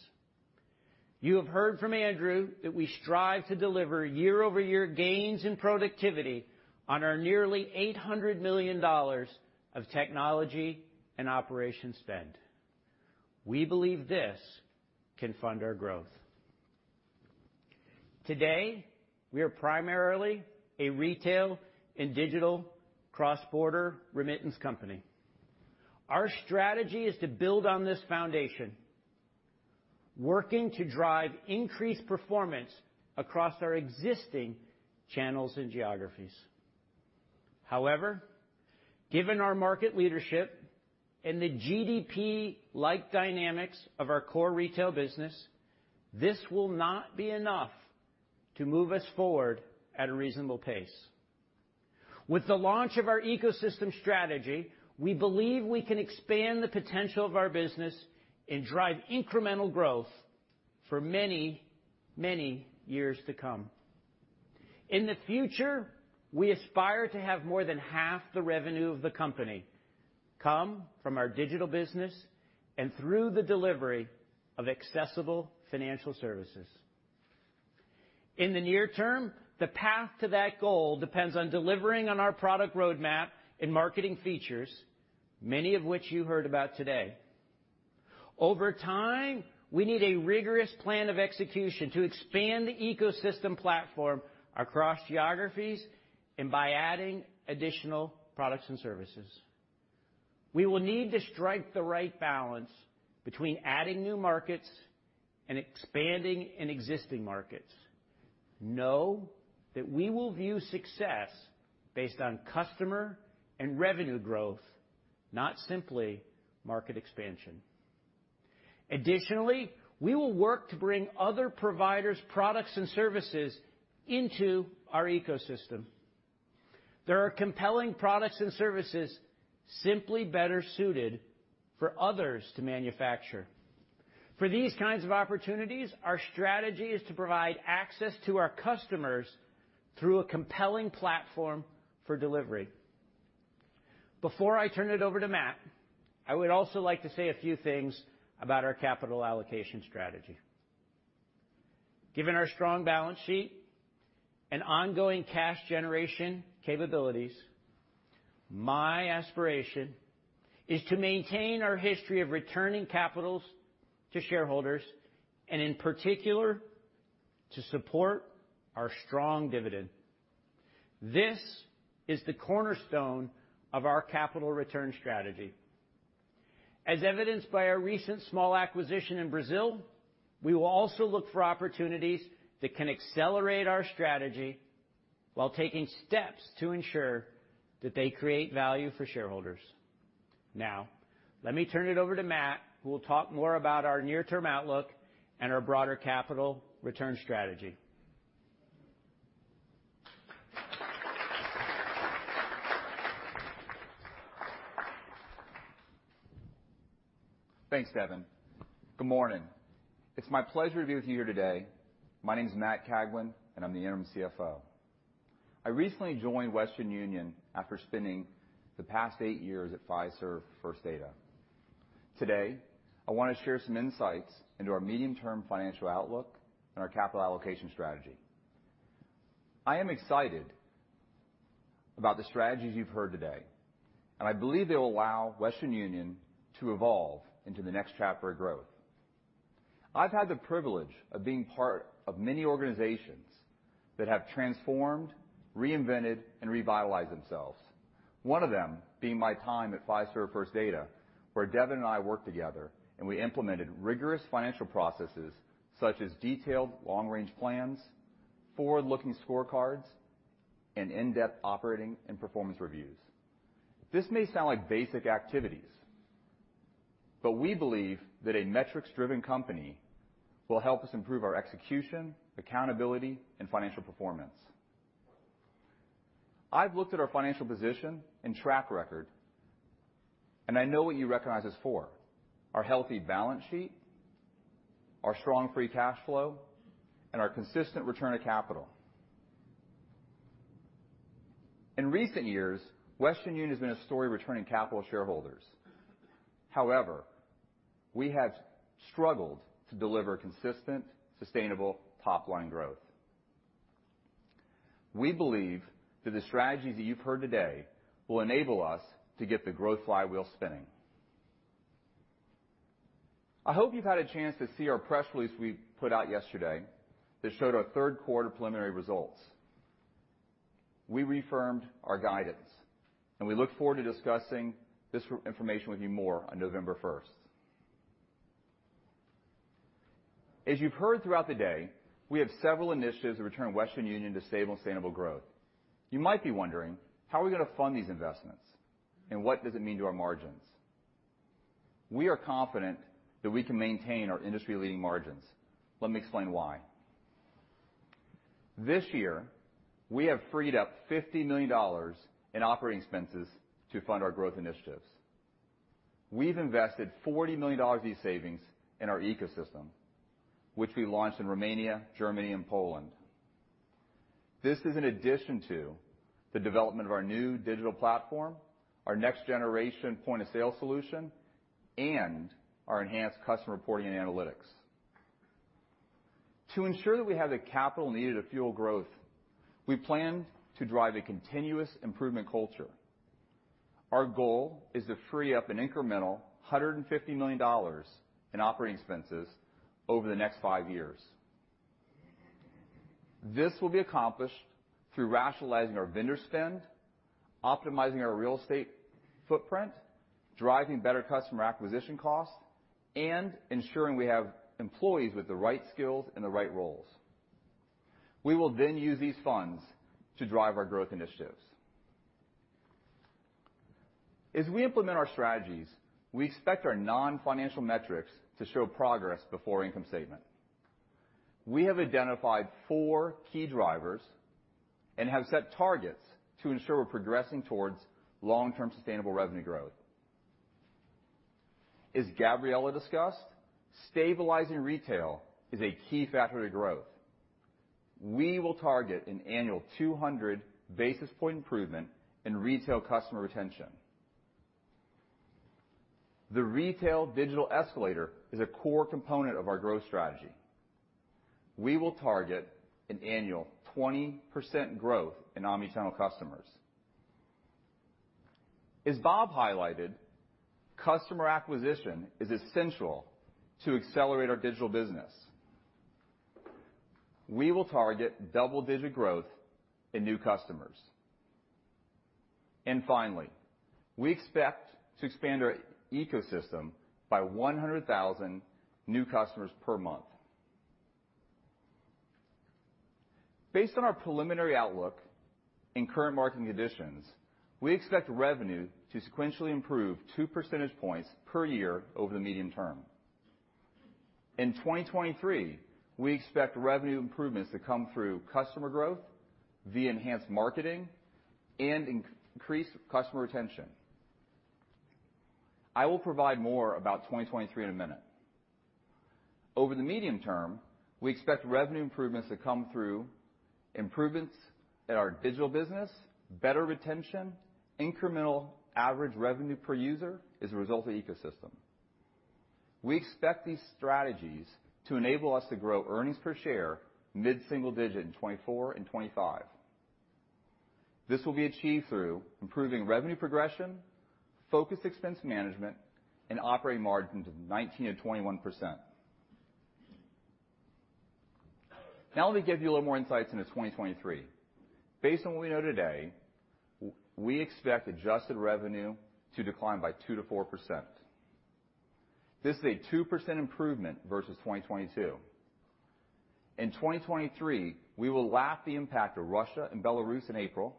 You have heard from Andrew that we strive to deliver year-over-year gains in productivity on our nearly $800 million of technology and operations spend. We believe this can fund our growth. Today, we are primarily a retail and digital cross-border remittance company. Our strategy is to build on this foundation, working to drive increased performance across our existing channels and geographies. However, given our market leadership and the GDP-like dynamics of our core retail business, this will not be enough to move us forward at a reasonable pace. With the launch of our ecosystem strategy, we believe we can expand the potential of our business and drive incremental growth for many, many years to come. In the future, we aspire to have more than half the revenue of the company come from our digital business and through the delivery of accessible financial services. In the near term, the path to that goal depends on delivering on our product roadmap and marketing features, many of which you heard about today. Over time, we need a rigorous plan of execution to expand the ecosystem platform across geographies and by adding additional products and services. We will need to strike the right balance between adding new markets and expanding in existing markets. Know that we will view success based on customer and revenue growth, not simply market expansion. Additionally, we will work to bring other providers' products and services into our ecosystem. There are compelling products and services simply better suited for others to manufacture. For these kinds of opportunities, our strategy is to provide access to our customers through a compelling platform for delivery. Before I turn it over to Matt, I would also like to say a few things about our capital allocation strategy. Given our strong balance sheet and ongoing cash generation capabilities, my aspiration is to maintain our history of returning capital to shareholders, and in particular, to support our strong dividend. This is the cornerstone of our capital return strategy. As evidenced by our recent small acquisition in Brazil, we will also look for opportunities that can accelerate our strategy while taking steps to ensure that they create value for shareholders. Now, let me turn it over to Matt, who will talk more about our near-term outlook and our broader capital return strategy. Thanks, Devin. Good morning. It's my pleasure to be with you here today. My name's Matt Cagwin, and I'm the interim CFO. I recently joined Western Union after spending the past eight years at Fiserv First Data. Today, I want to share some insights into our medium-term financial outlook and our capital allocation strategy. I am excited about the strategies you've heard today, and I believe they will allow Western Union to evolve into the next chapter of growth. I've had the privilege of being part of many organizations that have transformed, reinvented, and revitalized themselves, one of them being my time at Fiserv First Data, where Devin and I worked together and we implemented rigorous financial processes such as detailed long-range plans, forward-looking scorecards, and in-depth operating and performance reviews. This may sound like basic activities, but we believe that a metrics-driven company will help us improve our execution, accountability, and financial performance. I've looked at our financial position and track record, and I know what you recognize us for, our healthy balance sheet, our strong free cash flow, and our consistent return of capital. In recent years, Western Union has been a story of returning capital to shareholders. However, we have struggled to deliver consistent, sustainable top-line growth. We believe that the strategies that you've heard today will enable us to get the growth flywheel spinning. I hope you've had a chance to see our press release we put out yesterday that showed our Q3 preliminary results. We reaffirmed our guidance, and we look forward to discussing this information with you more on November first. As you've heard throughout the day, we have several initiatives to return Western Union to stable and sustainable growth. You might be wondering, how are we going to fund these investments, and what does it mean to our margins? We are confident that we can maintain our industry-leading margins. Let me explain why. This year, we have freed up $50 million in operating expenses to fund our growth initiatives. We've invested $40 million of these savings in our ecosystem, which we launched in Romania, Germany and Poland. This is in addition to the development of our new digital platform, our next generation point-of-sale solution, and our enhanced customer reporting and analytics. To ensure that we have the capital needed to fuel growth, we plan to drive a continuous improvement culture. Our goal is to free up an incremental $150 million in operating expenses over the next five years. This will be accomplished through rationalizing our vendor spend, optimizing our real estate footprint, driving better customer acquisition costs, and ensuring we have employees with the right skills in the right roles. We will then use these funds to drive our growth initiatives. As we implement our strategies, we expect our non-financial metrics to show progress before income statement. We have identified four key drivers and have set targets to ensure we're progressing towards long-term sustainable revenue growth. As Gabriela discussed, stabilizing retail is a key factor to growth. We will target an annual 200 basis points improvement in retail customer retention. The retail digital escalator is a core component of our growth strategy. We will target an annual 20% growth in omnichannel customers. As Bob highlighted, customer acquisition is essential to accelerate our digital business. We will target double-digit growth in new customers. Finally, we expect to expand our ecosystem by 100,000 new customers per month. Based on our preliminary outlook in current market conditions, we expect revenue to sequentially improve two percentage points per year over the medium term. In 2023, we expect revenue improvements to come through customer growth via enhanced marketing and increased customer retention. I will provide more about 2023 in a minute. Over the medium term, we expect revenue improvements to come through improvements at our digital business, better retention, incremental average revenue per user as a result of ecosystem. We expect these strategies to enable us to grow earnings per share mid-single-digit in 2024 and 2025. This will be achieved through improving revenue progression, focused expense management, and operating margin to 19%-21%. Now let me give you a little more insights into 2023. Based on what we know today, we expect adjusted revenue to decline by 2%-4%. This is a 2% improvement versus 2022. In 2023, we will lap the impact of Russia and Belarus in April,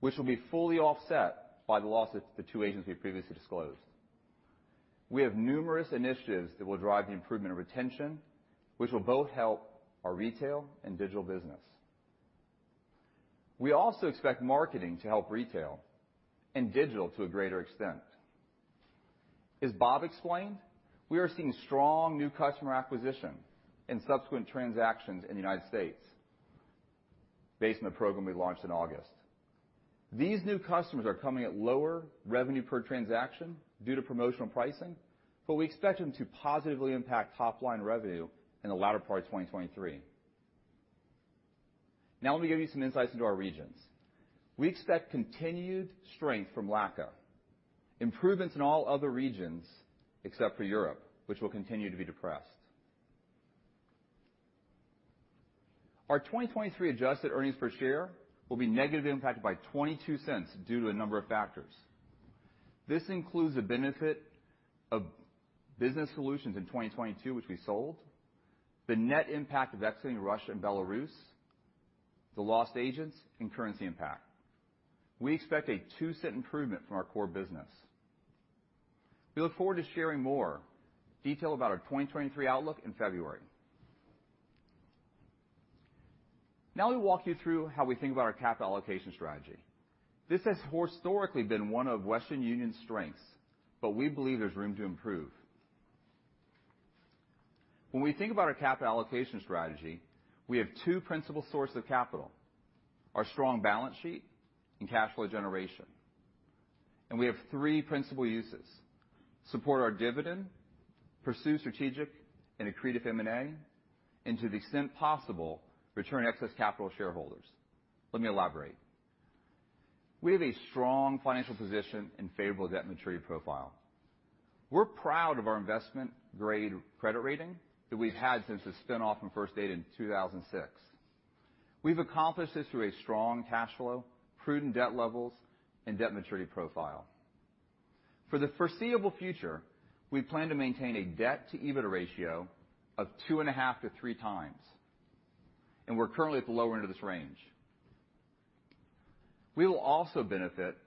which will be fully offset by the loss at the two agents we previously disclosed. We have numerous initiatives that will drive the improvement of retention, which will both help our retail and digital business. We also expect marketing to help retail and digital to a greater extent. As Bob explained, we are seeing strong new customer acquisition and subsequent transactions in the United States based on the program we launched in August. These new customers are coming at lower revenue per transaction due to promotional pricing, but we expect them to positively impact top line revenue in the latter part of 2023. Now let me give you some insights into our regions. We expect continued strength from LACA, improvements in all other regions, except for Europe, which will continue to be depressed. Our 2023 adjusted earnings per share will be negatively impacted by $0.22 due to a number of factors. This includes the benefit of business solutions in 2022, which we sold, the net impact of exiting Russia and Belarus, the lost agents, and currency impact. We expect a $0.02 improvement from our core business. We look forward to sharing more detail about our 2023 outlook in February. Now let me walk you through how we think about our capital allocation strategy. This has historically been one of Western Union's strengths, but we believe there's room to improve. When we think about our capital allocation strategy, we have two principal sources of capital: our strong balance sheet and cash flow generation. We have three principal uses, support our dividend, pursue strategic and accretive M&A, and to the extent possible, return excess capital to shareholders. Let me elaborate. We have a strong financial position and favorable debt maturity profile. We're proud of our investment-grade credit rating that we've had since the spin-off from First Data in 2006. We've accomplished this through a strong cash flow, prudent debt levels, and debt maturity profile. For the foreseeable future, we plan to maintain a debt-to-EBITDA ratio of 2.5-3 times, and we're currently at the lower end of this range. We will also benefit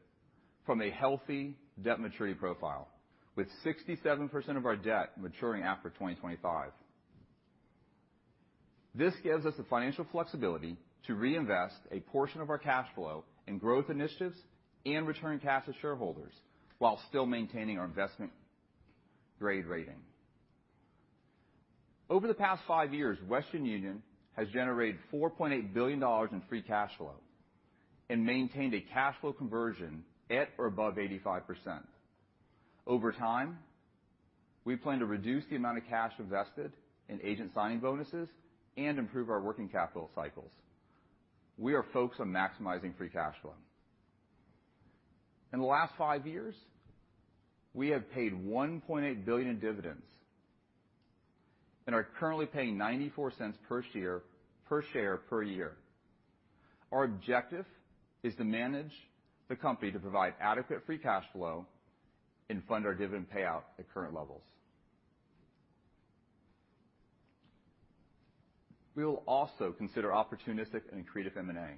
from a healthy debt maturity profile with 67% of our debt maturing after 2025. This gives us the financial flexibility to reinvest a portion of our cash flow in growth initiatives and return cash to shareholders while still maintaining our investment grade rating. Over the past five years, Western Union has generated $4.8 billion in free cash flow and maintained a cash flow conversion at or above 85%. Over time, we plan to reduce the amount of cash invested in agent signing bonuses and improve our working capital cycles. We are focused on maximizing free cash flow. In the last five years, we have paid $1.8 billion in dividends and are currently paying $0.94 per year, per share, per year. Our objective is to manage the company to provide adequate free cash flow and fund our dividend payout at current levels. We will also consider opportunistic and accretive M&A.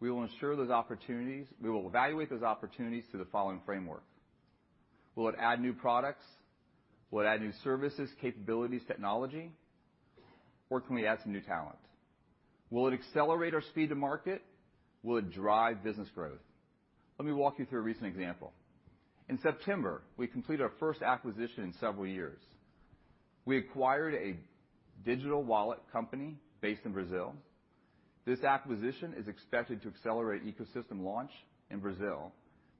We will evaluate those opportunities through the following framework. Will it add new products? Will it add new services, capabilities, technology? Or can we add some new talent? Will it accelerate our speed to market? Will it drive business growth? Let me walk you through a recent example. In September, we completed our first acquisition in several years. We acquired a digital wallet company based in Brazil. This acquisition is expected to accelerate ecosystem launch in Brazil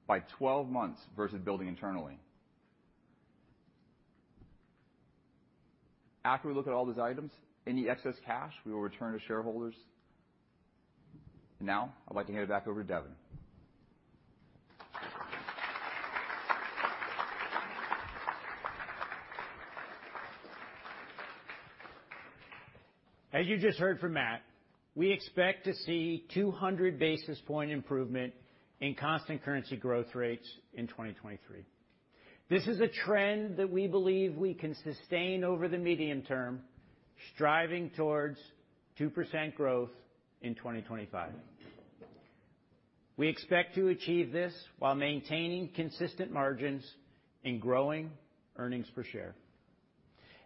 by 12 months versus building internally. After we look at all these items, any excess cash we will return to shareholders. Now I'd like to hand it back over to Devin. As you just heard from Matt, we expect to see 200 basis point improvement in constant currency growth rates in 2023. This is a trend that we believe we can sustain over the medium term, striving towards 2% growth in 2025. We expect to achieve this while maintaining consistent margins and growing earnings per share.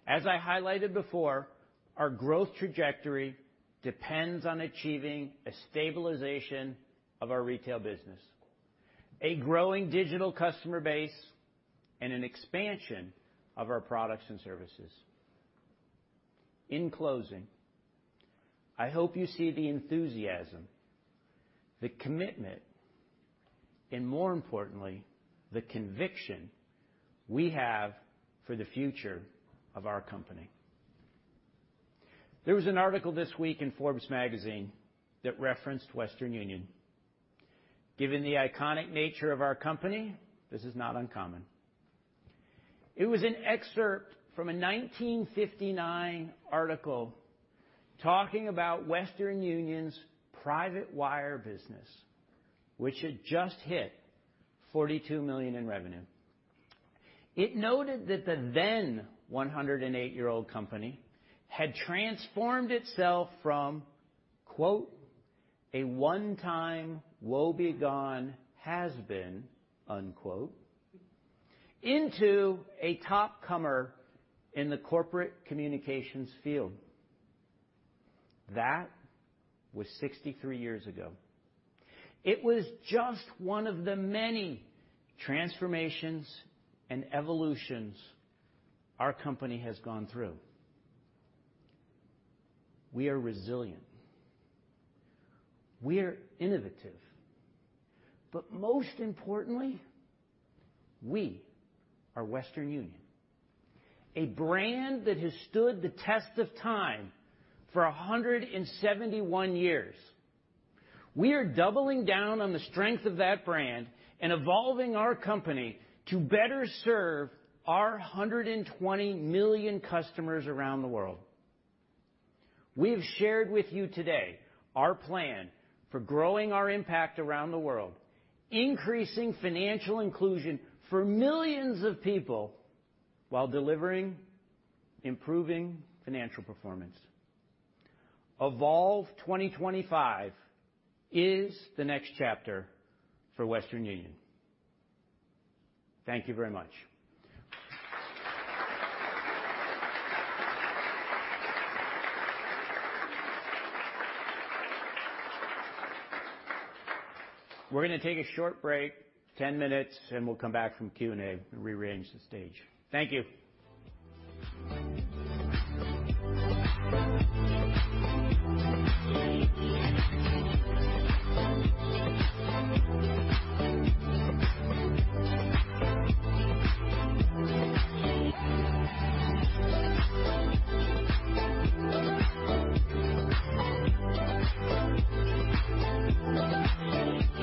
As I highlighted before, our growth trajectory depends on achieving a stabilization of our retail business, a growing digital customer base, and an expansion of our products and services. In closing, I hope you see the enthusiasm, the commitment, and more importantly, the conviction we have for the future of our company. There was an article this week in Forbes Magazine that referenced Western Union. Given the iconic nature of our company, this is not uncommon. It was an excerpt from a 1959 article talking about Western Union's private wire business, which had just hit $42 million in revenue. It noted that the then 108-year-old company had transformed itself from, quote, "A one-time woebegone has-been," unquote, into a top comer in the corporate communications field. That was 63 years ago. It was just one of the many transformations and evolutions our company has gone through. We are resilient, we are innovative, but most importantly, we are Western Union, a brand that has stood the test of time for 171 years. We are doubling down on the strength of that brand and evolving our company to better serve our 120 million customers around the world. We have shared with you today our plan for growing our impact around the world, increasing financial inclusion for millions of people while delivering improving financial performance. Evolve 2025 is the next chapter for Western Union. Thank you very much. We're going to take a short break, 10 minutes, and we'll come back for Q&A and rearrange the stage. Thank you. Welcome back, everybody. We look forward to, I'm sure we'll all be softball questions.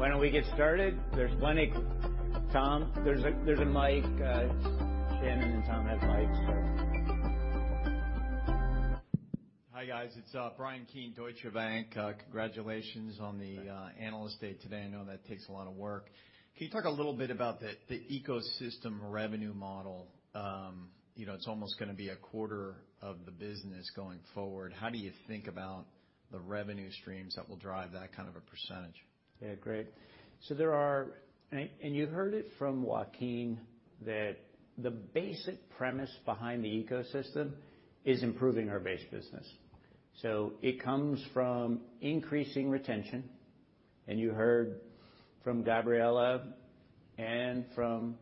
Why don't we get started? There's plenty. Tom, there's a mic. Shannon and Tom have mics. Go ahead. Hi, guys. It's Bryan Keane, Deutsche Bank. Congratulations on the Analyst Day today. I know that takes a lot of work. Can you talk a little bit about the ecosystem revenue model? You know, it's almost going to be a quarter of the business going forward. How do you think about the revenue streams that will drive that kind of a percentage? Yeah. Great. You heard it from Joaquim that the basic premise behind the ecosystem is improving our base business. It comes from increasing retention, and you heard from Gabriela and from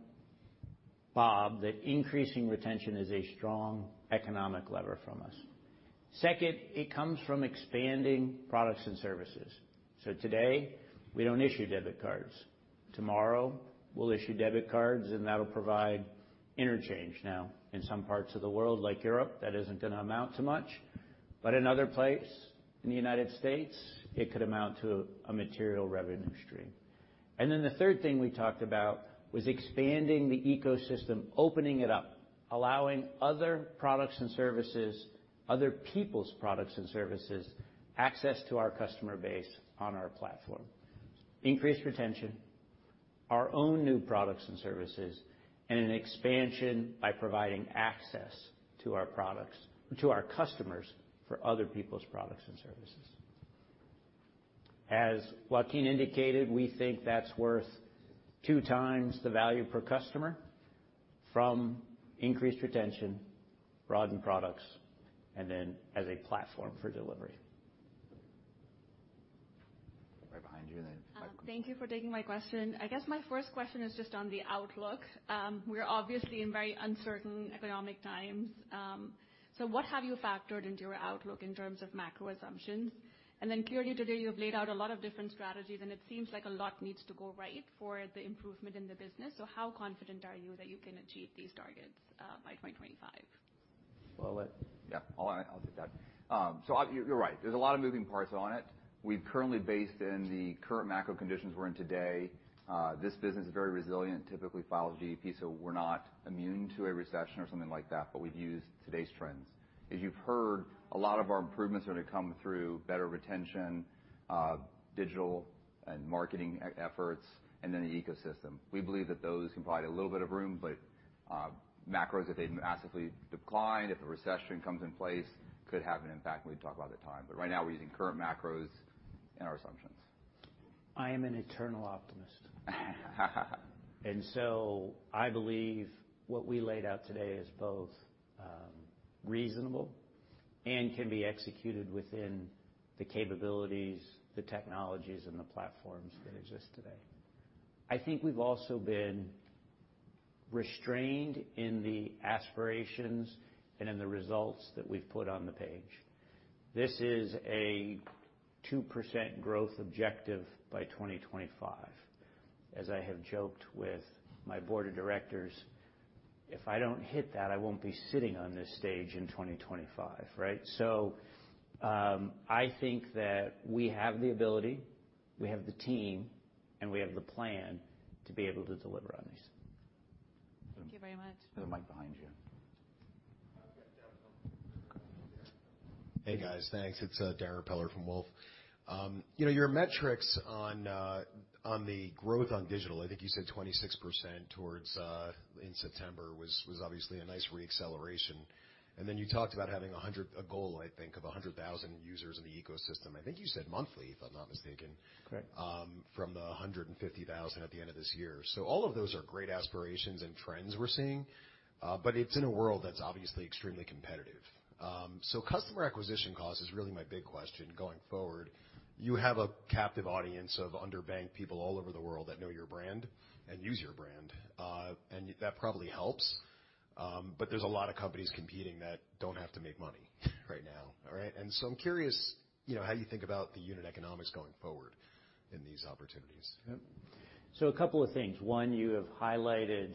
Bob that increasing retention is a strong economic lever from us. Second, it comes from expanding products and services. Today, we don't issue debit cards. Tomorrow, we'll issue debit cards, and that'll provide interchange now. In some parts of the world, like Europe, that isn't going to amount to much. Another place in the United States, it could amount to a material revenue stream. The third thing we talked about was expanding the ecosystem, opening it up, allowing other products and services, other people's products and services, access to our customer base on our platform. Increased retention, our own new products and services, and an expansion by providing access to our products, to our customers for other people's products and services. As Joaquim indicated, we think that's worth 2x the value per customer from increased retention, broadened products, and then as a platform for delivery. Right behind you, and then. Thank you for taking my question. I guess my first question is just on the outlook. We're obviously in very uncertain economic times. What have you factored into your outlook in terms of macro assumptions? Clearly to today, you have laid out a lot of different strategies, and it seems like a lot needs to go right for the improvement in the business. How confident are you that you can achieve these targets by 2025? Well, yeah. I'll take that. You're right. There's a lot of moving parts on it. We've currently based in the current macro conditions we're in today, this business is very resilient, typically follows GDP, we're not immune to a recession or something like that, but we've used today's trends. As you've heard, a lot of our improvements are to come through better retention, digital and marketing efforts and then the ecosystem. We believe that those can provide a little bit of room, but macros, if they massively decline, if a recession comes in place, could have an impact, and we'd talk about at the time. Right now we're using current macros in our assumptions. I am an eternal optimist. I believe what we laid out today is both, reasonable and can be executed within the capabilities, the technologies and the platforms that exist today. I think we've also been restrained in the aspirations and in the results that we've put on the page. This is a 2% growth objective by 2025. As I have joked with my board of directors, if I don't hit that, I won't be sitting on this stage in 2025, right? I think that we have the ability, we have the team, and we have the plan to be able to deliver on these. Thank you very much. There's a mic behind you. Hey, guys. Thanks. It's Darrin Peller from Wolfe. You know, your metrics on the growth on digital, I think you said 26% towards in September was obviously a nice re-acceleration. Then you talked about having a goal, I think, of 100,000 users in the ecosystem. I think you said monthly, if I'm not mistaken. Correct. From the 150,000 at the end of this year. All of those are great aspirations and trends we're seeing, but it's in a world that's obviously extremely competitive. Customer acquisition cost is really my big question going forward. You have a captive audience of underbanked people all over the world that know your brand and use your brand, and that probably helps. There's a lot of companies competing that don't have to make money right now, all right? I'm curious Phase how you think about the unit economics going forward in these opportunities. Yes. A couple of things. One, you have highlighted,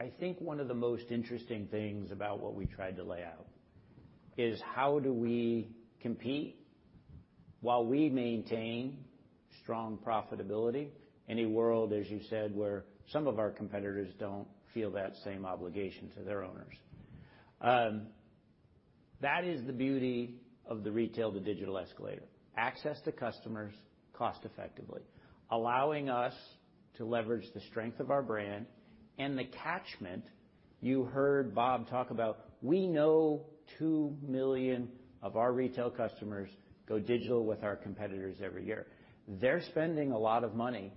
I think one of the most interesting things about what we tried to lay out is how do we compete while we maintain strong profitability in a world, as you said, where some of our competitors don't feel that same obligation to their owners? That is the beauty of the retail-to-digital escalator. Access to customers cost effectively, allowing us to leverage the strength of our brand and the catchment you heard Bob talk about. We know 2 million of our retail customers go digital with our competitors every year. They're spending a lot of money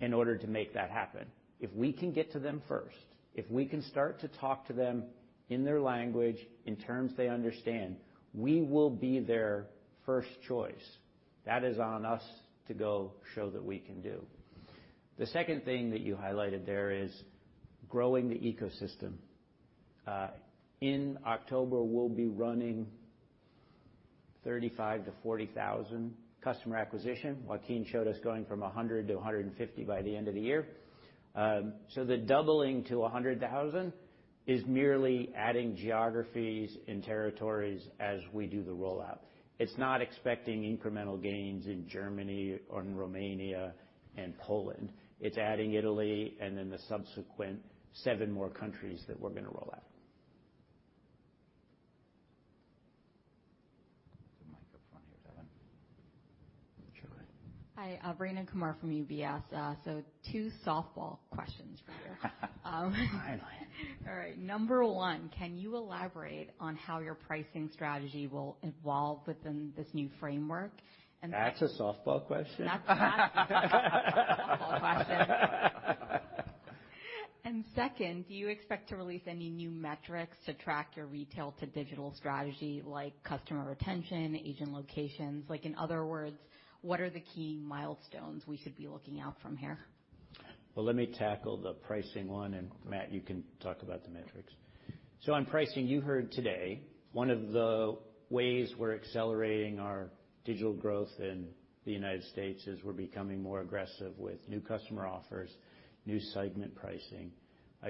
in order to make that happen. If we can get to them first, if we can start to talk to them in their language, in terms they understand, we will be their first choice. That is on us to go show that we can do. The second thing that you highlighted there is growing the ecosystem. In October, we'll be running 35,000-40,000 customer acquisition. Joaquim showed us going from 100 to 150 by the end of the year. The doubling to 100,000 is merely adding geographies and territories as we do the rollout. It's not expecting incremental gains in Germany or in Romania and Poland. It's adding Italy and then the subsequent 7 more countries that we're going to roll out. There's a microphone here, Devin. Sure. Hi. Rayna Kumar from UBS. Two softball questions for you. Finally. All right. Number one, can you elaborate on how your pricing strategy will evolve within this new framework? That's a softball question? That is a softball question. Second, do you expect to release any new metrics to track your retail to digital strategy like customer retention, agent locations? Like in other words, what are the key milestones we should be looking out from here? Well, let me tackle the pricing one, and Matt, you can talk about the metrics. On pricing, you heard today, one of the ways we're accelerating our digital growth in the United States is we're becoming more aggressive with new customer offers, new segment pricing.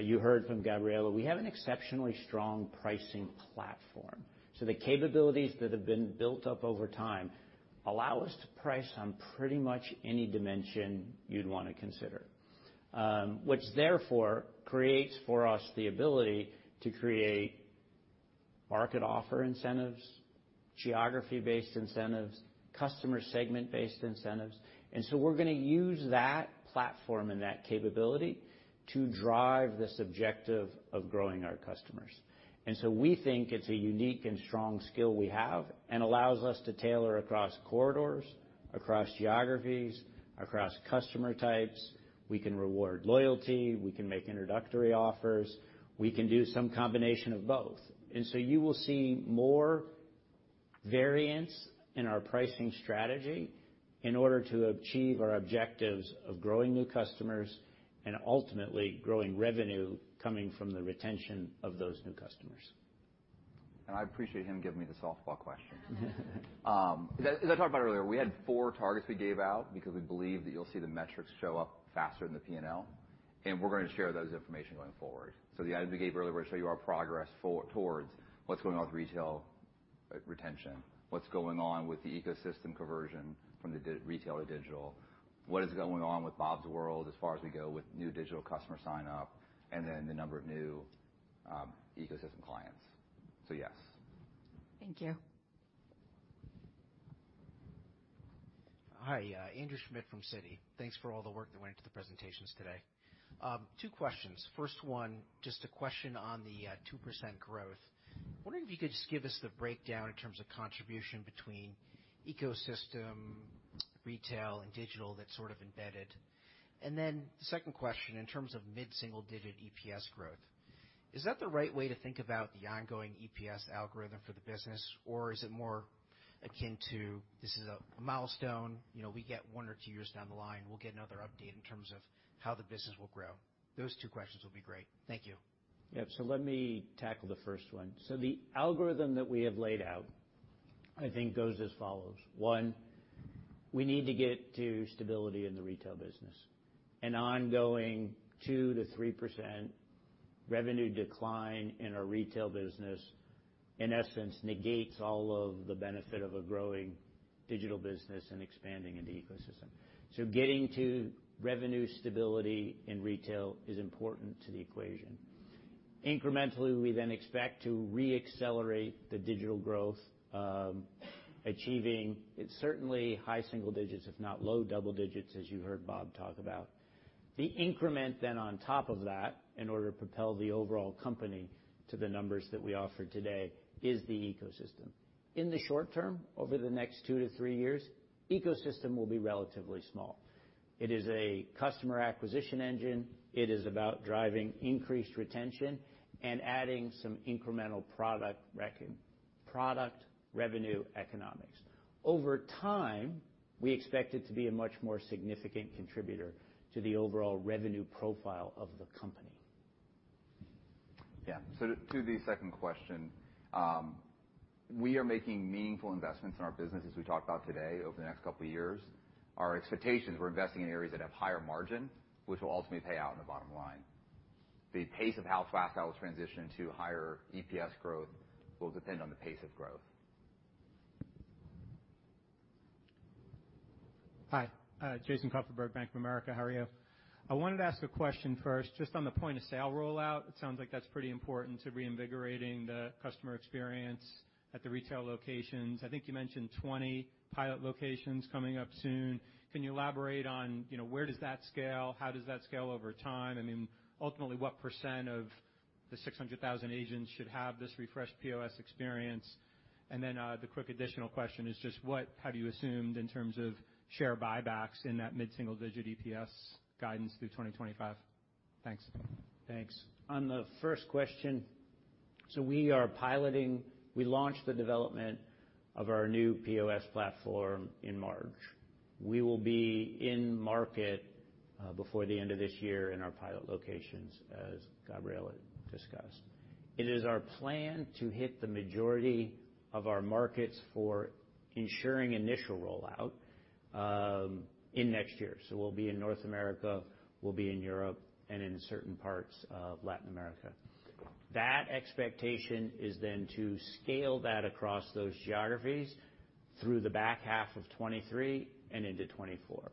You heard from Gabriela, we have an exceptionally strong pricing platform. The capabilities that have been built up over time allow us to price on pretty much any dimension you'd want to consider. Which therefore creates for us the ability to create market offer incentives, geography-based incentives, customer segment-based incentives. We're going to use that platform and that capability to drive this objective of growing our customers. We think it's a unique and strong skill we have and allows us to tailor across corridors, across geographies, across customer types. We can reward loyalty, we can make introductory offers, we can do some combination of both. You will see more variance in our pricing strategy in order to achieve our objectives of growing new customers and ultimately growing revenue coming from the retention of those new customers. I appreciate him giving me the softball question. As I talked about earlier, we had four targets we gave out because we believe that you'll see the metrics show up faster than the P&L, and we're going to share those information going forward. The items we gave earlier, we're going to show you our progress towards what's going on with retail retention, what's going on with the ecosystem conversion from the retail to digital, what is going on with Bob's World as far as we go with new digital customer sign-up, and then the number of new ecosystem clients. Yes. Thank you. Hi. Andrew Schmidt from Citi. Thanks for all the work that went into the presentations today. Two questions. First one, just a question on the 2% growth. Wondering if you could just give us the breakdown in terms of contribution between ecosystem, retail, and digital that's sort of embedded. Second question, in terms of mid-single-digit EPS growth, is that the right way to think about the ongoing EPS algorithm for the business? Or is it more akin to this is a milestone Phase we get one or two years down the line, we'll get another update in terms of how the business will grow? Those two questions will be great. Thank you. Yep. Let me tackle the first one. The algorithm that we have laid out, I think, goes as follows. One, we need to get to stability in the retail business. An ongoing 2%-3% revenue decline in our retail business, in essence, negates all of the benefit of a growing digital business and expanding into ecosystem. Getting to revenue stability in retail is important to the equation. Incrementally, we then expect to re-accelerate the digital growth, achieving certainly high single digits, if not low double digits, as you heard Bob talk about. The increment then on top of that, in order to propel the overall company to the numbers that we offer today, is the ecosystem. In the short term, over the next 2-3 years, ecosystem will be relatively small. It is a customer acquisition engine. It is about driving increased retention and adding some incremental product revenue economics. Over time, we expect it to be a much more significant contributor to the overall revenue profile of the company. Yeah. To the second question, we are making meaningful investments in our business, as we talked about today, over the next couple of years. Our expectations, we're investing in areas that have higher margin, which will ultimately pay out in the bottom line. The pace of how fast that will transition to higher EPS growth will depend on the pace of growth. Hi. Jason Kupferberg, Bank of America. How are you? I wanted to ask a question first, just on the point-of-sale rollout, it sounds like that's pretty important to reinvigorating the customer experience at the retail locations. I think you mentioned 20 pilot locations coming up soon. Can you elaborate on Phase where does that scale? How does that scale over time? I mean, ultimately, what % of the 600,000 agents should have this refreshed POS experience? Then, the quick additional question is just what have you assumed in terms of share buybacks in that mid-single digit EPS guidance through 2025? Thanks. Thanks. On the first question, we are piloting. We launched the development of our new POS platform in March. We will be in market before the end of this year in our pilot locations, as Gabriela discussed. It is our plan to hit the majority of our markets for ensuring initial rollout in next year. We'll be in North America, we'll be in Europe, and in certain parts of Latin America. That expectation is then to scale that across those geographies through the back half of 2023 and into 2024.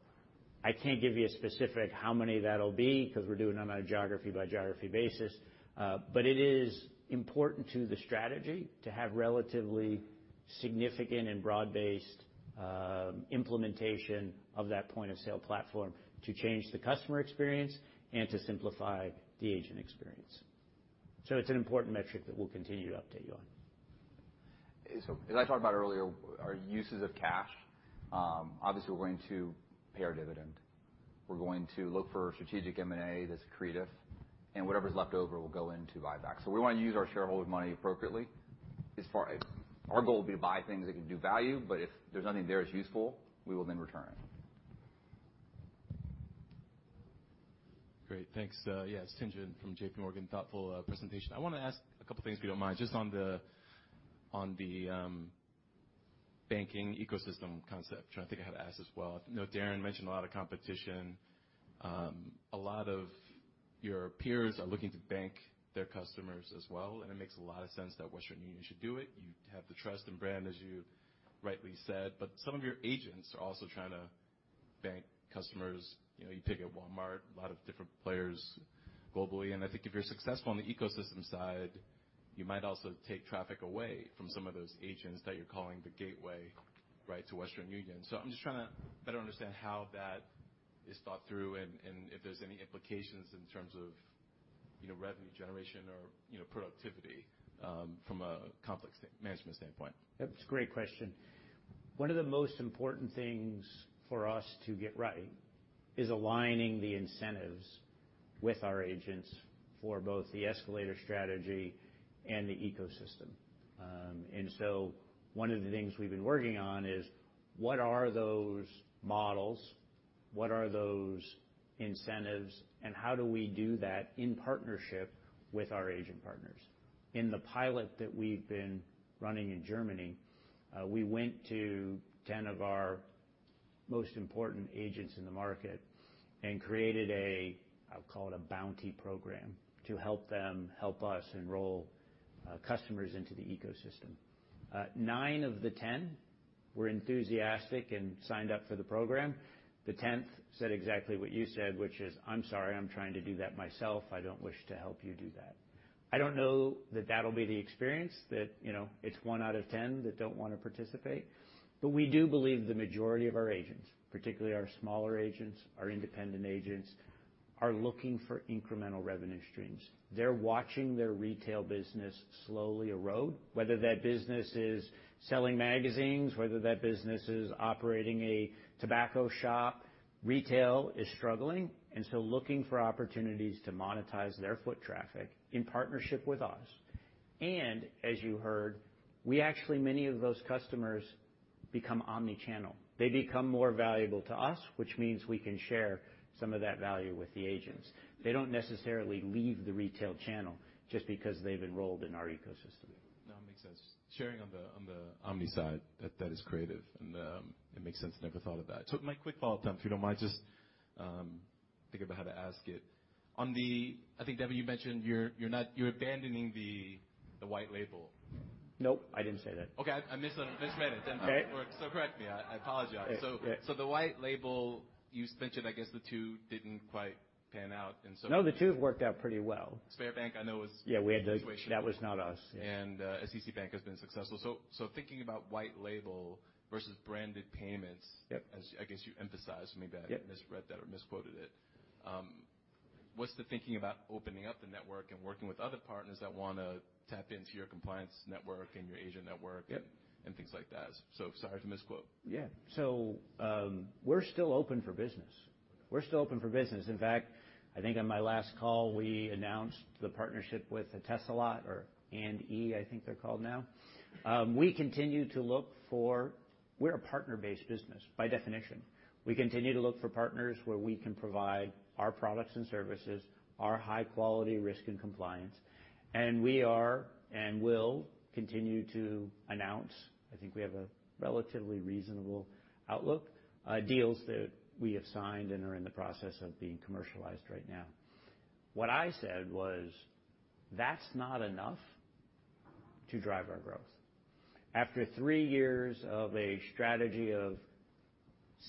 I can't give you a specific how many that'll be 'cause we're doing them on a geography by geography basis, but it is important to the strategy to have relatively significant and broad-based implementation of that point-of-sale platform to change the customer experience and to simplify the agent experience. It's an important metric that we'll continue to update you on. As I talked about earlier, our uses of cash, obviously, we're going to pay our dividend. We're going to look for strategic M&A that's accretive, and whatever's left over will go into buyback. We want to use our shareholder money appropriately. As far as our goal will be to buy things that can add value, but if there's nothing there that's useful, we will then return it. Great. Thanks. Tien-Tsin Huang from JPMorgan. Thoughtful presentation. I want to ask a couple things, if you don't mind, just on the banking ecosystem concept, which I think I have asked as well. I know Darrin Peller mentioned a lot of competition. A lot of your peers are looking to bank their customers as well, and it makes a lot of sense that Western Union should do it. You have the trust and brand, as you rightly said, but some of your agents are also trying to bank customers. You know, you pick at Walmart, a lot of different players globally, and I think if you're successful on the ecosystem side, you might also take traffic away from some of those agents that you're calling the gateway, right, to Western Union. I'm just trying to better understand how that is thought through and if there's any implications in terms of Phase revenue generation or Phase productivity from a complex management standpoint. That's a great question. One of the most important things for us to get right is aligning the incentives with our agents for both the escalator strategy and the ecosystem. One of the things we've been working on is what are those incentives, and how do we do that in partnership with our agent partners? In the pilot that we've been running in Germany, we went to 10 of our most important agents in the market and created a, I'll call it a bounty program to help them help us enroll customers into the ecosystem. Nine of the 10 were enthusiastic and signed up for the program. The tenth said exactly what you said, which is, "I'm sorry, I'm trying to do that myself. I don't wish to help you do that. I don't know that that'll be the experience that Phase it's one out of ten that don't want to participate. We do believe the majority of our agents, particularly our smaller agents, our independent agents, are looking for incremental revenue streams. They're watching their retail business slowly erode, whether that business is selling magazines, whether that business is operating a tobacco shop, retail is struggling, and so looking for opportunities to monetize their foot traffic in partnership with us. As you heard, we actually, many of those customers become omni-channel. They become more valuable to us, which means we can share some of that value with the agents. They don't necessarily leave the retail channel just because they've enrolled in our ecosystem. No, it makes sense. Sharing on the omni side, that is creative, and it makes sense. Never thought of that. My quick follow-up, then, if you don't mind, just think about how to ask it. I think, Devin, you mentioned you're not abandoning the white label. Nope, I didn't say that. Okay. I mismette. Okay. Correct me. I apologize. Yeah. Yeah. The white label, you mentioned, I guess, the two didn't quite pan out, and so No, the two have worked out pretty well. Sberbank I know was- Yeah, we had to. Situation. That was not us. Yeah. SEB Bank has been successful. Thinking about white label versus branded payments. Yes. As I guess you emphasized to me that. Yes. misread that or misquoted it. What's the thinking about opening up the network and working with other partners that want to tap into your compliance network and your agent network? Yes. Things like that? Sorry to misquote. Yeah. We're still open for business. In fact, I think on my last call, we announced the partnership with Telda, I think they're called now. We're a partner-based business by definition. We continue to look for partners where we can provide our products and services, our high quality risk and compliance. We are and will continue to announce. I think we have a relatively reasonable outlook, deals that we have signed and are in the process of being commercialized right now. What I said was, "That's not enough to drive our growth." After three years of a strategy of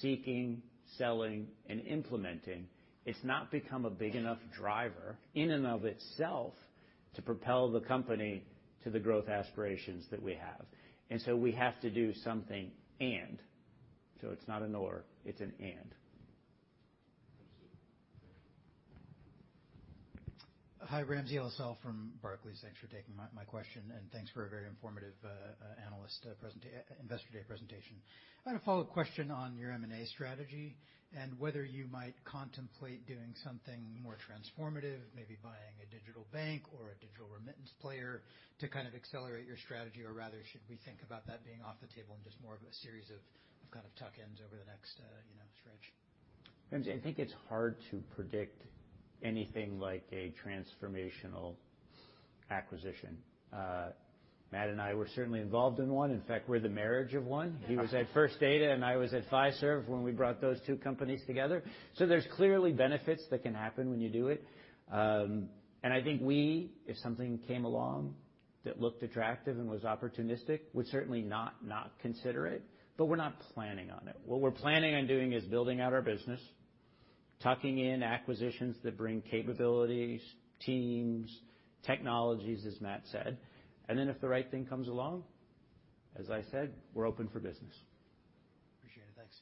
seeking, selling, and implementing, it's not become a big enough driver in and of itself to propel the company to the growth aspirations that we have. We have to do something and. It's not an or, it's an and. Thank you. Hi, Ramsey El-Assal from Barclays. Thanks for taking my question, and thanks for a very informative investor day presentation. I had a follow-up question on your M&A strategy and whether you might contemplate doing something more transformative, maybe buying a digital bank or a digital remittance player to kind of accelerate your strategy, or rather, should we think about that being off the table and just more of a series of kind of tuck-ins over the next Phase stretch? Ramsey El-Assal, I think it's hard to predict anything like a transformational acquisition. Matt and I were certainly involved in one. In fact, we're the marriage of one. He was at First Data, and I was at Fiserv when we brought those two companies together. There's clearly benefits that can happen when you do it. I think we, if something came along that looked attractive and was opportunistic, would certainly not consider it, but we're not planning on it. What we're planning on doing is building out our business, tucking in acquisitions that bring capabilities, teams, technologies, as Matt said. If the right thing comes along, as I said, we're open for business. Appreciate it. Thanks.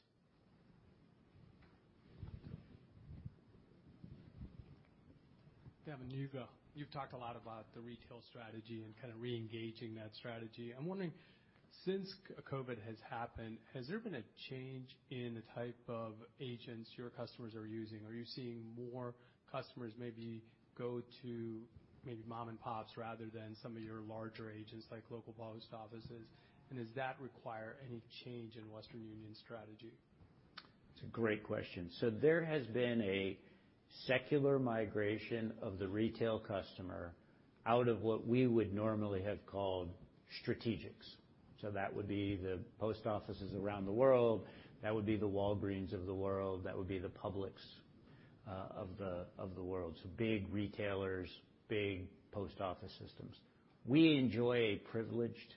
Devin, you've talked a lot about the retail strategy and kinda reengaging that strategy. I'm wondering, since COVID has happened, has there been a change in the type of agents your customers are using? Are you seeing more customers maybe go to maybe mom and pops rather than some of your larger agents, like local post offices? Does that require any change in Western Union's strategy? It's a great question. There has been a secular migration of the retail customer out of what we would normally have called strategics. That would be the post offices around the world, that would be the Walgreens of the world, that would be the Publix of the world. Big retailers, big post office systems. We enjoy a privileged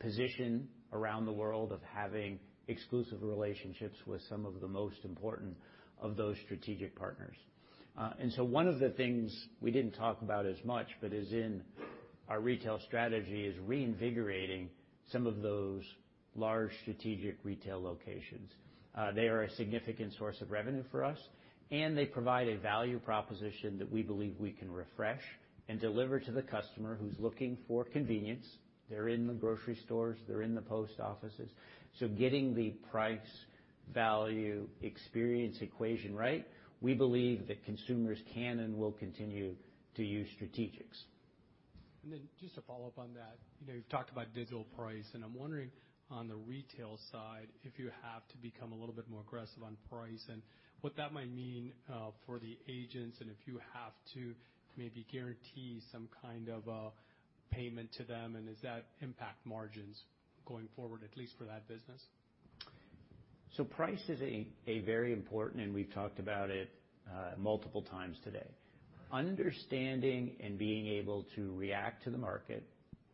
position around the world of having exclusive relationships with some of the most important of those strategic partners. One of the things we didn't talk about as much, but is in our retail strategy, is reinvigorating some of those large strategic retail locations. They are a significant source of revenue for us, and they provide a value proposition that we believe we can refresh and deliver to the customer who's looking for convenience. They're in the grocery stores. They're in the post offices. Getting the price, value, experience equation right, we believe that consumers can and will continue to use strategics. Just to follow up on that Phase you've talked about digital price, and I'm wondering on the retail side, if you have to become a little bit more aggressive on price and what that might mean, for the agents and if you have to maybe guarantee some kind of a payment to them, and does that impact margins going forward, at least for that business? Price is a very important, and we've talked about it multiple times today. Understanding and being able to react to the market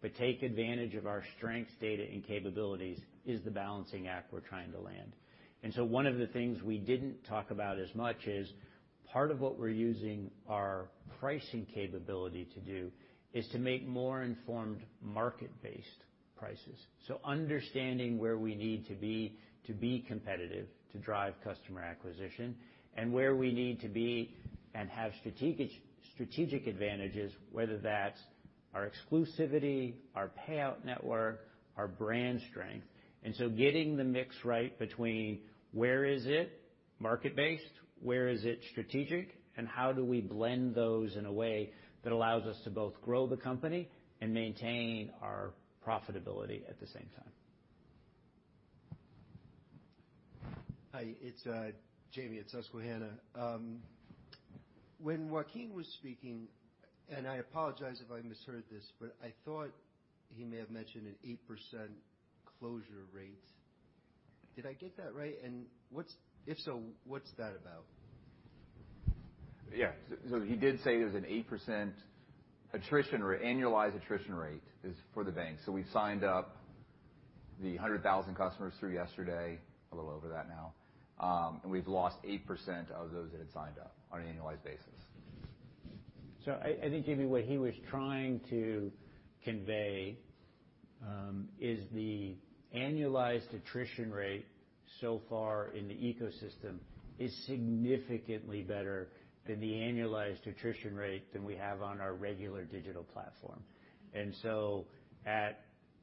but take advantage of our strengths, data, and capabilities is the balancing act we're trying to land. One of the things we didn't talk about as much is part of what we're using our pricing capability to do is to make more informed market-based prices. Understanding where we need to be to be competitive, to drive customer acquisition, and where we need to be and have strategic advantages, whether that's our exclusivity, our payout network, our brand strength. Getting the mix right between where is it market-based, where is it strategic, and how do we blend those in a way that allows us to both grow the company and maintain our profitability at the same time? Hi, it's Jamie at Susquehanna. When Joaquim was speaking, and I apologize if I misheard this, but I thought he may have mentioned an 8% closure rate. Did I get that right? If so, what's that about? Yeah. He did say there's an 8% attrition or annualized attrition rate is for the bank. We've signed up the 100,000 customers through yesterday, a little over that now, and we've lost 8% of those that had signed up on an annualized basis. I think, Jamie, what he was trying to convey is the annualized attrition rate so far in the ecosystem is significantly better than the annualized attrition rate than we have on our regular digital platform.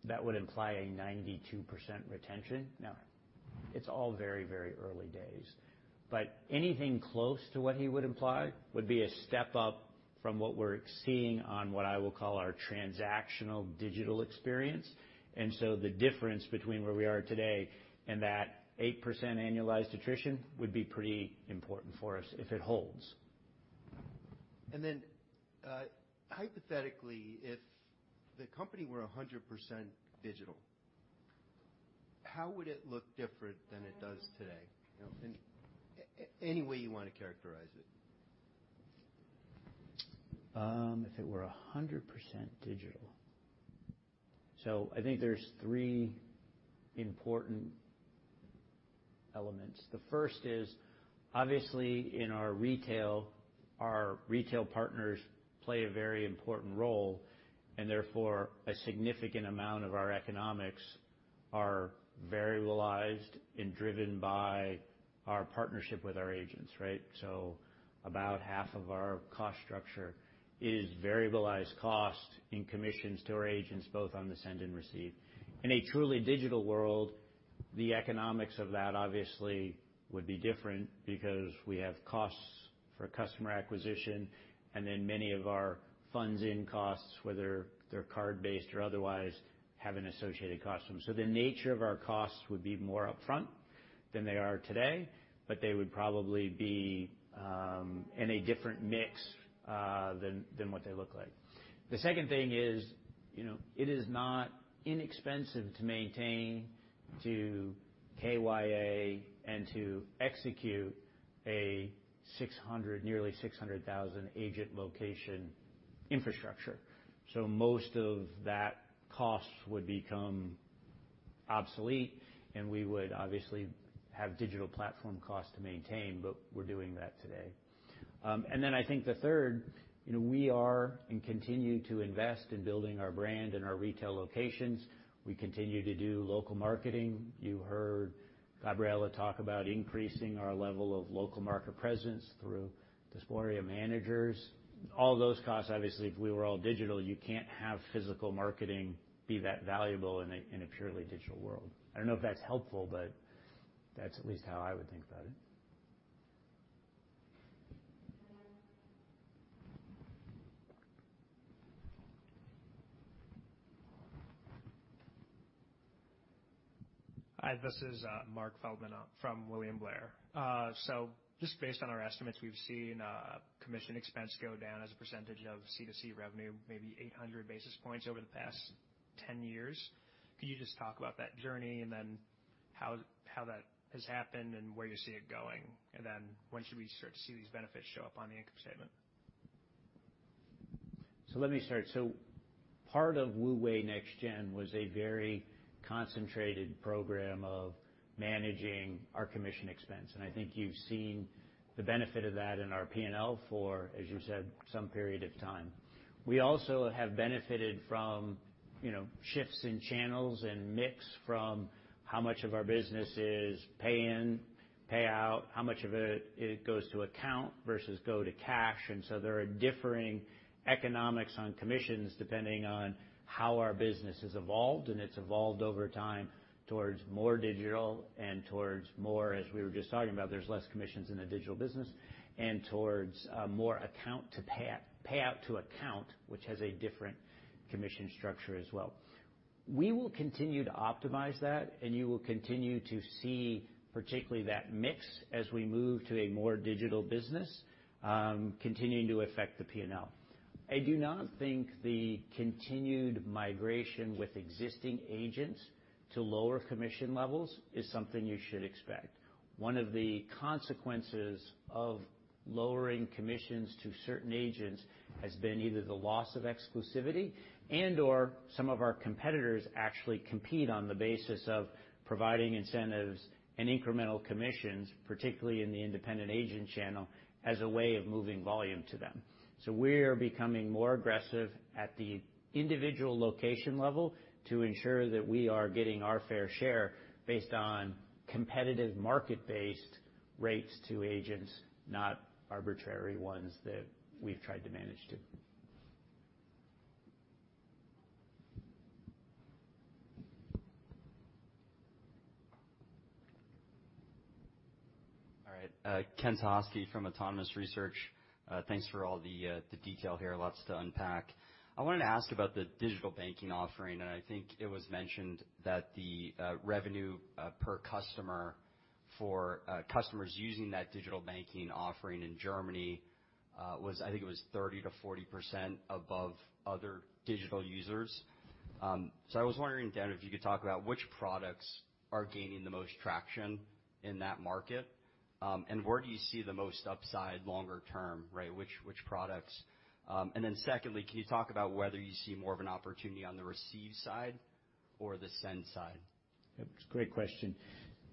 That would imply a 92% retention. Now, it's all very, very early days, but anything close to what he would imply would be a step up from what we're seeing on what I will call our transactional digital experience. The difference between where we are today and that 8% annualized attrition would be pretty important for us if it holds. Hypothetically, if the company were 100% digital, how would it look different than it does today? You know, any way you want to characterize it. If it were 100% digital. I think there's three important elements. The first is, obviously in our retail, our retail partners play a very important role, and therefore, a significant amount of our economics are variable and driven by our partnership with our agents, right? About half of our cost structure is variable cost in commissions to our agents, both on the send and receive. In a truly digital world, the economics of that obviously would be different because we have costs for customer acquisition, and then many of our funding costs, whether they're card-based or otherwise, have an associated cost. The nature of our costs would be more upfront than they are today, but they would probably be in a different mix than what they look like. The second thing is Phase it is not inexpensive to maintain, to KYC and to execute a nearly 600,000 agent location infrastructure. Most of that cost would become obsolete, and we would obviously have digital platform costs to maintain, but we're doing that today. I think the third Phase we are and continue to invest in building our brand and our retail locations. We continue to do local marketing. You heard Gabriela talk about increasing our level of local market presence through the diaspora managers. All those costs, obviously, if we were all digital, you can't have physical marketing be that valuable in a purely digital world. I don't know if that's helpful, but that's at least how I would think about it. Hi, this is Mark Feldman from William Blair. Just based on our estimates, we've seen commission expense go down as a percentage of C2C revenue, maybe 800 basis points over the past 10 years. Could you just talk about that journey, and then how that has happened and where you see it going? When should we start to see these benefits show up on the income statement? Let me start. Part of WU-Way NextGen was a very concentrated program of managing our commission expense. I think you've seen the benefit of that in our P&L for, as you said, some period of time. We also have benefited from Phase shifts in channels and mix from how much of our business is pay in/pay out, how much of it goes to account versus go to cash. There are differing economics on commissions depending on how our business has evolved, and it's evolved over time towards more digital and towards more, as we were just talking about, there's less commissions in the digital business and towards more payout to account, which has a different commission structure as well. We will continue to optimize that, and you will continue to see particularly that mix as we move to a more digital business, continuing to affect the P&L. I do not think the continued migration with existing agents to lower commission levels is something you should expect. One of the consequences of lowering commissions to certain agents has been either the loss of exclusivity and/or some of our competitors actually compete on the basis of providing incentives and incremental commissions, particularly in the independent agent channel, as a way of moving volume to them. We're becoming more aggressive at the individual location level to ensure that we are getting our fair share based on competitive market-based rates to agents, not arbitrary ones that we've tried to manage to. All right. Ken Suchoski from Autonomous Research. Thanks for all the detail here. Lots to unpack. I wanted to ask about the digital banking offering, and I think it was mentioned that the revenue per customer for customers using that digital banking offering in Germany was 30%-40% above other digital users. So I was wondering, Devin McGranahan, if you could talk about which products are gaining the most traction in that market, and where do you see the most upside longer term, right? Which products? And then secondly, can you talk about whether you see more of an opportunity on the receive side or the send side? It's a great question.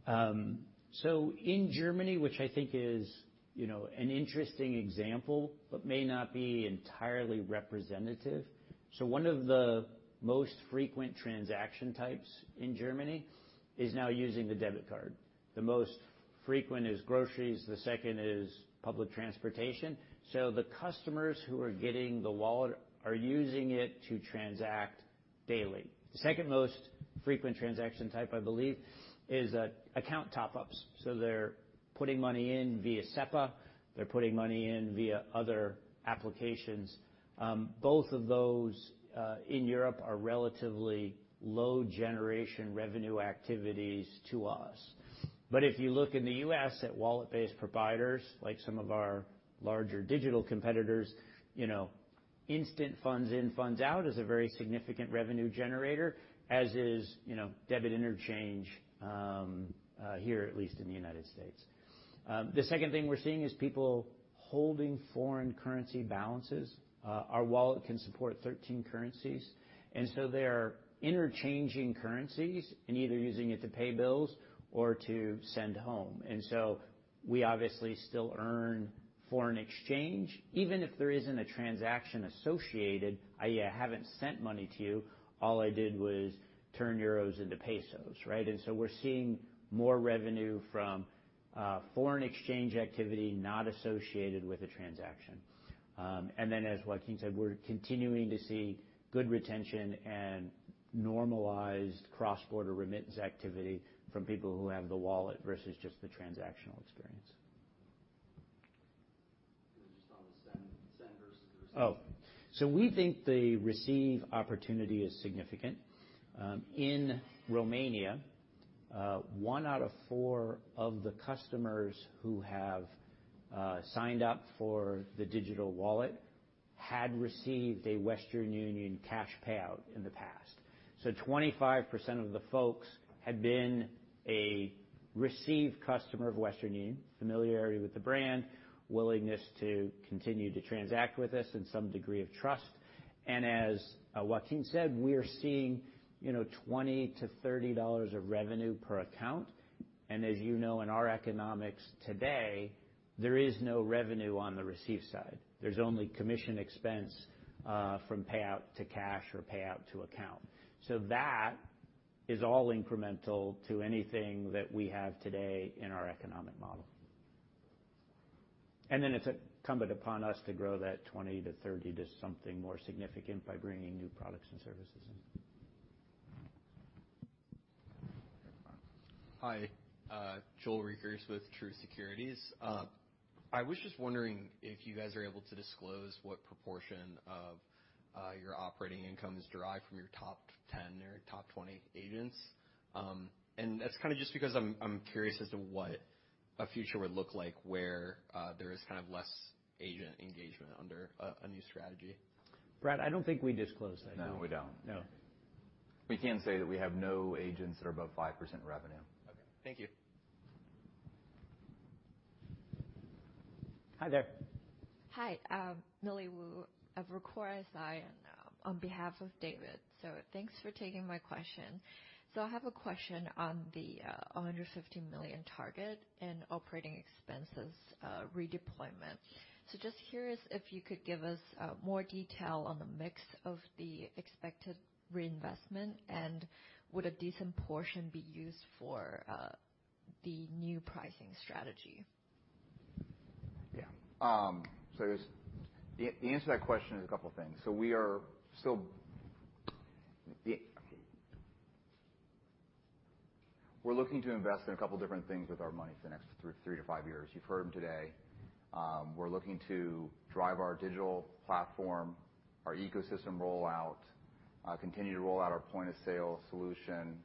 In Germany, which I think is Phase an interesting example, but may not be entirely representative. One of the most frequent transaction types in Germany is now using the debit card. The most frequent is groceries, the second is public transportation. The customers who are getting the wallet are using it to transact daily. The second most frequent transaction type, I believe, is account top-ups. They're putting money in via SEPA, they're putting money in via other applications. Both of those in Europe are relatively low generation revenue activities to us. But if you look in the US at wallet-based providers, like some of our larger digital competitors Phase instant funds in, funds out is a very significant revenue generator, as is Phase debit interchange here, at least in the United States. The second thing we're seeing is people holding foreign currency balances. Our wallet can support 13 currencies, and so they are interchanging currencies and either using it to pay bills or to send home. We obviously still earn foreign exchange even if there isn't a transaction associated. I haven't sent money to you, all I did was turn euros into pesos, right? We're seeing more revenue from foreign exchange activity not associated with the transaction. As Joaquim said, we're continuing to see good retention and normalized cross-border remittance activity from people who have the wallet versus just the transactional experience. Just on the send versus receive. Oh. We think the receive opportunity is significant. In Romania, one out of four of the customers who have signed up for the digital wallet had received a Western Union cash payout in the past. 25% of the folks had been a receive customer of Western Union, familiarity with the brand, willingness to continue to transact with us and some degree of trust. As Joaquim said, we are seeing Phase $20-$30 of revenue per account. As you know, in our economics today, there is no revenue on the receive side. There's only commission expense from payout to cash or payout to account. That is all incremental to anything that we have today in our economic model. It's incumbent upon us to grow that 20-30 to something more significant by bringing new products and services in. Hi. Andrew Jeffrey with Truist Securities. I was just wondering if you guys are able to disclose what proportion of your operating income is derived from your top 10 or top 20 agents. That's kinda just because I'm curious as to what a future would look like where there is kind of less agent engagement under a new strategy. Brad, I don't think we disclose that. No, we don't. No. We can say that we have no agents that are above 5% revenue. Okay. Thank you. Hi there. Hi. I'm Millie Wu of Evercore ISI, and on behalf of David. Thanks for taking my question. I have a question on the $150 million target and operating expenses redeployment. Just curious if you could give us more detail on the mix of the expected reinvestment, and would a decent portion be used for the new pricing strategy? Yeah. I guess the answer to that question is a couple things. We are still the. We're looking to invest in a couple different things with our money for the next 3-5 years. You've heard them today. We're looking to drive our digital platform, our ecosystem rollout, continue to roll out our point-of-sale solution,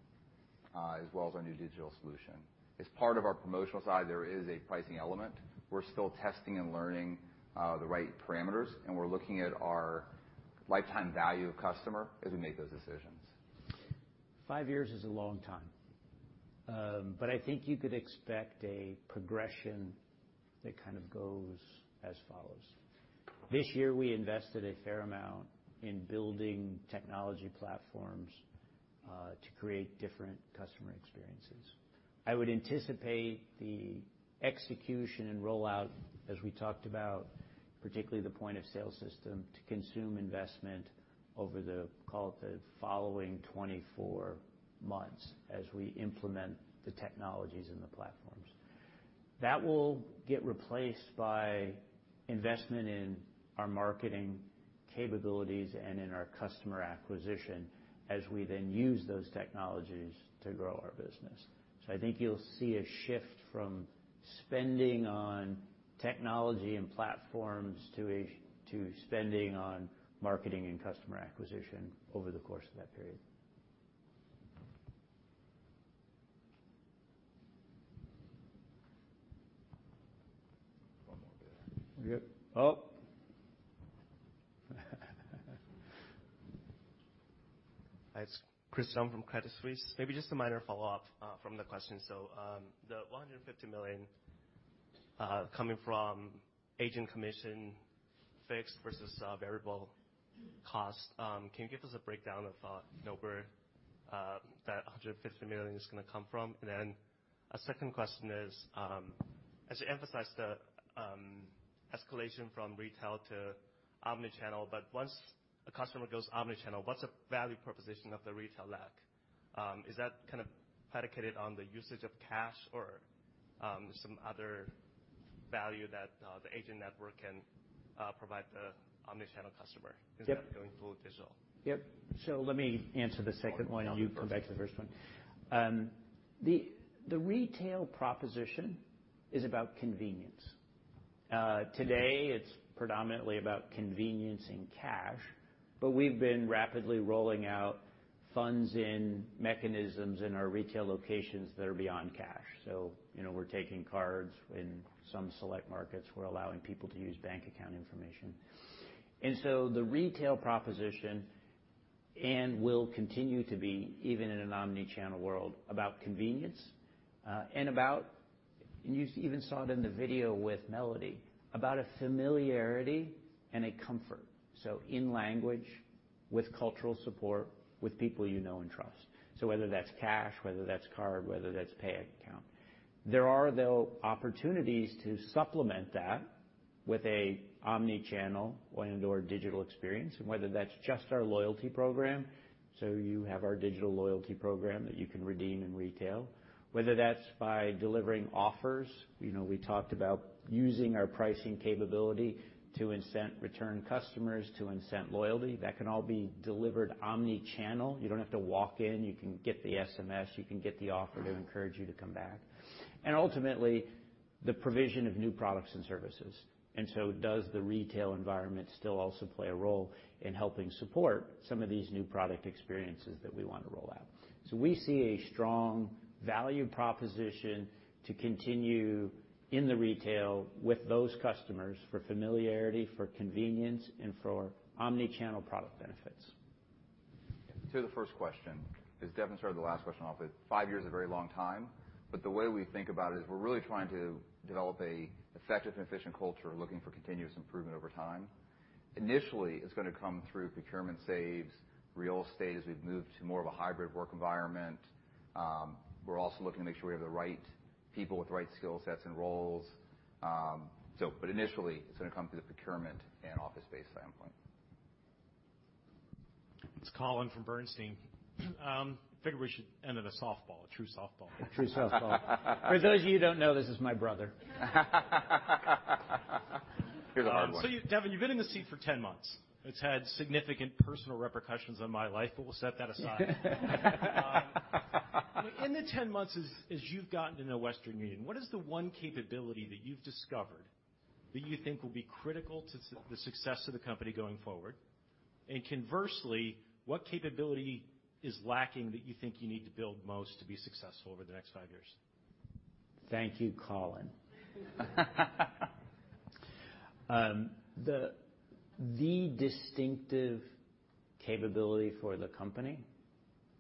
as well as our new digital solution. As part of our promotional side, there is a pricing element. We're still testing and learning the right parameters, and we're looking at our lifetime value of customer as we make those decisions. Five years is a long time. I think you could expect a progression that kind of goes as follows. This year we invested a fair amount in building technology platforms to create different customer experiences. I would anticipate the execution and rollout, as we talked about, particularly the point-of-sale system, to consume investment over the call it the following 24 months as we implement the technologies and the platforms. That will get replaced by investment in our marketing capabilities and in our customer acquisition as we then use those technologies to grow our business. I think you'll see a shift from spending on technology and platforms to spending on marketing and customer acquisition over the course of that period. One more. Yeah. Yeah. Oh. It's Christopher Jung from Credit Suisse. Maybe just a minor follow-up from the question. The $150 million coming from agent commission fixed versus variable cost, can you give us a breakdown of where that $150 million is going to come from? Then a second question is, as you emphasize the escalation from retail to omni-channel, but once a customer goes omni-channel, what's the value proposition of the retail leg? Is that kind of predicated on the usage of cash or some other value that the agent network can provide the omni-channel customer? Yes. Instead of going full digital? Yes. Let me answer the second one. Okay. You come back to the first one. The retail proposition is about convenience. Today it's predominantly about convenience and cash, but we've been rapidly rolling out funding mechanisms in our retail locations that are beyond cash. You know, we're taking cards in some select markets. We're allowing people to use bank account information. The retail proposition will continue to be, even in an omni-channel world, about convenience, and about you even saw it in the video with Melody, about a familiarity and a comfort. In language, with cultural support, with people you know and trust. Whether that's cash, whether that's card, whether that's bank account. There are, though, opportunities to supplement that with an omni-channel and/or digital experience, and whether that's just our loyalty program. You have our digital loyalty program that you can redeem in retail, whether that's by delivering offers. You know, we talked about using our pricing capability to incent return customers to incent loyalty. That can all be delivered omni-channel. You don't have to walk in. You can get the SMS, you can get the offer to encourage you to come back. Ultimately, the provision of new products and services. Does the retail environment still also play a role in helping support some of these new product experiences that we want to roll out? We see a strong value proposition to continue in the retail with those customers for familiarity, for convenience, and for omni-channel product benefits. To the first question, because Devin started the last question off with five years a very long time, but the way we think about it is we're really trying to develop an effective and efficient culture looking for continuous improvement over time. Initially, it's going to come through procurement savings, real estate as we've moved to more of a hybrid work environment. We're also looking to make sure we have the right people with the right skill sets and roles. But initially, it's going to come through the procurement and office space standpoint. It's Colin from Bernstein. Figured we should end on a softball. A true softball. A true softball. For those of you who don't know, this is my brother. Here's a hard one. Devin, you've been in the seat for 10 months. It's had significant personal repercussions on my life, but we'll set that aside. In the 10 months as you've gotten to know Western Union, what is the one capability that you've discovered that you think will be critical to the success of the company going forward? And conversely, what capability is lacking that you think you need to build most to be successful over the next 5 years? Thank you, Colin. The distinctive capability for the company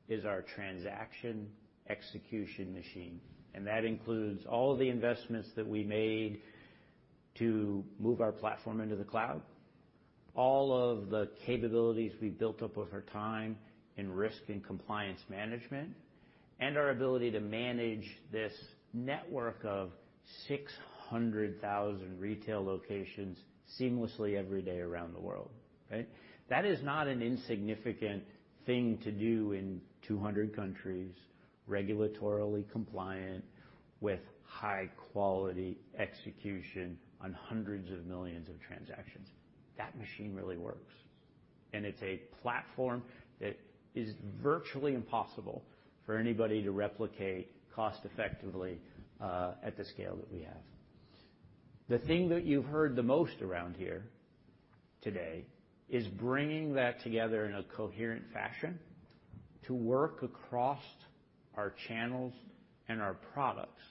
is our transaction execution machine, and that includes all the investments that we made to move our platform into the cloud, all of the capabilities we've built up over time in risk and compliance management, and our ability to manage this network of 600,000 retail locations seamlessly every day around the world. Right? That is not an insignificant thing to do in 200 countries, regulatorily compliant with high quality execution on hundreds of millions of transactions. That machine really works, and it's a platform that is virtually impossible for anybody to replicate cost effectively, at the scale that we have. The thing that you've heard the most around here today is bringing that together in a coherent fashion to work across our channels and our products.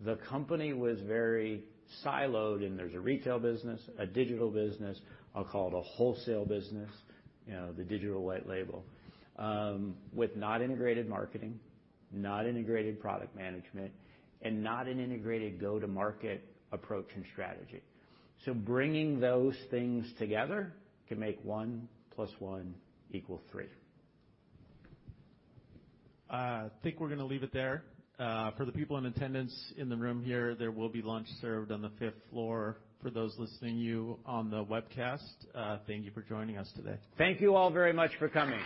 The company was very siloed, and there's a retail business, a digital business, I'll call it a wholesale business Phase the digital white label, with not integrated marketing, not integrated product management, and not an integrated go-to-market approach and strategy. Bringing those things together can make one plus one equal three. I think we're going to leave it there. For the people in attendance in the room here, there will be lunch served on the fifth floor. For those listening to you on the webcast, thank you for joining us today. Thank you all very much for coming.